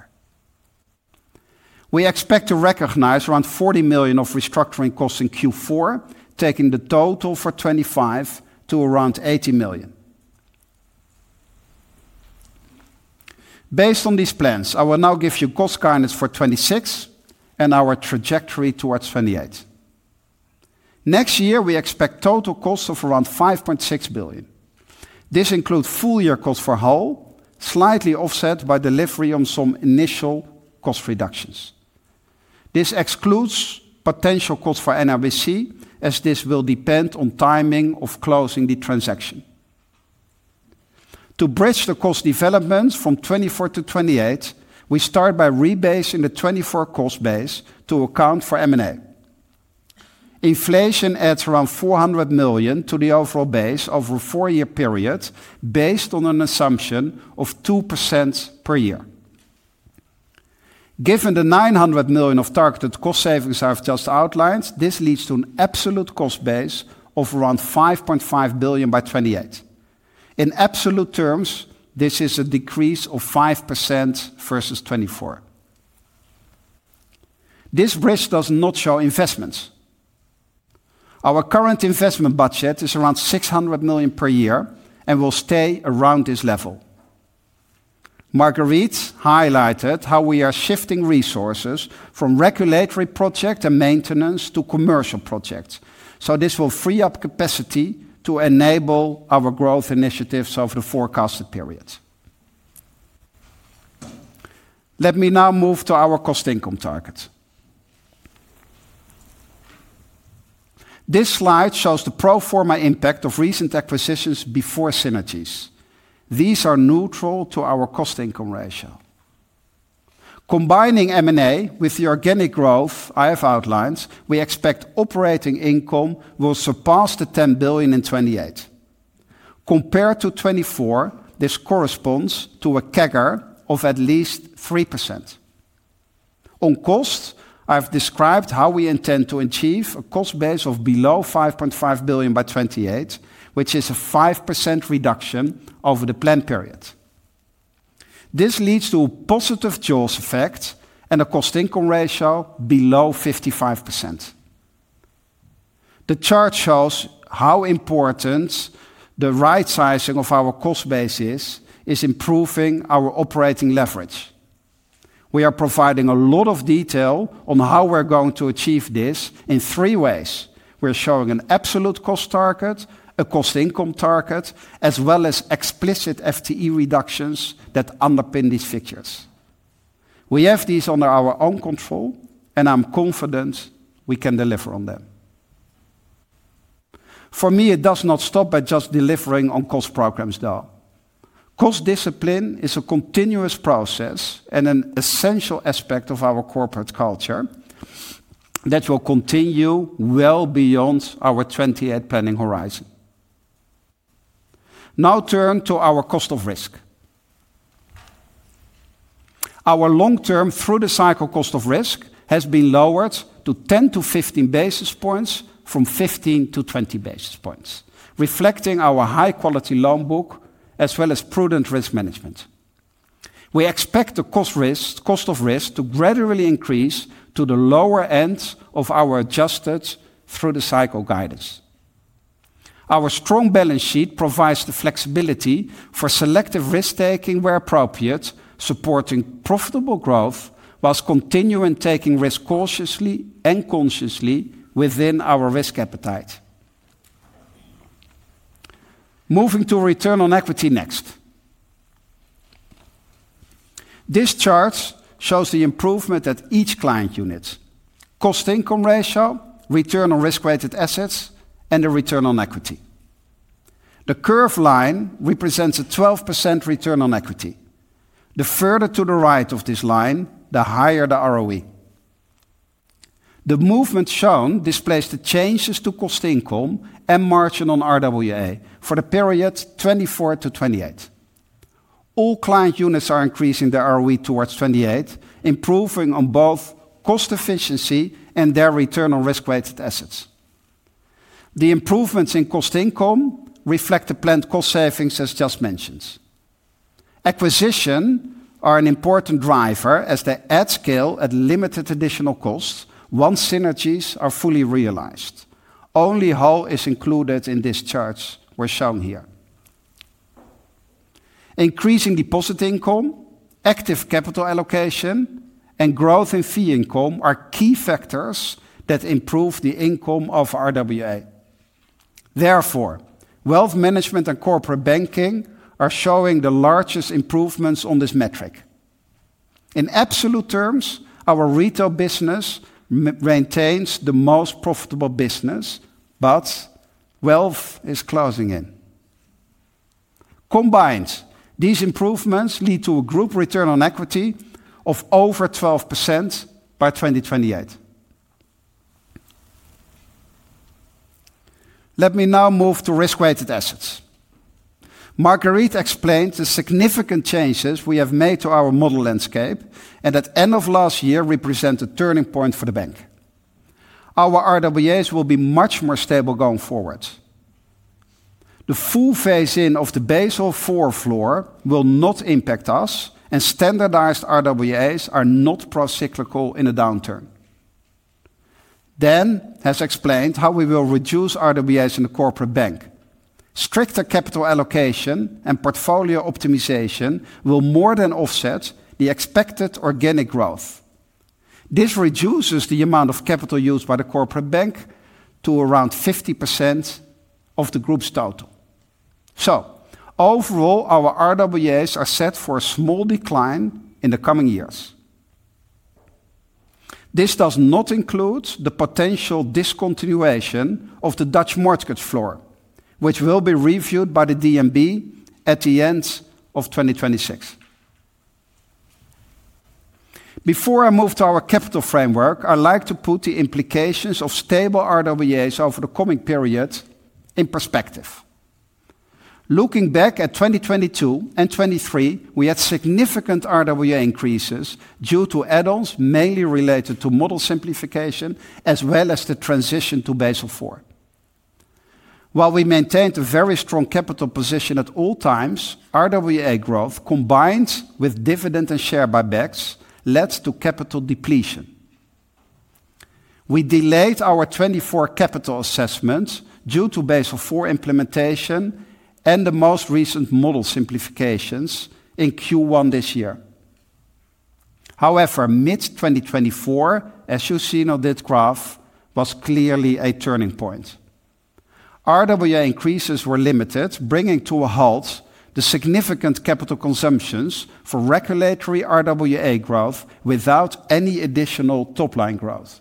We expect to recognize around 40 million of restructuring costs in Q4, taking the total for 2025 to around 80 million. Based on these plans, I will now give you cost guidance for 2026 and our trajectory towards 2028. Next year, we expect total costs of around 5.6 billion. This includes full-year costs for HAL, slightly offset by delivery on some initial cost reductions. This excludes potential costs for NIBC, as this will depend on timing of closing the transaction. To bridge the cost developments from 2024 to 2028, we start by rebasing the 2024 cost base to account for M&A. Inflation adds around 400 million to the overall base over a four-year period, based on an assumption of 2% per year. Given the 900 million of targeted cost savings I've just outlined, this leads to an absolute cost base of around 5.5 billion by 2028. In absolute terms, this is a decrease of 5% versus 2024. This bridge does not show investments. Our current investment budget is around 600 million per year and will stay around this level. Marguerite highlighted how we are shifting resources from regulatory projects and maintenance to commercial projects, so this will free up capacity to enable our growth initiatives over the forecasted period. Let me now move to our cost income target. This slide shows the pro forma impact of recent acquisitions before synergies. These are neutral to our cost income ratio. Combining M&A with the organic growth I have outlined, we expect operating income will surpass the 10 billion in 2028. Compared to 2024, this corresponds to a CAGR of at least 3%. On cost, I've described how we intend to achieve a cost base of below 5.5 billion by 2028, which is a 5% reduction over the planned period. This leads to a positive JOLTS effect and a cost income ratio below 55%. The chart shows how important the right-sizing of our cost base is, improving our operating leverage. We are providing a lot of detail on how we're going to achieve this in three ways. We're showing an absolute cost target, a cost income target, as well as explicit FTE reductions that underpin these figures. We have these under our own control, and I'm confident we can deliver on them. For me, it does not stop at just delivering on cost programs though. Cost discipline is a continuous process and an essential aspect of our corporate culture that will continue well beyond our 2028 planning horizon. Now turn to our cost of risk. Our long-term through-the-cycle cost of risk has been lowered to 10-15 basis points from 15-20 basis points, reflecting our high-quality loan book as well as prudent risk management. We expect the cost of risk to gradually increase to the lower end of our adjusted through-the-cycle guidance. Our strong balance sheet provides the flexibility for selective risk-taking where appropriate, supporting profitable growth whilst continuing taking risk cautiously and consciously within our risk appetite. Moving to return on equity next. This chart shows the improvement at each client unit: cost income ratio, return on risk-weighted assets, and the return on equity. The curved line represents a 12% return on equity. The further to the right of this line, the higher the ROE. The movement shown displays the changes to cost income and margin on RWA for the period 2024 to 2028. All client units are increasing their ROE towards 2028, improving on both cost efficiency and their return on risk-weighted assets. The improvements in cost income reflect the planned cost savings, as just mentioned. Acquisitions are an important driver as they add scale at limited additional costs once synergies are fully realized. Only HAL is included in this chart we're showing here. Increasing deposit income, active capital allocation, and growth in fee income are key factors that improve the income of RWA. Therefore, Wealth Management and Corporate Banking are showing the largest improvements on this metric. In absolute terms, our retail business maintains the most profitable business, but wealth is closing in. Combined, these improvements lead to a group return on equity of over 12% by 2028. Let me now move to risk-weighted assets. Marguerite explained the significant changes we have made to our model landscape and that end of last year represent a turning point for the bank. Our RWAs will be much more stable going forward. The full phase-in of the Basel IV floor will not impact us, and standardized RWAs are not procyclical in the downturn. Dan has explained how we will reduce RWAs in the Corporate Bank. Stricter capital allocation and portfolio optimization will more than offset the expected organic growth. This reduces the amount of capital used by the Corporate Bank to around 50% of the group's total. Overall, our RWAs are set for a small decline in the coming years. This does not include the potential discontinuation of the Dutch mortgage floor, which will be reviewed by the De Nederlandsche Bank at the end of 2026. Before I move to our capital framework, I'd like to put the implications of stable RWAs over the coming period in perspective. Looking back at 2022 and 2023, we had significant RWA increases due to add-ons mainly related to model simplification as well as the transition to Basel IV. While we maintained a very strong capital position at all times, RWA growth combined with dividend and share buybacks led to capital depletion. We delayed our 2024 capital assessment due to Basel IV implementation and the most recent model simplifications in Q1 this year. However, mid-2024, as you see in this graph, was clearly a turning point. RWA increases were limited, bringing to a halt the significant capital consumptions for regulatory RWA growth without any additional top-line growth.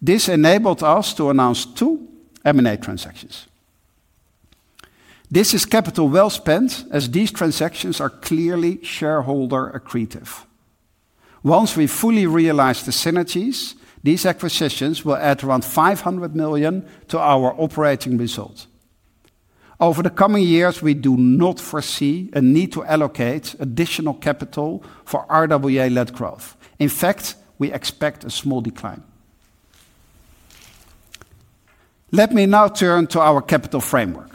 This enabled us to announce two M&A transactions. This is capital well spent, as these transactions are clearly shareholder accretive. Once we fully realize the synergies, these acquisitions will add around 500 million to our operating result. Over the coming years, we do not foresee a need to allocate additional capital for RWA-led growth. In fact, we expect a small decline. Let me now turn to our capital framework.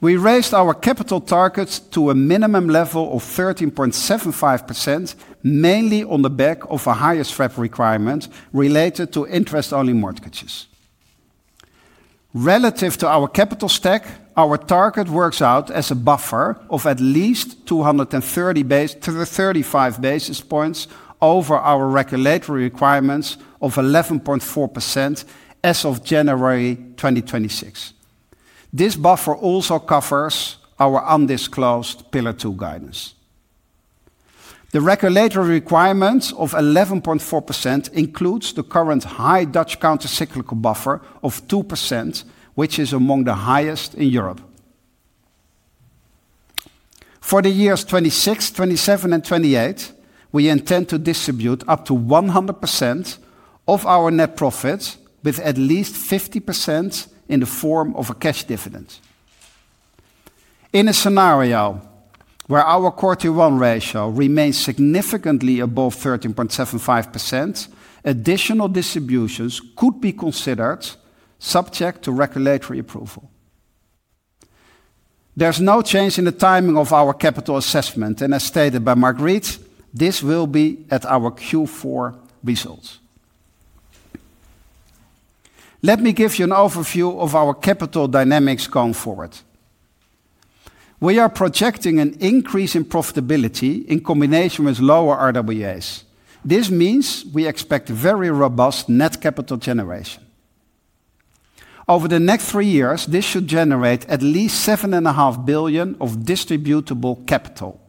We raised our capital targets to a minimum level of 13.75%, mainly on the back of a higher SREP requirement related to interest-only mortgages. Relative to our capital stack, our target works out as a buffer of at least 230-235 basis points over our regulatory requirements of 11.4% as of January 2026. This buffer also covers our undisclosed Pillar Two guidance. The regulatory requirement of 11.4% includes the current high Dutch countercyclical buffer of 2%, which is among the highest in Europe. For the years 2026, 2027, and 2028, we intend to distribute up to 100% of our net profits with at least 50% in the form of a cash dividend. In a scenario where our CET1 Ratio remains significantly above 13.75%, additional distributions could be considered subject to regulatory approval. There is no change in the timing of our capital assessment, and as stated by Marguerite, this will be at our Q4 results. Let me give you an overview of our capital dynamics going forward. We are projecting an increase in profitability in combination with lower RWAs. This means we expect very robust net capital generation. Over the next three years, this should generate at least 7.5 billion of distributable capital.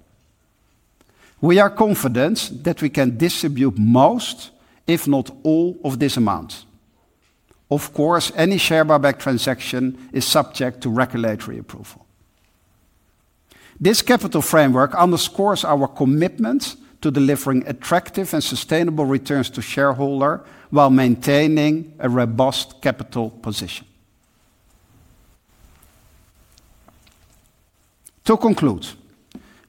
We are confident that we can distribute most, if not all, of this amount. Of course, any share buyback transaction is subject to regulatory approval. This capital framework underscores our commitment to delivering attractive and sustainable returns to shareholders while maintaining a robust capital position. To conclude,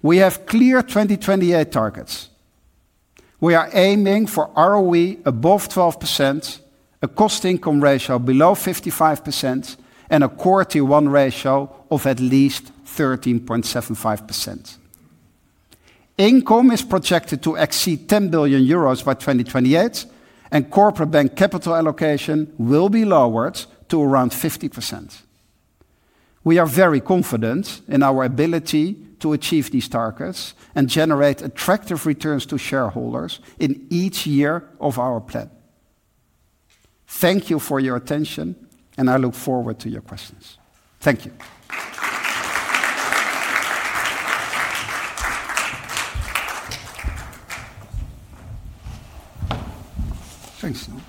we have clear 2028 targets. We are aiming for ROE above 12%, a cost-income ratio below 55%, and a CET1 ratio of at least 13.75%. Income is projected to exceed 10 billion euros by 2028, and Corporate Bank capital allocation will be lowered to around 50%. We are very confident in our ability to achieve these targets and generate attractive returns to shareholders in each year of our plan. Thank you for your attention, and I look forward to your questions. Thank you. Thanks, Niels.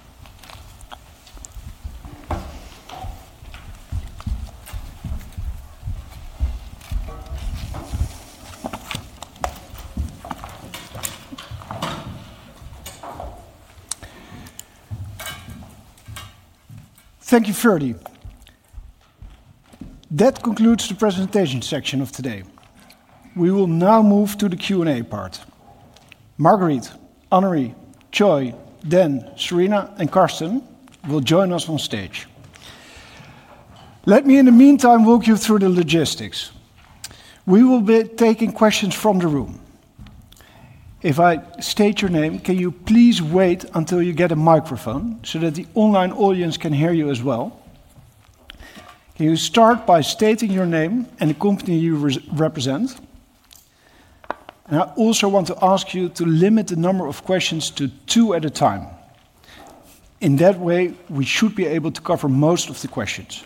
Thank you, Ferdy. That concludes the presentation section of today. We will now move to the Q&A part. Marguerite, Annerie, oy, Dan, Serena, and Carsten will join us on stage. Let me, in the meantime, walk you through the logistics. We will be taking questions from the room. If I state your name, can you please wait until you get a microphone so that the online audience can hear you as well? Can you start by stating your name and the company you represent? I also want to ask you to limit the number of questions to two at a time. In that way, we should be able to cover most of the questions.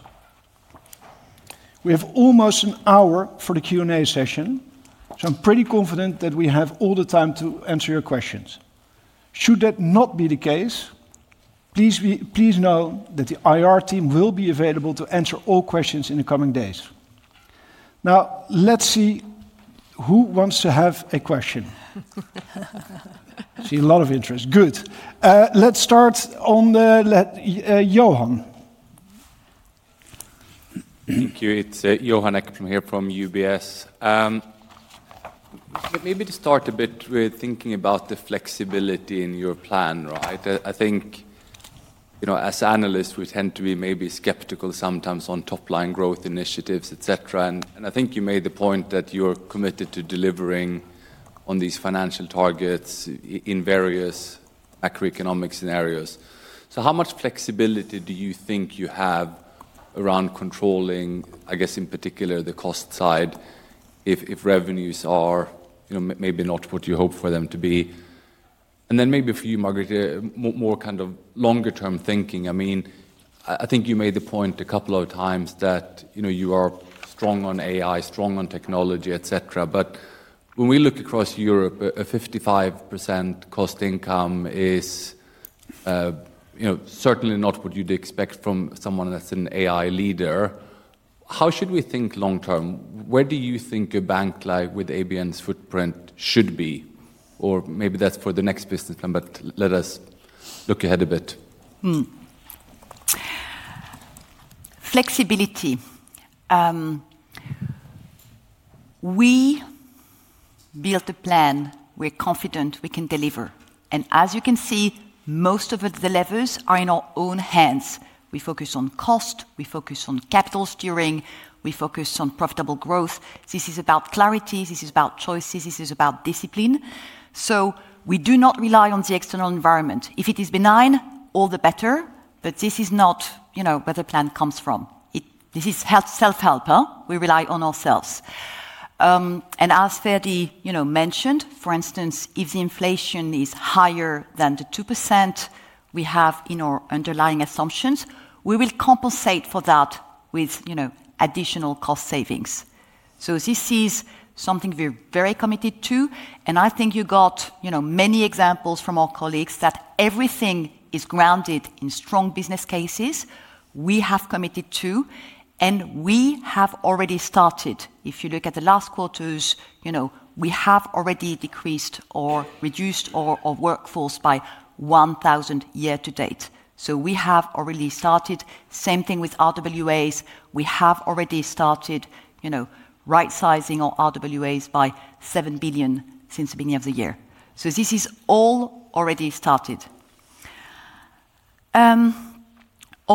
We have almost an hour for the Q&A session, so I'm pretty confident that we have all the time to answer your questions. Should that not be the case, please know that the IR team will be available to answer all questions in the coming days. Now, let's see who wants to have a question. I see a lot of interest. Good. Let's start on Johan. Thank you. It's Johan Eckert here from UBS. Maybe to start a bit with thinking about the flexibility in your plan, right? I think, you know, as analysts, we tend to be maybe skeptical sometimes on top-line growth initiatives, etc. I think you made the point that you're committed to delivering on these financial targets in various macroeconomic scenarios. How much flexibility do you think you have around controlling, I guess, in particular, the cost side if revenues are maybe not what you hope for them to be? Maybe for you, Marguerite, more kind of longer-term thinking. I mean, I think you made the point a couple of times that you are strong on AI, strong on technology, etc. When we look across Europe, a 55% cost income is certainly not what you'd expect from someone that's an AI leader. How should we think long-term? Where do you think a bank like with ABN AMRO's footprint should be? Or maybe that's for the next business plan, but let us look ahead a bit. Flexibility. We built a plan we're confident we can deliver. As you can see, most of the levers are in our own hands. We focus on cost, we focus on capital steering, we focus on profitable growth. This is about clarity, this is about choices, this is about discipline. We do not rely on the external environment. If it is benign, all the better, but this is not where the plan comes from. This is self-help. We rely on ourselves. As Ferdy mentioned, for instance, if the inflation is higher than the 2% we have in our underlying assumptions, we will compensate for that with additional cost savings. This is something we're very committed to. I think you got many examples from our colleagues that everything is grounded in strong business cases. We have committed to, and we have already started. If you look at the last quarters, we have already decreased or reduced our workforce by 1,000 year to date. We have already started. Same thing with RWAs. We have already started right-sizing our RWAs by 7 billion since the beginning of the year. This is all already started. Our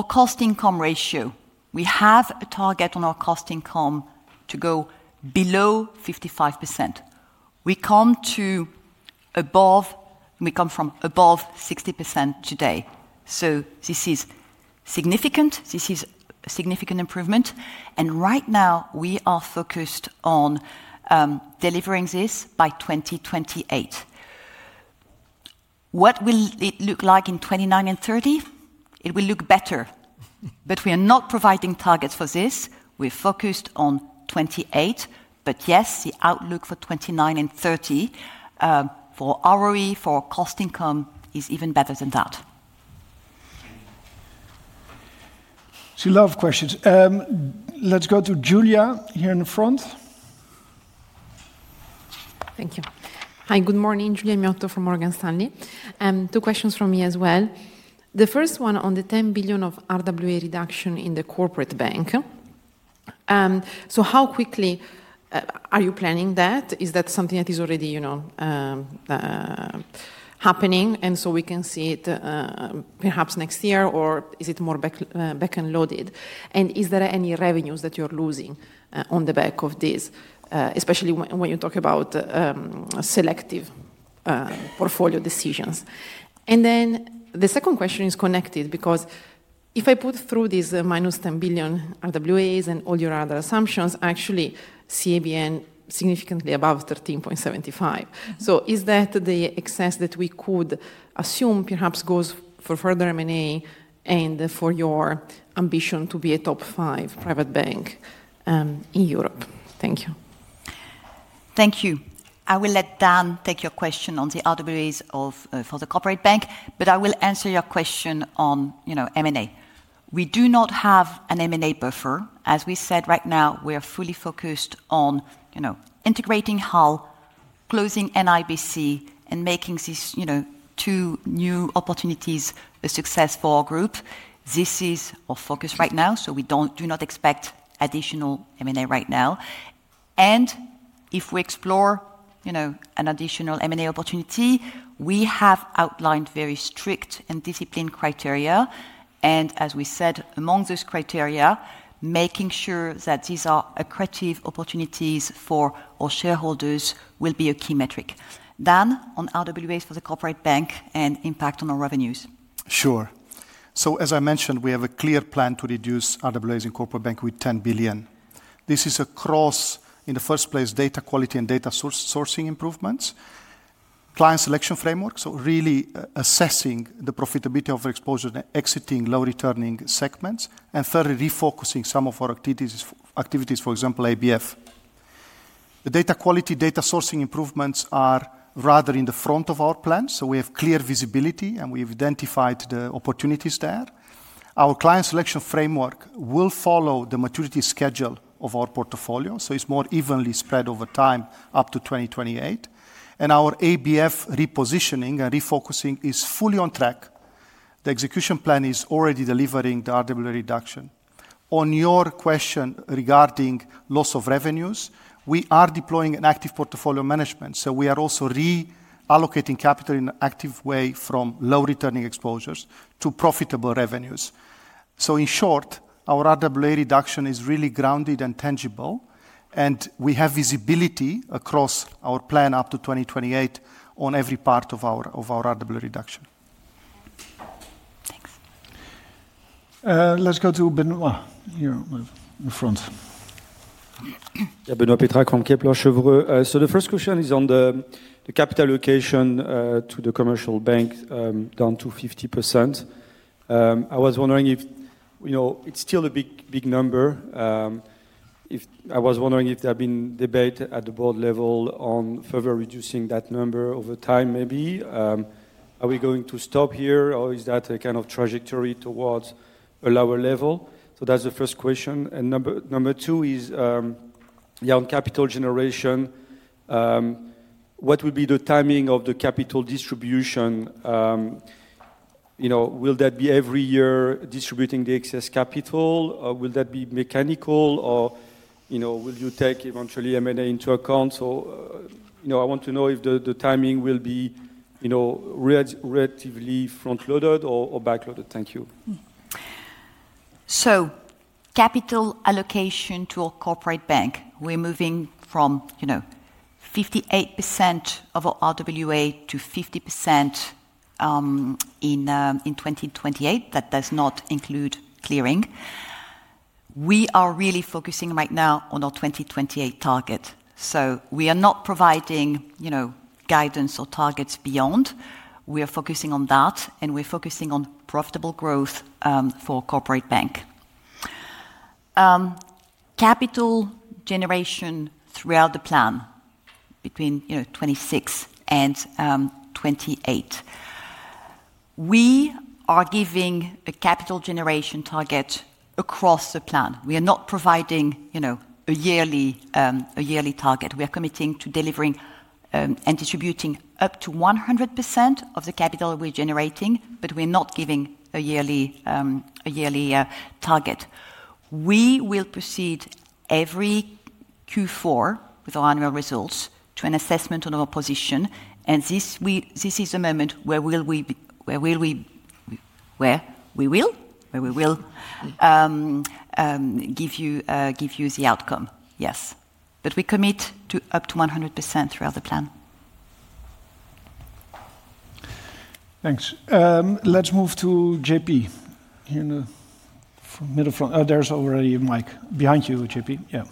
cost income ratio. We have a target on our cost income to go below 55%. We come to above 60% today. This is significant. This is a significant improvement. Right now, we are focused on delivering this by 2028. What will it look like in 2029 and 2030? It will look better, but we are not providing targets for this. We're focused on 2028, but yes, the outlook for 2029 and 2030 for ROE, for cost income, is even better than that. Thank you. She loved questions. Let's go to Giulia here in the front. Thank you. Hi, good morning. Giulia Miotto from Morgan Stanley. Two questions from me as well. The first one on the 10 billion of RWA reduction in the Corporate Bank. How quickly are you planning that? Is that something that is already happening? You can see it perhaps next year, or is it more back and loaded? Is there any revenues that you're losing on the back of this, especially when you talk about selective portfolio decisions? The second question is connected because if I put through these minus 10 billion RWAs and all your other assumptions, actually CABN is significantly above 13.75%. Is that the excess that we could assume perhaps goes for further M&A and for your ambition to be a top five Private Bank in Europe? Thank you. Thank you. I will let Dan take your question on the RWAs for the Corporate Bank, but I will answer your question on M&A. We do not have an M&A buffer. As we said, right now, we are fully focused on integrating HAL, closing NIBC, and making these two new opportunities a success for our group. This is our focus right now, so we do not expect additional M&A right now. If we explore an additional M&A opportunity, we have outlined very strict and disciplined criteria. As we said, among those criteria, making sure that these are accretive opportunities for our shareholders will be a key metric. Dan, on RWAs for the Corporate Bank and impact on our revenues. Sure. As I mentioned, we have a clear plan to reduce RWAs in Corporate Bank with 10 billion. This is across, in the first place, data quality and data sourcing improvements, client selection framework, so really assessing the profitability of our exposure and exiting low-returning segments, and third, refocusing some of our activities, for example, ABF. The data quality, data sourcing improvements are rather in the front of our plan, so we have clear visibility and we have identified the opportunities there. Our client selection framework will follow the maturity schedule of our portfolio, so it is more evenly spread over time up to 2028. Our ABF repositioning and refocusing is fully on track. The execution plan is already delivering the RWA reduction. On your question regarding loss of revenues, we are deploying an active portfolio management, so we are also reallocating capital in an active way from low-returning exposures to profitable revenues. In short, our RWA reduction is really grounded and tangible, and we have visibility across our plan up to 2028 on every part of our RWA reduction. Thanks. Let's go to Benoît here in the front. Benoît Pétrarque from Kepler Cheuvreux. The first question is on the capital allocation to the Commercial Bank down to 50%. I was wondering if it's still a big number. I was wondering if there had been debate at the board level on further reducing that number over time, maybe. Are we going to stop here, or is that a kind of trajectory towards a lower level? That's the first question. Number two is, yeah, on capital generation, what will be the timing of the capital distribution? Will that be every year distributing the excess capital, or will that be mechanical, or will you take eventually M&A into account? I want to know if the timing will be relatively front-loaded or back-loaded. Thank you. Capital allocation to our Corporate Bank, we're moving from 58% of our RWA to 50% in 2028. That does not include Clearing. We are really focusing right now on our 2028 target. We are not providing guidance or targets beyond. We are focusing on that, and we're focusing on profitable growth for Corporate Bank. Capital generation throughout the plan between 2026 and 2028. We are giving a capital generation target across the plan. We are not providing a yearly target. We are committing to delivering and distributing up to 100% of the capital we're generating, but we're not giving a yearly target. We will proceed every Q4 with our annual results to an assessment on our position. This is the moment where we will give you the outcome. Yes. We commit to up to 100% throughout the plan. Thanks. Let's move to JP from the middle front. Oh, there's already a mic behind you, JP. Yeah.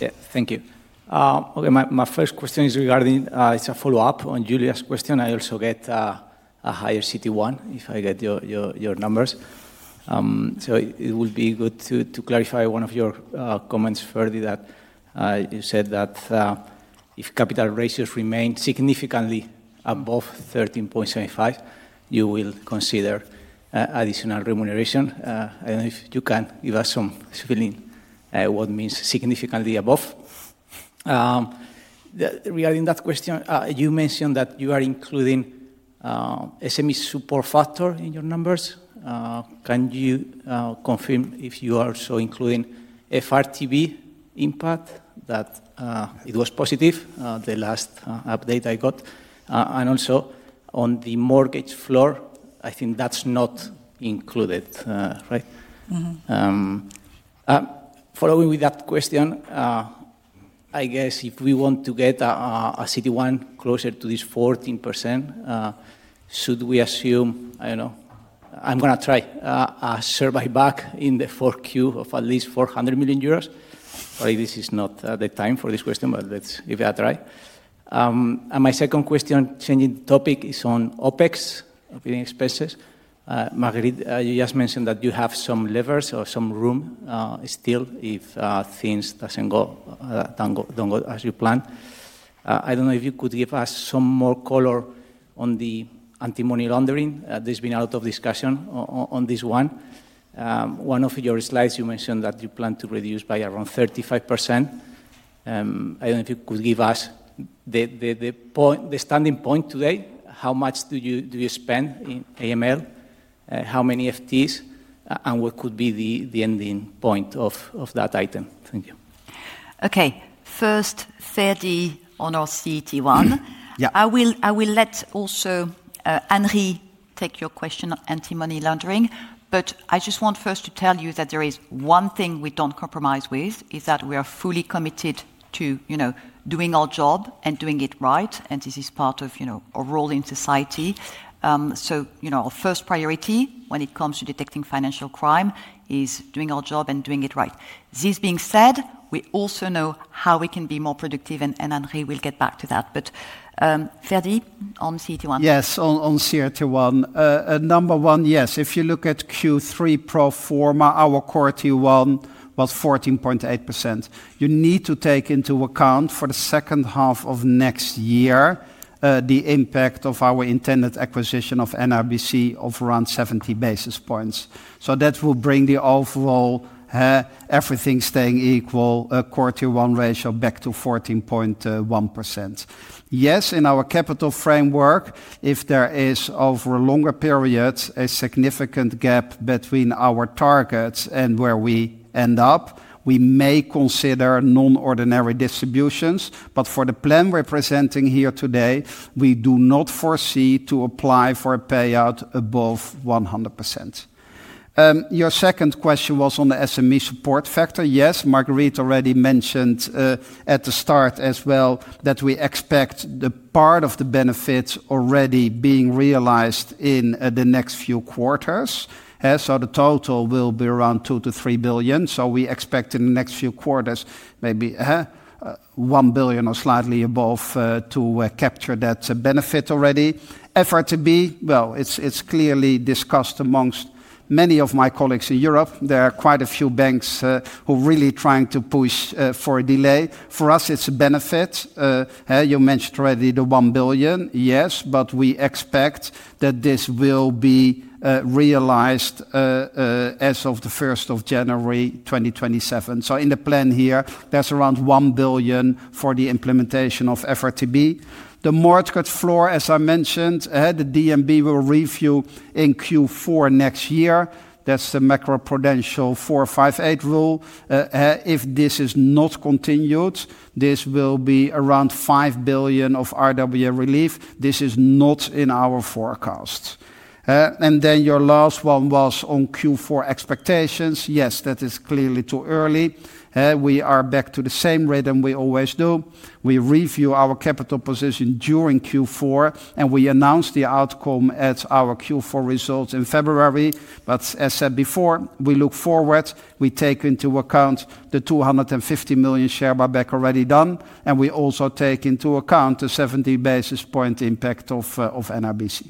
Yeah, thank you. My first question is regarding it's a follow-up on Giulia's question. I also get a higher CET1 if I get your numbers. It would be good to clarify one of your comments, Ferdy, that you said that if capital ratios remain significantly above 13.75%, you will consider additional remuneration. I don't know if you can give us some feeling what means significantly above. Regarding that question, you mentioned that you are including SME Support Factor in your numbers. Can you confirm if you are also including FRTB impact, that it was positive? The last update I got. Also, on the mortgage floor, I think that's not included, right? Following with that question, I guess if we want to get a CET1 closer to this 14%, should we assume, I don't know, I'm going to try a survey back in the fourth quarter of at least 400 million euros? Sorry, this is not the time for this question, but let's give it a try. My second question, changing the topic, is on OpEx, operating expenses. Marguerite, you just mentioned that you have some levers or some room still if things don't go as you planned. I don't know if you could give us some more color on the Anti-Money Laundering. There's been a lot of discussion on this one. One of your slides, you mentioned that you plan to reduce by around 35%. I don't know if you could give us the standing point today. How much do you spend in AML? How many FTEs? And what could be the ending point of that item? Thank you. Okay. First, Ferdy on our CET1. I will let also Annerie take your question on Anti-Money Laundering, but I just want first to tell you that there is one thing we don't compromise with, is that we are fully committed to doing our job and doing it right, and this is part of our role in society. Our first priority when it comes to detecting financial crime is doing our job and doing it right. This being said, we also know how we can be more productive, and Annerie will get back to that. Ferdy on CET1. Yes, on CET1. Number one, yes. If you look at Q3 pro forma, our CET1 was 14.8%. You need to take into account for the second half of next year the impact of our intended acquisition of NIBC of around 70 basis points. That will bring the overall, everything staying equal, CET1 ratio back to 14.1%. Yes, in our capital framework, if there is over a longer period a significant gap between our targets and where we end up, we may consider non-ordinary distributions, but for the plan we're presenting here today, we do not foresee to apply for a payout above 100%. Your second question was on the SME support factor. Yes, Marguerite already mentioned at the start as well that we expect the part of the benefits already being realized in the next few quarters. The total will be around 2 billion-3 billion. We expect in the next few quarters maybe 1 billion or slightly above to capture that benefit already. FRTB, it is clearly discussed amongst many of my colleagues in Europe. There are quite a few banks who are really trying to push for a delay. For us, it is a benefit. You mentioned already the 1 billion. Yes, but we expect that this will be realized as of the 1st of January 2027. In the plan here, there is around 1 billion for the implementation of FRTB. The mortgage floor, as I mentioned, the DNB will review in Q4 next year. That is the macroprudential 458 rule. If this is not continued, this will be around 5 billion of RWA relief. This is not in our forecast. Your last one was on Q4 expectations. Yes, that is clearly too early. We are back to the same rhythm we always do. We review our capital position during Q4, and we announce the outcome at our Q4 results in February. As said before, we look forward. We take into account the 250 million share buyback already done, and we also take into account the 70 basis point impact of NRBC.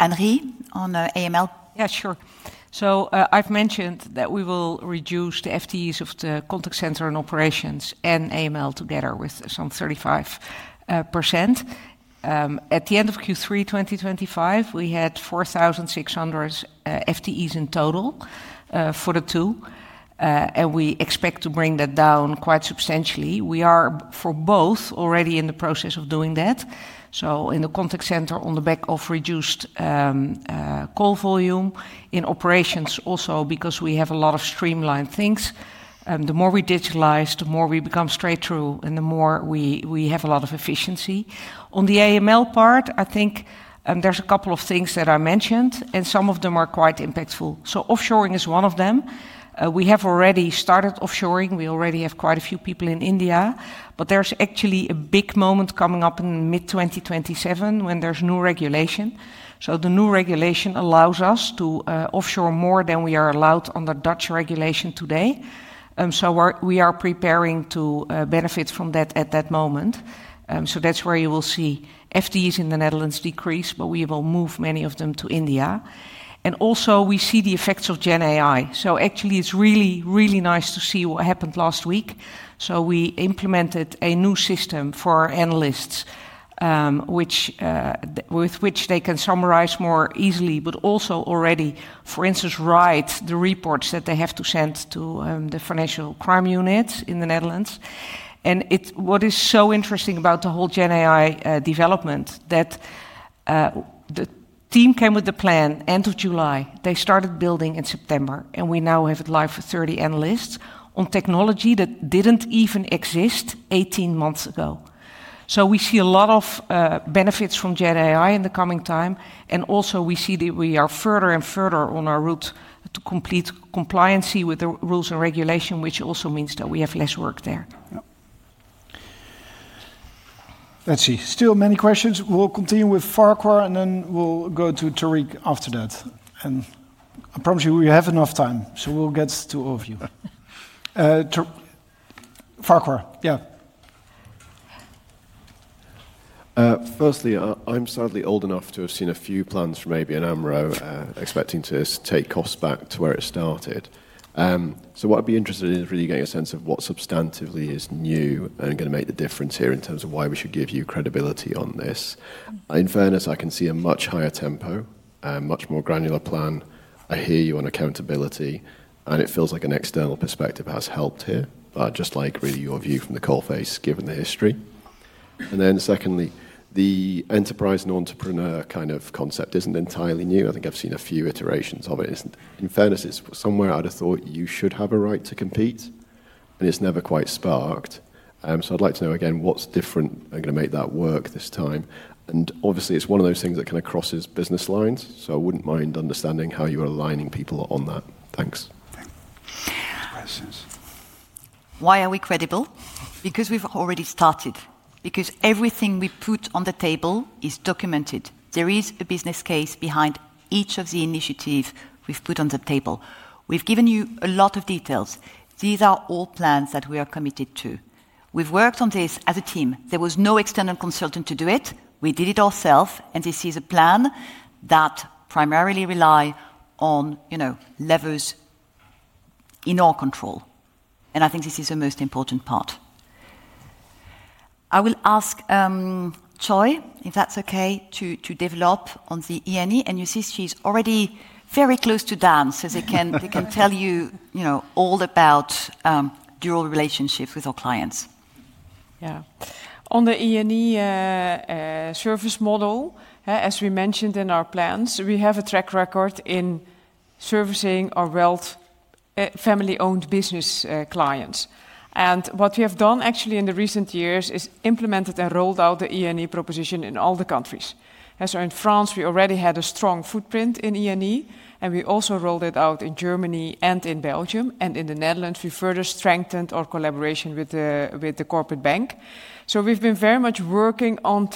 Annerie on AML. Yeah, sure. I have mentioned that we will reduce the FTEs of the Contact Center and Operations and AML together with some 35%. At the end of Q3 2025, we had 4,600 FTEs in total for the two, and we expect to bring that down quite substantially. We are for both already in the process of doing that. In the contact center, on the back of reduced call volume, in Operations also because we have a lot of streamlined things. The more we digitalize, the more we become straight through, and the more we have a lot of efficiency. On the AML part, I think there's a couple of things that I mentioned, and some of them are quite impactful. Offshoring is one of them. We have already started offshoring. We already have quite a few people in India, but there's actually a big moment coming up in mid-2027 when there is new regulation. The new regulation allows us to offshore more than we are allowed under Dutch regulation today. We are preparing to benefit from that at that moment. That is where you will see FTEs in the Netherlands decrease, but we will move many of them to India. We also see the effects of GenAI. Actually, it is really, really nice to see what happened last week. We implemented a new system for analysts with which they can summarize more easily, but also already, for instance, write the reports that they have to send to the financial crime units in the Netherlands. What is so interesting about the whole GenAI development is that the team came with the plan end of July. They started building in September, and we now have at live 30 analysts on technology that did not even exist 18 months ago. We see a lot of benefits from GenAI in the coming time, and also we see that we are further and further on our route to complete compliancy with the rules and regulation, which also means that we have less work there. Let's see. Still many questions. We'll continue with Farquhar and then we'll go to Tariq after that. I promise you we have enough time, so we'll get to all of you. Farquhar, yeah. Firstly, I'm sadly old enough to have seen a few plans from ABN AMRO expecting to take costs back to where it started. What I'd be interested in is really getting a sense of what substantively is new and going to make the difference here in terms of why we should give you credibility on this. In fairness, I can see a much higher tempo, much more granular plan. I hear you on accountability, and it feels like an external perspective has helped here, but just like really your view from the coalface given the history. Secondly, the enterprise and entrepreneur kind of concept isn't entirely new. I think I've seen a few iterations of it. In fairness, it's somewhere out of thought you should have a right to compete, and it's never quite sparked. I would like to know again what's different and going to make that work this time. Obviously, it's one of those things that kind of crosses business lines, so I wouldn't mind understanding how you are aligning people on that. Thanks. Why are we credible? Because we've already started. Because everything we put on the table is documented. There is a business case behind each of the initiatives we've put on the table. We've given you a lot of details. These are all plans that we are committed to. We've worked on this as a team. There was no external consultant to do it. We did it ourselves, and this is a plan that primarily relies on levers in our control. I think this is the most important part. I will ask Choy, if that's okay, to develop on the E&E, and you see she's already very close to Dan, so they can tell you all about dual relationships with our clients. Yeah. On the E&E service model, as we mentioned in our plans, we have a track record in servicing our wealth family-owned business clients. What we have done actually in the recent years is implemented and rolled out the E&E proposition in all the countries. In France, we already had a strong footprint in E&E, and we also rolled it out in Germany and in Belgium. In the Netherlands, we further strengthened our collaboration with the Corporate Bank. We have been very much working on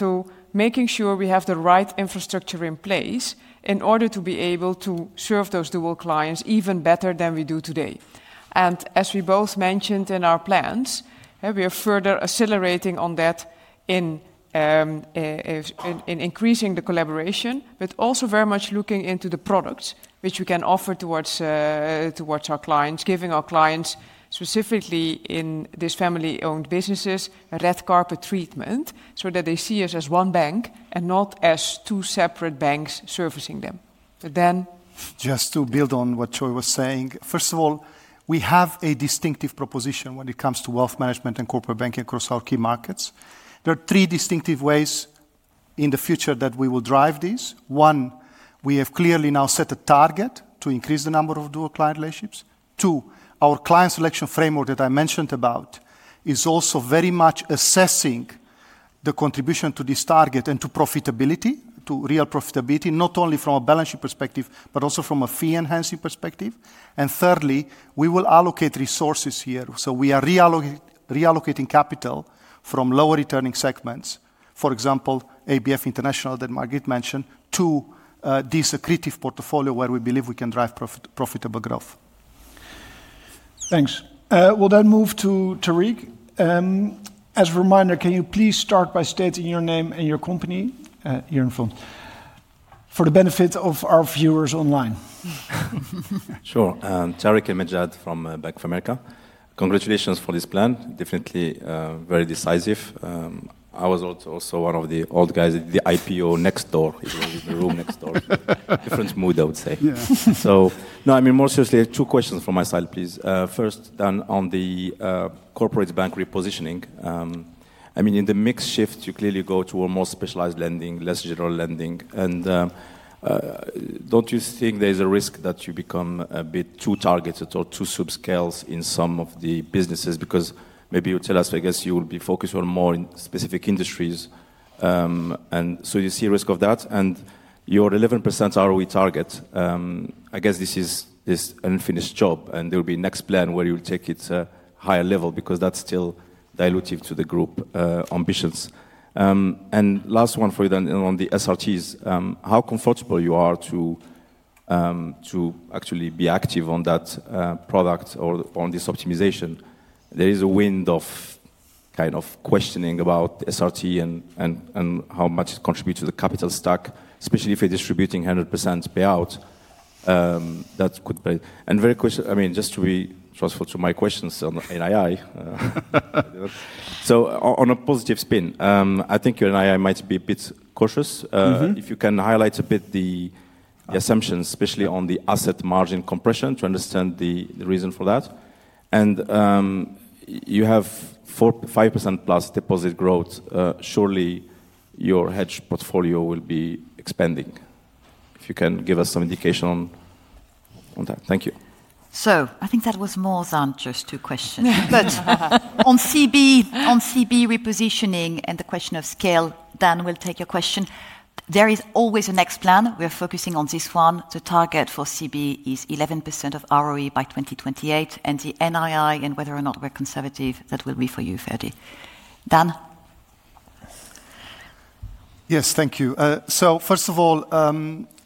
making sure we have the right infrastructure in place in order to be able to serve those dual clients even better than we do today. As we both mentioned in our plans, we are further accelerating on that in increasing the collaboration, but also very much looking into the products which we can offer towards our clients, giving our clients, specifically in these family-owned businesses, a red carpet treatment so that they see us as one bank and not as two separate banks servicing them. But then. Just to build on what Choy was saying, first of all, we have a distinctive proposition when it comes to Wealth Management and Corporate Banking across our key markets. There are three distinctive ways in the future that we will drive this. One, we have clearly now set a target to increase the number of dual client relationships. Two, our client selection framework that I mentioned about is also very much assessing the contribution to this target and to profitability, to real profitability, not only from a balance sheet perspective, but also from a fee-enhancing perspective. Thirdly, we will allocate resources here. We are reallocating capital from lower returning segments, for example, ABF International that Marguerite mentioned, to this accretive portfolio where we believe we can drive profitable growth. Thanks. We'll then move to Tarik. As a reminder, can you please start by stating your name and your company here in front for the benefit of our viewers online? Sure. Tarik El Mejjad from Bank of America. Congratulations for this plan. Definitely very decisive. I was also one of the old guys at the IPO next door, the room next door. Different mood, I would say. I mean, more seriously, two questions from my side, please. First, then on the Corporate Bank repositioning. I mean, in the mixed shift, you clearly go toward more specialized lending, less general lending. And do not you think there is a risk that you become a bit too targeted or too subscaled in some of the businesses? Because maybe you will tell us, I guess you will be focused on more specific industries. And do you see a risk of that. Your 11% ROE target, I guess this is an unfinished job, and there will be a next plan where you'll take it to a higher level because that's still dilutive to the group ambitions. The last one for you then on the SRTs, how comfortable you are to actually be active on that product or on this optimization. There is a wind of kind of questioning about SRT and how much it contributes to the capital stack, especially if you're distributing 100% payout. That could play. Very quickly, I mean, just to be truthful to my questions on NII. On a positive spin, I think your NII might be a bit cautious. If you can highlight a bit the assumptions, especially on the asset margin compression to understand the reason for that. You have 5% plus deposit growth. Surely your hedge portfolio will be expanding. If you can give us some indication on that. Thank you. I think that was more than just two questions. On CB repositioning and the question of scale, Dan will take your question. There is always a next plan. We are focusing on this one. The target for CB is 11% ROE by 2028, and the NII and whether or not we're conservative, that will be for you, Ferdy. Dan. Yes, thank you. First of all,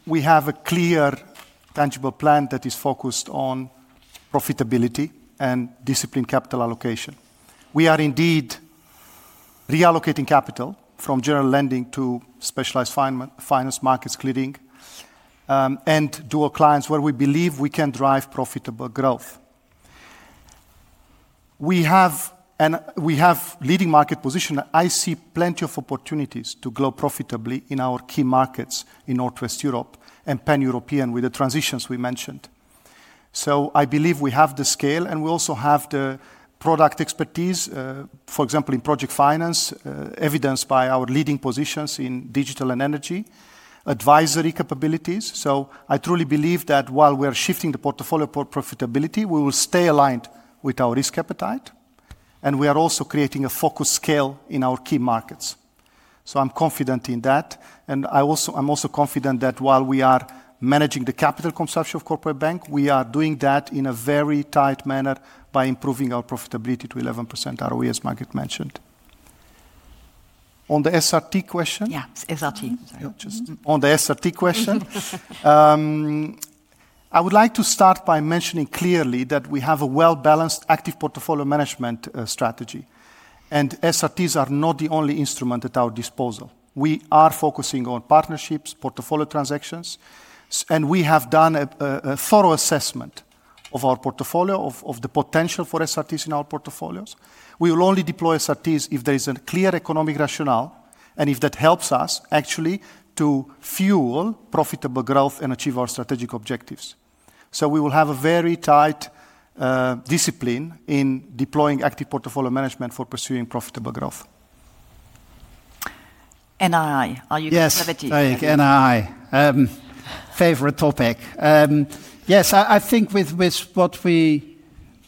we have a clear, tangible plan that is focused on profitability and disciplined capital allocation. We are indeed reallocating capital from general lending to specialized finance, markets Clearing, and dual clients where we believe we can drive profitable growth. We have leading market position. I see plenty of opportunities to grow profitably in our key markets in Northwest Europe and Pan-European with the transitions we mentioned. I believe we have the scale, and we also have the product expertise, for example, in project finance, evidenced by our leading positions in digital and energy advisory capabilities. I truly believe that while we are shifting the portfolio profitability, we will stay aligned with our risk appetite, and we are also creating a focused scale in our key markets. I am confident in that. I am also confident that while we are managing the capital consumption of Corporate Bank, we are doing that in a very tight manner by improving our profitability to 11% ROE, as Marguerite mentioned. On the SRT question. Yeah, SRT. On the SRT question, I would like to start by mentioning clearly that we have a well-balanced active portfolio management strategy. SRTs are not the only instrument at our disposal. We are focusing on partnerships, portfolio transactions, and we have done a thorough assessment of our portfolio, of the potential for SRTs in our portfolios. We will only deploy SRTs if there is a clear economic rationale and if that helps us actually to fuel profitable growth and achieve our strategic objectives. We will have a very tight discipline in deploying active portfolio management for pursuing profitable growth. NII. Are you going to have a deal? Yes, NII. Favorite topic. Yes, I think with what we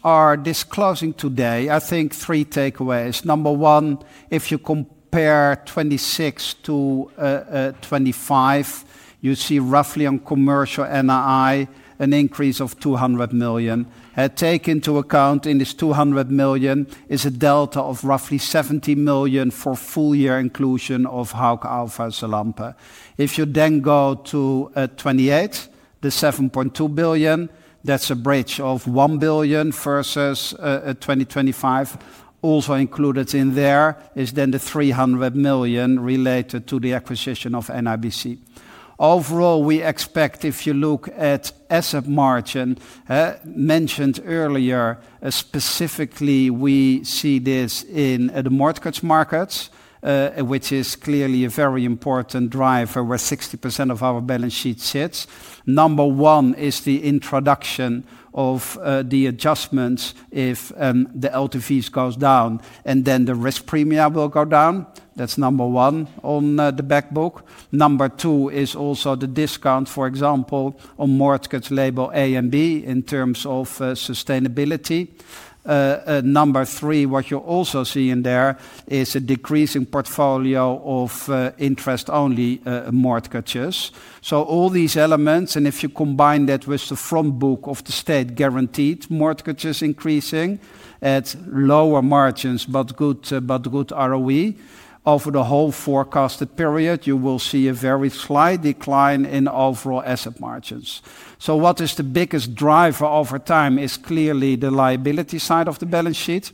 are disclosing today, I think three takeaways. Number one, if you compare 2026 to 2025, you see roughly on commercial NII an increase of 200 million. Take into account in this 200 million is a delta of roughly 70 million for full year inclusion of Hauck Aufhäuser Lampe. If you then go to 2028, the 7.2 billion, that's a bridge of 1 billion versus 2025. Also included in there is then the 300 million related to the acquisition of NIBC. Overall, we expect, if you look at asset margin mentioned earlier, specifically we see this in the mortgage markets, which is clearly a very important driver where 60% of our balance sheet sits. Number one is the introduction of the adjustments if the LTVs goes down, and then the risk premia will go down. That's number one on the back book. Number two is also the discount, for example, on mortgage label A and B in terms of sustainability. Number three, what you're also seeing there is a decreasing portfolio of interest-only mortgages. All these elements, and if you combine that with the front book of the state guaranteed mortgages increasing at lower margins, but good ROE over the whole forecasted period, you will see a very slight decline in overall asset margins. What is the biggest driver over time is clearly the liability side of the balance sheet.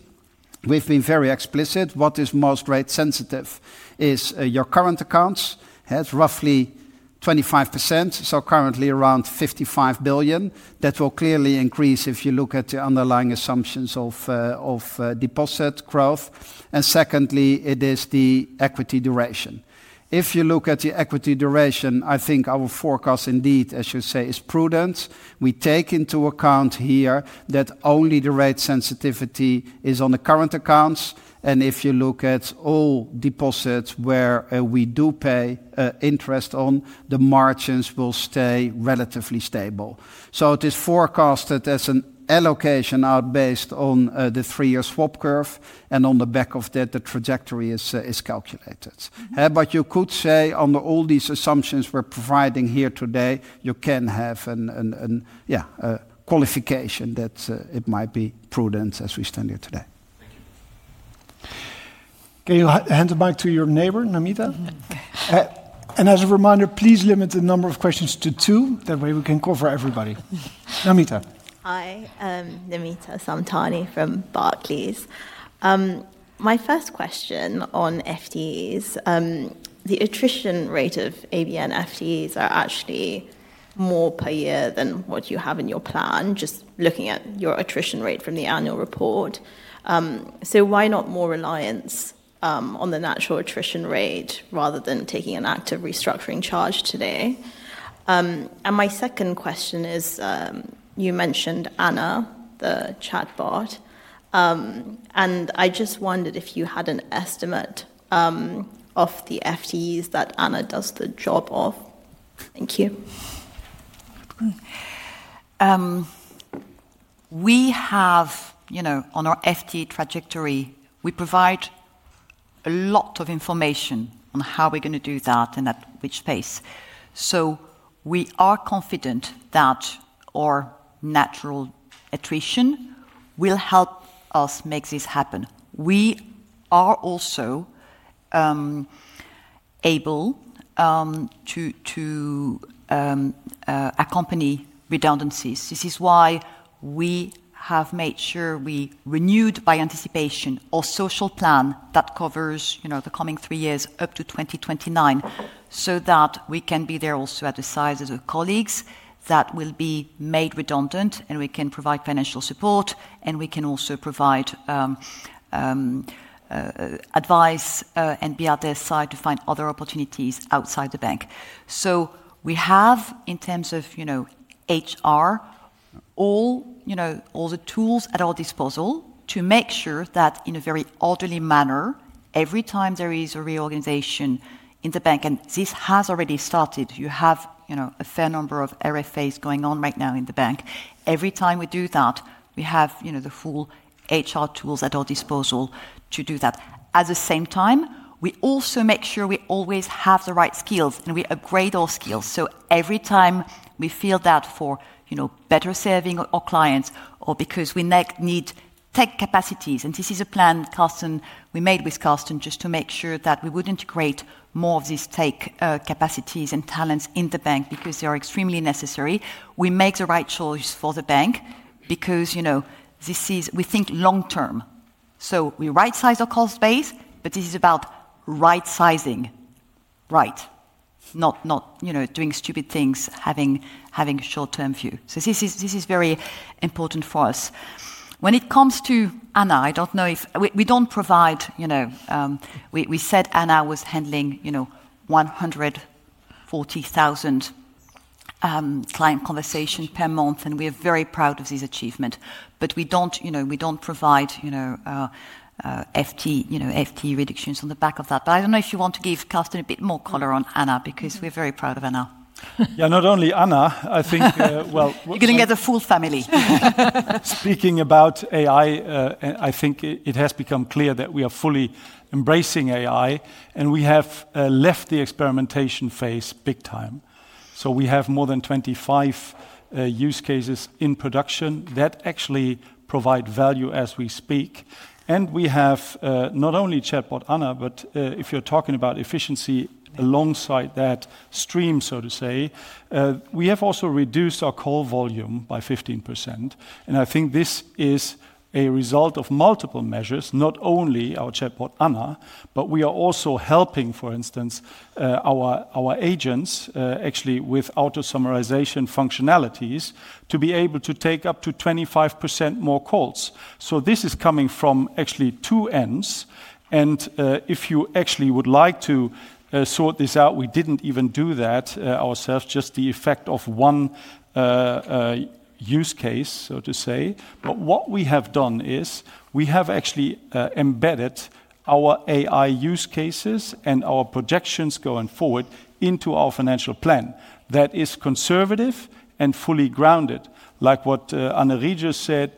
We have been very explicit. What is most rate sensitive is your current accounts. It is roughly 25%, so currently around 55 billion. That will clearly increase if you look at the underlying assumptions of deposit growth. Secondly, it is the equity duration. If you look at the equity duration, I think our forecast indeed, as you say, is prudent. We take into account here that only the rate sensitivity is on the current accounts. If you look at all deposits where we do pay interest on, the margins will stay relatively stable. It is forecasted as an allocation out based on the three-year swap curve. On the back of that, the trajectory is calculated. You could say under all these assumptions we are providing here today, you can have a qualification that it might be prudent as we stand here today. Thank you. Can you hand it back to your neighbor, Namita? As a reminder, please limit the number of questions to two. That way we can cover everybody. Namita. Hi, Namita Samtani from Barclays. My first question on FTEs, the attrition rate of ABN AMRO FTEs are actually more per year than what you have in your plan, just looking at your attrition rate from the annual report. Why not more reliance on the natural attrition rate rather than taking an active restructuring charge today? My second question is, you mentioned Anna, the chatbot. I just wondered if you had an estimate of the FTEs that Anna does the job of. Thank you. We have, on our FTE trajectory, we provide a lot of information on how we're going to do that and at which pace. We are confident that our natural attrition will help us make this happen. We are also able to accompany redundancies. This is why we have made sure we renewed by anticipation our social plan that covers the coming three years up to 2029, so that we can be there also at the size of the colleagues that will be made redundant, and we can provide financial support, and we can also provide advice and be at their side to find other opportunities outside the bank. We have, in terms of HR, all the tools at our disposal to make sure that in a very orderly manner, every time there is a reorganization in the bank, and this has already started, you have a fair number of RFAs going on right now in the bank. Every time we do that, we have the full HR tools at our disposal to do that. At the same time, we also make sure we always have the right skills, and we upgrade our skills. Every time we feel that for better serving our clients or because we need tech capacities, and this is a plan we made with Carsten just to make sure that we would integrate more of these tech capacities and talents in the bank because they are extremely necessary. We make the right choice for the bank because we think long-term. We right-size our cost base, but this is about right-sizing, right, not doing stupid things, having a short-term view. This is very important for us. When it comes to Anna, I do not know if we do not provide—we said Anna was handling 140,000 client conversations per month, and we are very proud of this achievement. We do not provide FTE reductions on the back of that. I don't know if you want to give Carsten a bit more color on Anna because we're very proud of Anna. Not only Anna. I think you're going to get the full family. Speaking about AI, I think it has become clear that we are fully embracing AI, and we have left the experimentation phase big time. We have more than 25 use cases in production that actually provide value as we speak. We have not only chatbot Anna, but if you're talking about efficiency alongside that stream, so to say, we have also reduced our call volume by 15%. I think this is a result of multiple measures, not only our chatbot Anna, but we are also helping, for instance, our agents actually with auto-summarization functionalities to be able to take up to 25% more calls. This is coming from actually two ends. If you actually would like to sort this out, we did not even do that ourselves, just the effect of one use case, so to say. What we have done is we have actually embedded our AI use cases and our projections going forward into our financial plan. That is conservative and fully grounded. Like what Anna Regis said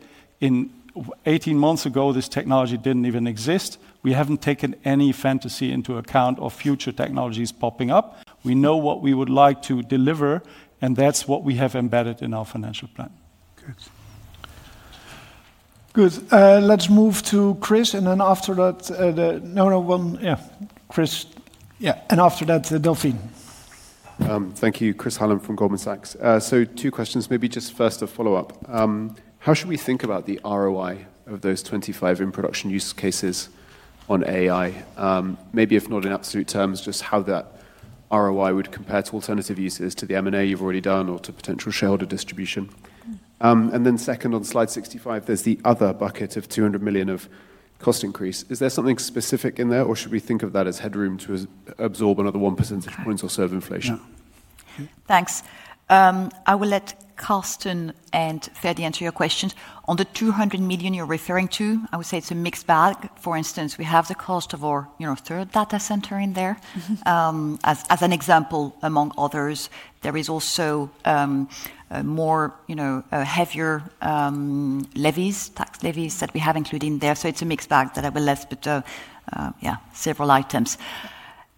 18 months ago, this technology did not even exist. We have not taken any fantasy into account of future technologies popping up. We know what we would like to deliver, and that is what we have embedded in our financial plan. Good. Good. Let's move to Chris, and then after that, no, no, one, yeah, Chris. Yeah, and after that, Delphine. Thank you, Chris Hallam from Goldman Sachs. Two questions, maybe just first a follow-up. How should we think about the ROI of those 25 in production use cases on AI? Maybe, if not in absolute terms, just how that ROI would compare to alternative uses, to the M&A you have already done, or to potential shareholder distribution. Second, on slide 65, there is the other bucket of 200 million of cost increase. Is there something specific in there, or should we think of that as headroom to absorb another 1% of points or serve inflation? Thanks. I will let Carsten and Ferdy answer your questions. On the 200 million you are referring to, I would say it is a mixed bag. For instance, we have the cost of our third data center in there. As an example, among others, there are also more heavier levies, tax levies that we have included in there. It is a mixed bag that I will list, but yeah, several items.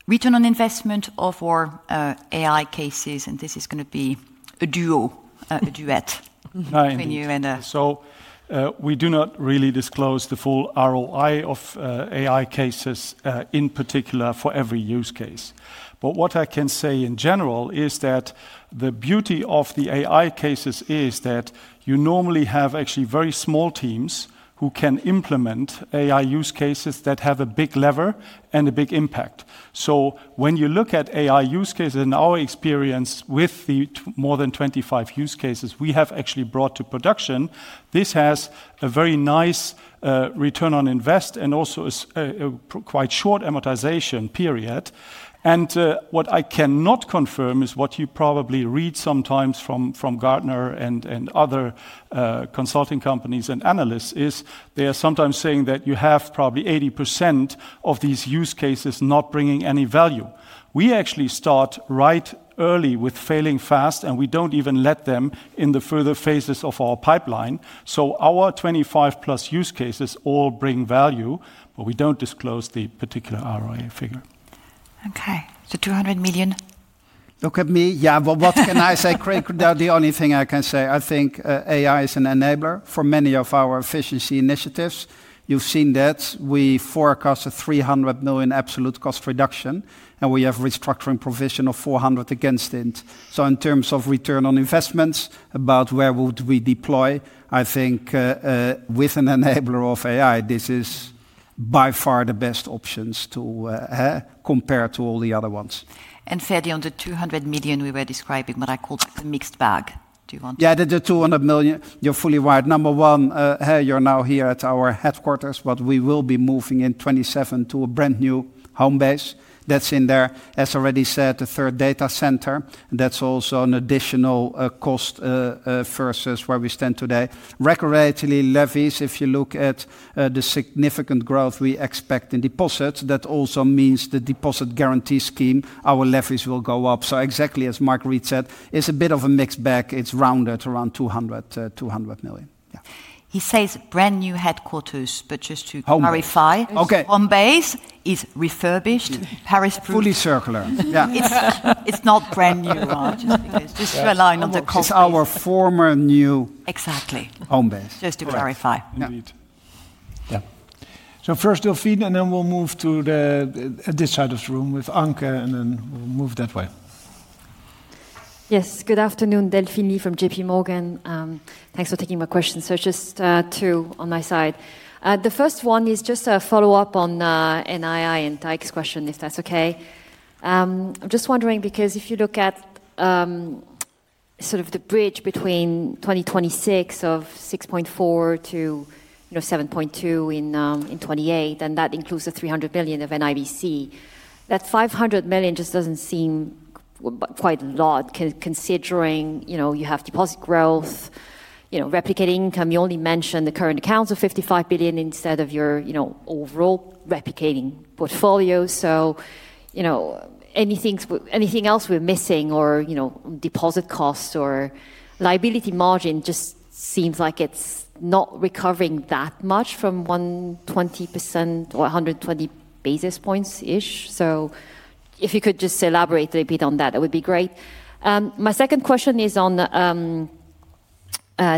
Return on investment of our AI cases, and this is going to be a duo, a duet between you and us. We do not really disclose the full ROI of AI cases in particular for every use case. What I can say in general is that the beauty of the AI cases is that you normally have actually very small teams who can implement AI use cases that have a big lever and a big impact. When you look at AI use cases, in our experience with the more than 25 use cases we have actually brought to production, this has a very nice return on invest and also a quite short amortization period. What I cannot confirm is what you probably read sometimes from Gartner and other consulting companies and analysts is they are sometimes saying that you have probably 80% of these use cases not bringing any value. We actually start right early with failing fast, and we do not even let them in the further phases of our pipeline. Our 25 plus use cases all bring value, but we do not disclose the particular ROI figure. Okay, so 200 million. Look at me. Yeah, what can I say? The only thing I can say, I think AI is an enabler for many of our efficiency initiatives. You have seen that. We forecast a 300 million absolute cost reduction, and we have restructuring provision of 400 million against it. In terms of return on investments, about where would we deploy, I think with an enabler of AI, this is by far the best options to compare to all the other ones. Ferdy, on the 200 million we were describing, what I called a mixed bag. Do you want to? Yeah, the 200 million, you're fully wired. Number one, you're now here at our headquarters, but we will be moving in 2027 to a brand new home base that's in there. As already said, the third data center, that's also an additional cost versus where we stand today. Recreationally levies, if you look at the significant growth we expect in deposits, that also means the deposit guarantee scheme, our levies will go up. Exactly as Mark Reed said, it's a bit of a mixed bag. It's rounded around 200 million. Yeah. He says brand new headquarters, but just to clarify, home base is refurbished, Paris proof. Fully circular. Yeah. It's not brand new. Just to align on the cost. This is our former new home base. Just to clarify. Yeah. First, Delphine, and then we'll move to this side of the room with Anke, and then we'll move that way. Yes, good afternoon, Delphine Lee from JP Morgan. Thanks for taking my question. Just two on my side. The first one is just a follow-up on NII and DICE question, if that's okay. I'm just wondering because if you look at sort of the bridge between 2026 of 6.4 billion to 7.2 billion in 2028, and that includes the 300 million of NIBC, that 500 million just doesn't seem quite a lot considering you have deposit growth, replicating income. You only mentioned the current accounts of 55 billion instead of your overall replicating portfolio. Anything else we're missing or deposit costs or liability margin just seems like it's not recovering that much from 120 basis points or 120 basis points-ish. If you could just elaborate a little bit on that, that would be great. My second question is on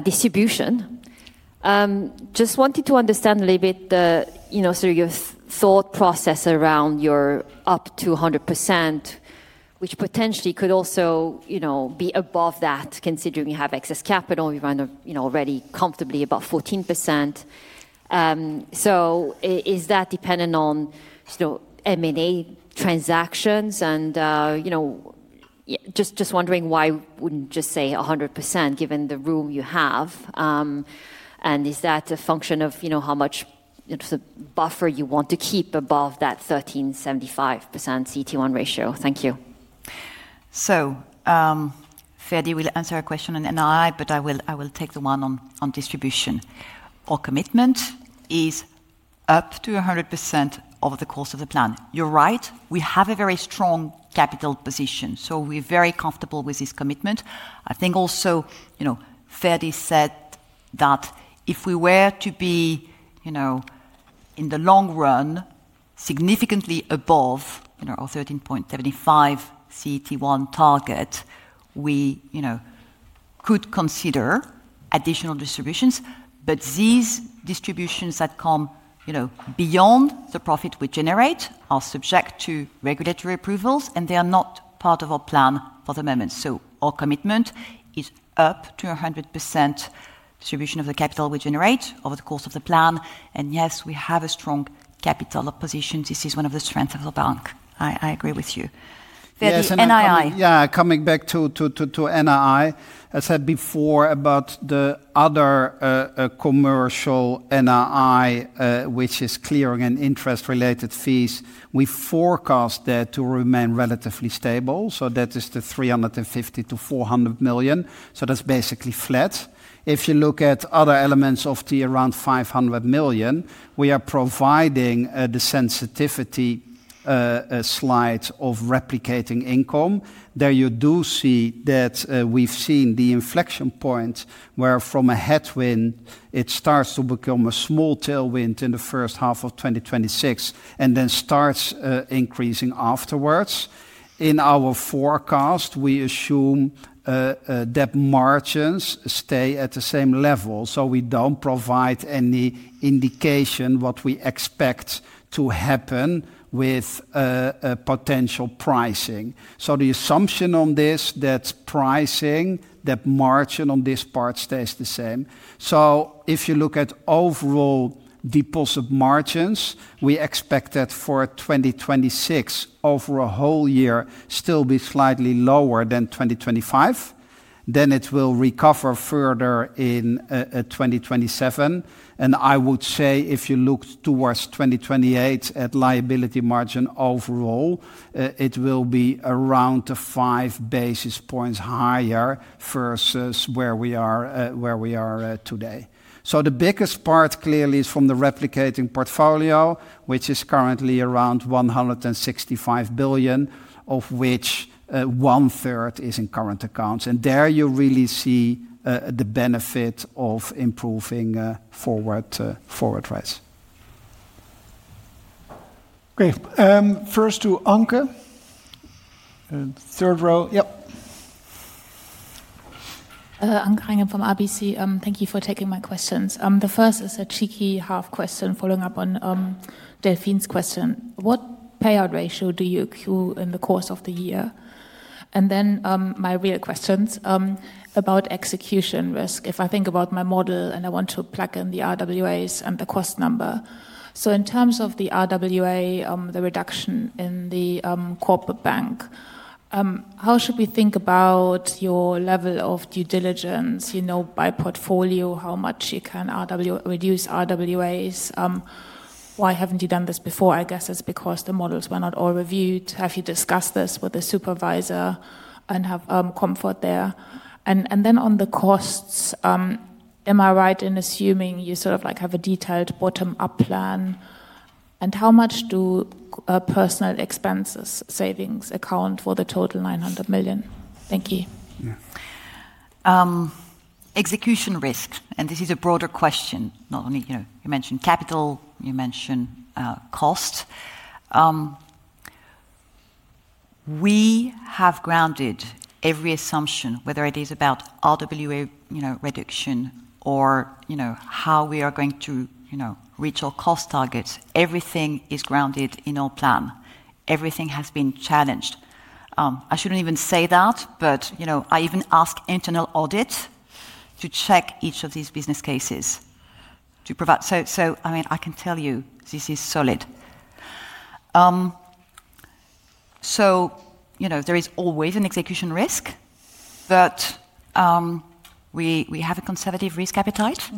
distribution. I just wanted to understand a little bit sort of your thought process around your up to 100%, which potentially could also be above that considering you have excess capital. You're already comfortably above 14%. Is that dependent on M&A transactions? I am just wondering why we wouldn't just say 100% given the room you have. Is that a function of how much buffer you want to keep above that 13.75% CET1 ratio? Thank you. Ferdy will answer a question on NII, but I will take the one on distribution. Our commitment is up to 100% over the course of the plan. You're right. We have a very strong capital position, so we're very comfortable with this commitment. I think also Ferdy said that if we were to be in the long run significantly above our 13.75% CET1 target, we could consider additional distributions. These distributions that come beyond the profit we generate are subject to regulatory approvals, and they are not part of our plan for the moment. Our commitment is up to 100% distribution of the capital we generate over the course of the plan. Yes, we have a strong capital position. This is one of the strengths of the bank. I agree with you. NII. Yeah, coming back to NII, as I said before about the other commercial NII, which is Clearing and interest-related fees, we forecast that to remain relatively stable. That is the 350 million-400 million. That is basically flat. If you look at other elements of the around 500 million, we are providing the sensitivity slides of replicating income. There you do see that we've seen the inflection point where from a headwind, it starts to become a small tailwind in the first half of 2026 and then starts increasing afterwards. In our forecast, we assume that margins stay at the same level. We do not provide any indication what we expect to happen with potential pricing. The assumption on this, that pricing, that margin on this part stays the same. If you look at overall deposit margins, we expect that for 2026, over a whole year, it will still be slightly lower than 2025. It will recover further in 2027. I would say if you look towards 2028 at liability margin overall, it will be around five basis points higher versus where we are today. The biggest part clearly is from the replicating portfolio, which is currently around 165 billion, of which one-third is in current accounts. There you really see the benefit of improving forward rates. Okay, first to Anke. Third row, yes. Anke Reingen from RBC. Thank you for taking my questions. The first is a cheeky half question following up on Delphine's question. What payout ratio do you accrue in the course of the year? My real question is about execution risk. If I think about my model and I want to plug in the RWAs and the cost number. In terms of the RWA, the reduction in the Corporate Bank, how should we think about your level of due diligence? By portfolio, how much you can reduce RWAs? Why have you not done this before? I guess it is because the models were not all reviewed. Have you discussed this with a supervisor and have comfort there? On the costs, am I right in assuming you sort of have a detailed bottom-up plan? How much do personal expenses, savings account for the total 900 million? Thank you. Execution risk, and this is a broader question. You mentioned capital, you mentioned cost. We have grounded every assumption, whether it is about RWA reduction or how we are going to reach our cost targets. Everything is grounded in our plan. Everything has been challenged. I should not even say that, but I even ask internal audit to check each of these business cases to provide. I mean, I can tell you this is solid. There is always an execution risk, but we have a conservative risk appetite.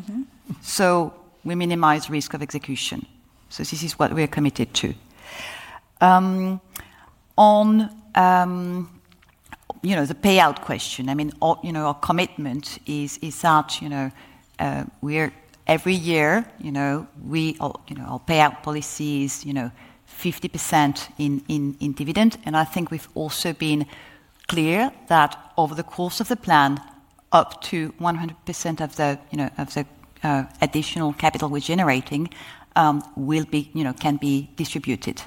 We minimize risk of execution. This is what we are committed to. On the payout question, our commitment is that every year we will pay out policies 50% in dividend. I think we have also been clear that over the course of the plan, up to 100% of the additional capital we are generating can be distributed.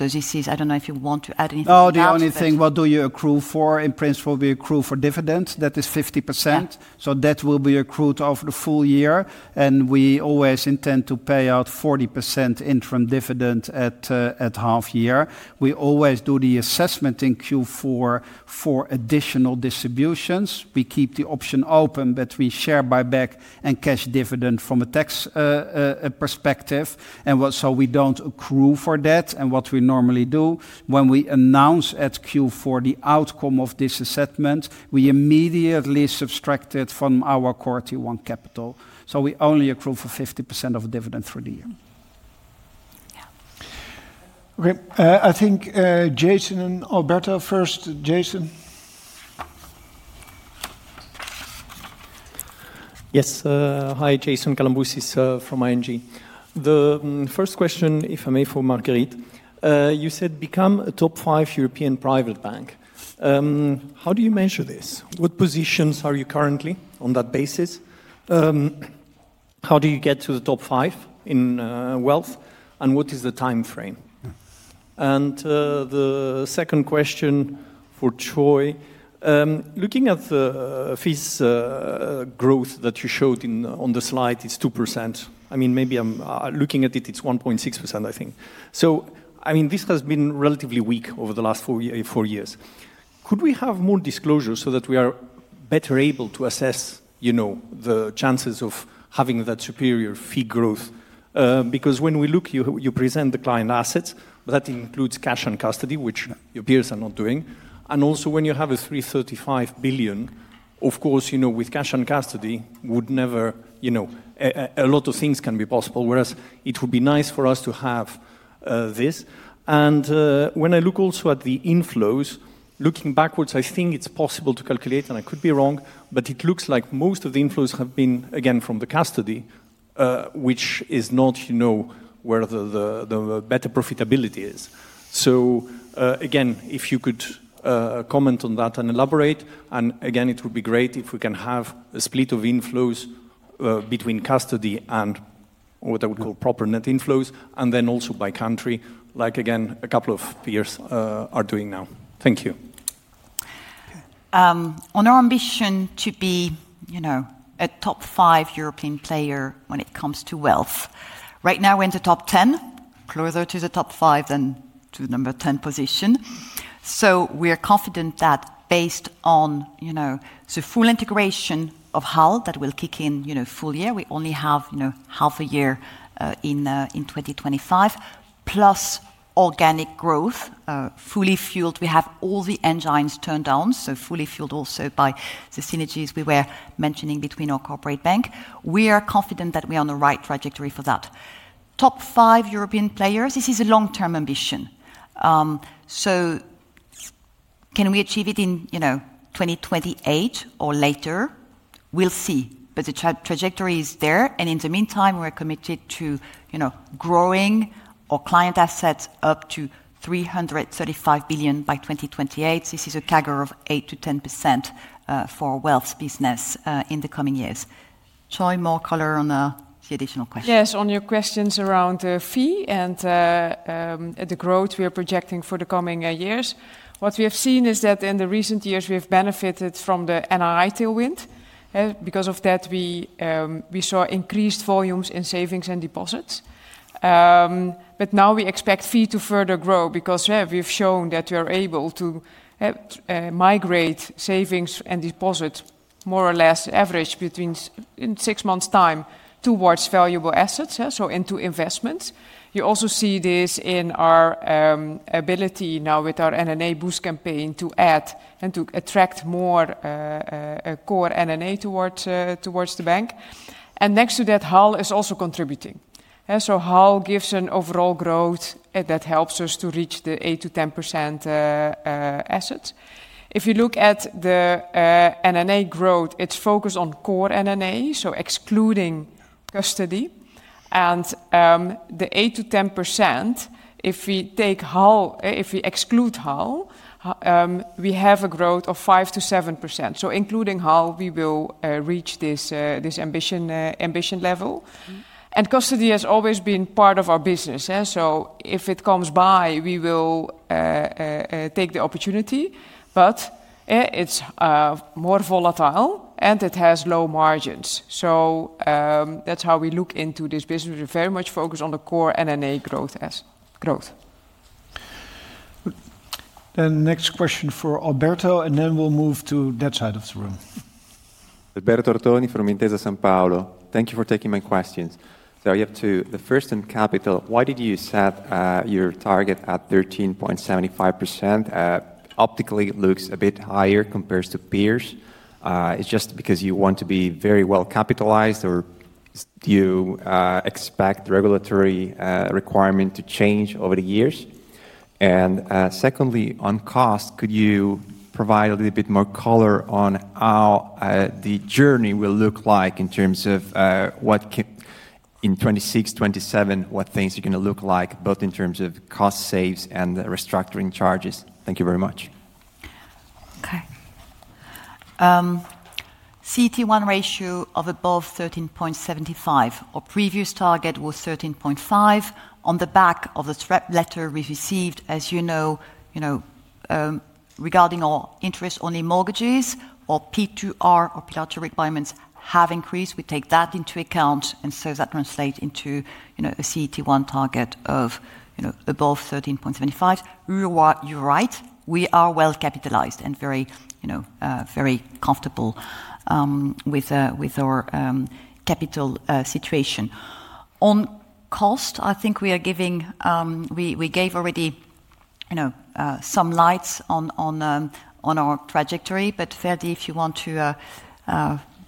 I do not know if you want to add anything to that. The only thing, what do you accrue for? In principle, we accrue for dividends. That is 50%. That will be accrued over the full year. We always intend to pay out 40% interim dividend at half year. We always do the assessment in Q4 for additional distributions. We keep the option open, but we share buyback and cash dividend from a tax perspective. We do not accrue for that. What we normally do, when we announce at Q4 the outcome of this assessment, we immediately subtract it from our quarterly one capital. We only accrue for 50% of dividend for the year. Yeah. Okay, I think Jason and Alberto first. Jason. Yes. Hi, Jason Kalamboussis from ING. The first question, if I may, for Marguerite. You said become a top five European Private Bank. How do you measure this? What positions are you currently on that basis? How do you get to the top five in wealth? What is the time frame? The second question for Troy, looking at the fees growth that you showed on the slide, it's 2%. I mean, maybe I'm looking at it, it's 1.6%, I think. I mean, this has been relatively weak over the last four years. Could we have more disclosures so that we are better able to assess the chances of having that superior fee growth? Because when we look, you present the client assets, but that includes cash and custody, which your peers are not doing. Also, when you have a 335 billion, of course, with cash and custody, a lot of things can be possible, whereas it would be nice for us to have this. When I look also at the inflows, looking backwards, I think it's possible to calculate, and I could be wrong, but it looks like most of the inflows have been, again, from the custody, which is not where the better profitability is. If you could comment on that and elaborate, it would be great if we can have a split of inflows between custody and what I would call proper net inflows, and then also by country, like a couple of peers are doing now. Thank you. On our ambition to be a top five European player when it comes to wealth. Right now we're in the top 10, closer to the top five than to the number 10 position. We're confident that based on the full integration of HAL that will kick in full year, we only have half a year in 2025, plus organic growth, fully fueled. We have all the engines turned on, so fully fueled also by the synergies we were mentioning between our Corporate Bank. We are confident that we are on the right trajectory for that. Top five European players, this is a long-term ambition. Can we achieve it in 2028 or later? We'll see, but the trajectory is there. In the meantime, we're committed to growing our client assets up to 335 billion by 2028. This is a CAGR of 8-10% for wealth business in the coming years. Choy, more color on the additional question. Yes, on your questions around the fee and the growth we are projecting for the coming years, what we have seen is that in the recent years, we have benefited from the NII tailwind. Because of that, we saw increased volumes in savings and deposits. Now we expect fee to further grow because we've shown that we are able to migrate savings and deposits more or less average between six months' time towards valuable assets, into investments. You also see this in our ability now with our NNA boost campaign to add and to attract more core NNA towards the bank. Next to that, HAL is also contributing. HAL gives an overall growth that helps us to reach the 8-10% assets. If you look at the NNA growth, it's focused on core NNA, excluding custody. The 8-10%, if we exclude HAL, we have a growth of 5-7%. Including HAL, we will reach this ambition level. Custody has always been part of our business. If it comes by, we will take the opportunity. It is more volatile and it has low margins. That is how we look into this business. We are very much focused on the core NNA growth. Next question for Alberto, and then we will move to that side of the room. Alberto Artoni from Intesa Sanpaolo. Thank you for taking my questions. I have two. The first in capital, why did you set your target at 13.75%? Optically, it looks a bit higher compared to peers. Is it just because you want to be very well capitalized or do you expect regulatory requirement to change over the years? Secondly, on cost, could you provide a little bit more color on how the journey will look like in terms of what in 2026, 2027, what things are going to look like, both in terms of cost saves and restructuring charges? Thank you very much. Okay. CET1 ratio of above 13.75%. Our previous target was 13.5%. On the back of the letter we received, as you know, regarding our interest-only mortgages, our P2R or Pillar 2 Requirements have increased. We take that into account, and so that translates into a CET1 target of above 13.75%. You're right. We are well capitalized and very comfortable with our capital situation. On cost, I think we are giving, we gave already some lights on our trajectory, but Ferdy, if you want to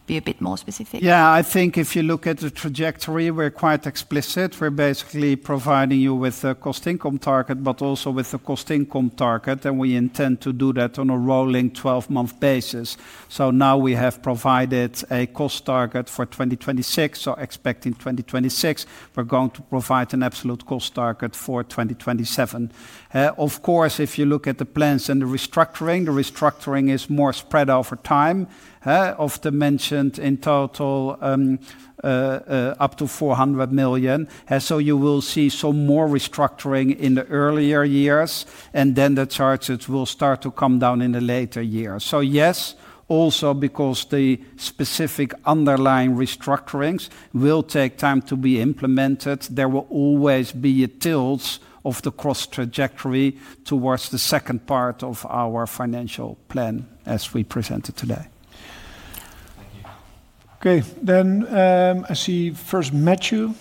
be a bit more specific. Yeah, I think if you look at the trajectory, we're quite explicit. We're basically providing you with a cost income target, but also with a cost income target, and we intend to do that on a rolling 12-month basis. Now we have provided a cost target for 2026, so expecting 2026, we're going to provide an absolute cost target for 2027. Of course, if you look at the plans and the restructuring, the restructuring is more spread over time. Of the mentioned in total, up to 400 million. You will see some more restructuring in the earlier years, and then the charges will start to come down in the later years. Yes, also because the specific underlying restructurings will take time to be implemented, there will always be a tilt of the cost trajectory towards the second part of our financial plan as we present it today. Thank you. Okay, I see first Matthew.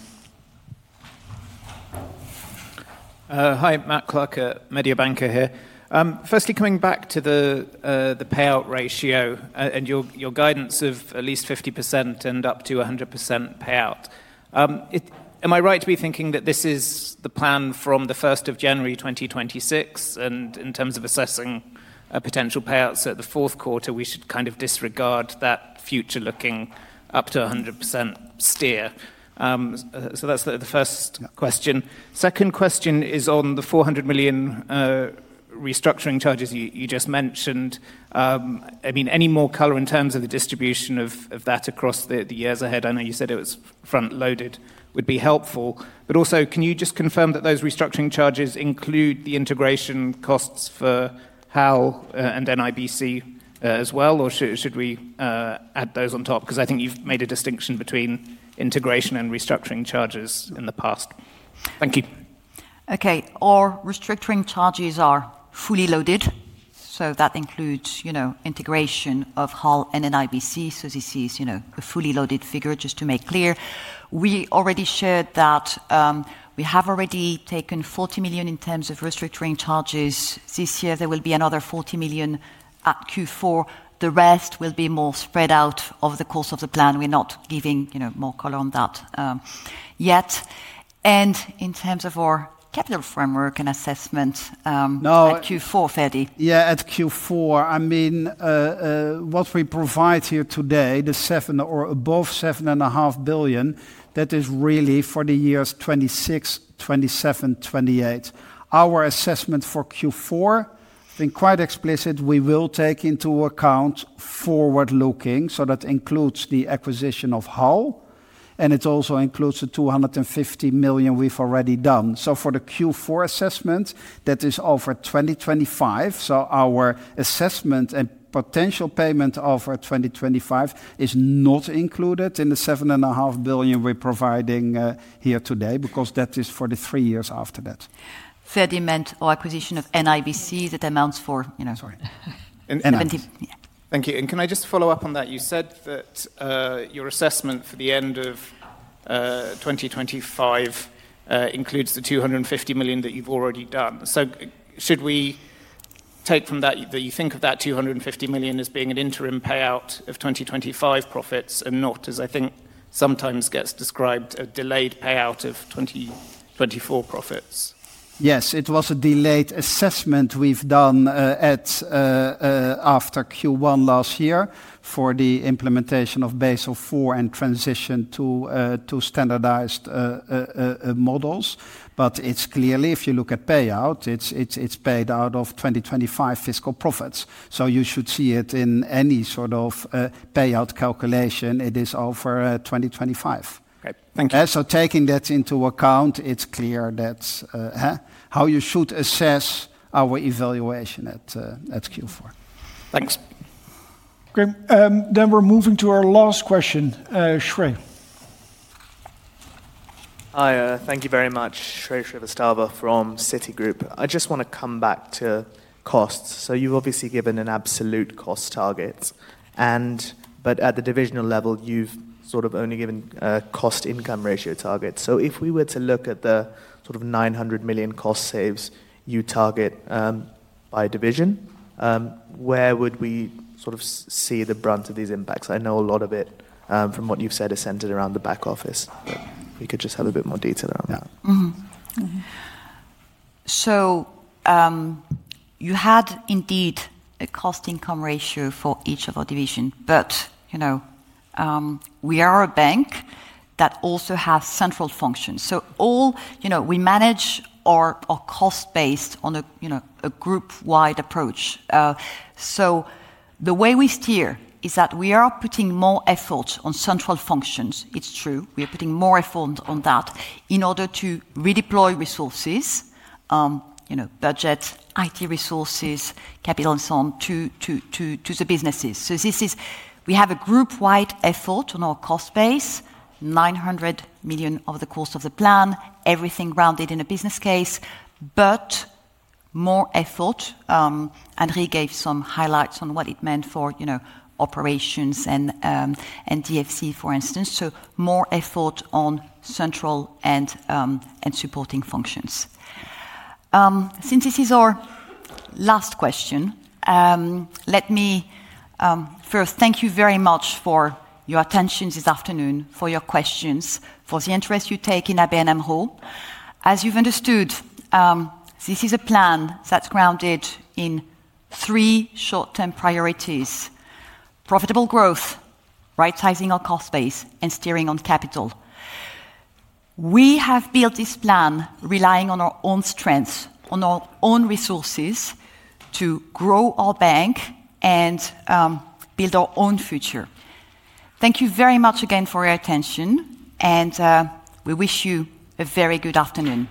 Hi, Matt Clark, Mediobanca here. Firstly, coming back to the payout ratio and your guidance of at least 50% and up to 100% payout. Am I right to be thinking that this is the plan from the 1st of January 2026? In terms of assessing potential payouts at the fourth quarter, we should kind of disregard that future-looking up to 100% steer. That's the first question. Second question is on the 400 million restructuring charges you just mentioned. I mean, any more color in terms of the distribution of that across the years ahead? I know you said it was front-loaded, would be helpful. Also, can you just confirm that those restructuring charges include the integration costs for HAL and NIBC as well, or should we add those on top? I think you've made a distinction between integration and restructuring charges in the past. Thank you. Okay, our restructuring charges are fully loaded. That includes integration of HAL and NIBC. This is a fully loaded figure, just to make clear. We already shared that we have already taken 40 million in terms of restructuring charges this year. There will be another 40 million at Q4. The rest will be more spread out over the course of the plan. We're not giving more color on that yet. In terms of our capital framework and assessment at Q4, Ferdy. Yeah, at Q4, I mean, what we provide here today, the 7 billion or above 7.5 billion, that is really for the years 2026, 2027, 2028. Our assessment for Q4 has been quite explicit. We will take into account forward looking, so that includes the acquisition of HAL, and it also includes the 250 million we've already done. For the Q4 assessment, that is over 2025. Our assessment and potential payment over 2025 is not included in the 7.5 billion we're providing here today because that is for the three years after that. Ferdy meant our acquisition of NIBC that amounts for. Sorry. Thank you. Can I just follow up on that? You said that your assessment for the end of 2025 includes the 250 million that you've already done. Should we take from that that you think of that 250 million as being an interim payout of 2025 profits and not, as I think sometimes gets described, a delayed payout of 2024 profits? Yes, it was a delayed assessment we've done after Q1 last year for the implementation of Basel IV and transition to standardized models. It is clearly, if you look at payout, it is paid out of 2025 fiscal profits. You should see it in any sort of payout calculation. It is over 2025. Okay, thank you. Taking that into account, it is clear that how you should assess our evaluation at Q4. Thanks. We are moving to our last question, Shrey. Hi, thank you very much. Shrey Srivastava from Citigroup. I just want to come back to costs. You have obviously given an absolute cost target, but at the divisional level, you have sort of only given a cost income ratio target. If we were to look at the sort of 900 million cost saves you target by division, where would we sort of see the brunt of these impacts? I know a lot of it, from what you've said, is centered around the back office, but if we could just have a bit more detail around that. You had indeed a cost-income ratio for each of our divisions, but we are a bank that also has central functions. We manage our cost based on a group-wide approach. The way we steer is that we are putting more effort on central functions. It's true. We are putting more effort on that in order to redeploy resources, budget, IT resources, capital and so on to the businesses. We have a group-wide effort on our cost base, 900 million over the course of the plan, everything grounded in a business case, but more effort. He gave some highlights on what it meant for Operations and DFC, for instance. More effort on central and supporting functions. Since this is our last question, let me first thank you very much for your attention this afternoon, for your questions, for the interest you take in ABN AMRO. As you've understood, this is a plan that's grounded in three short-term priorities: profitable growth, right-sizing our cost base, and steering on capital. We have built this plan relying on our own strengths, on our own resources to grow our bank and build our own future. Thank you very much again for your attention, and we wish you a very good afternoon.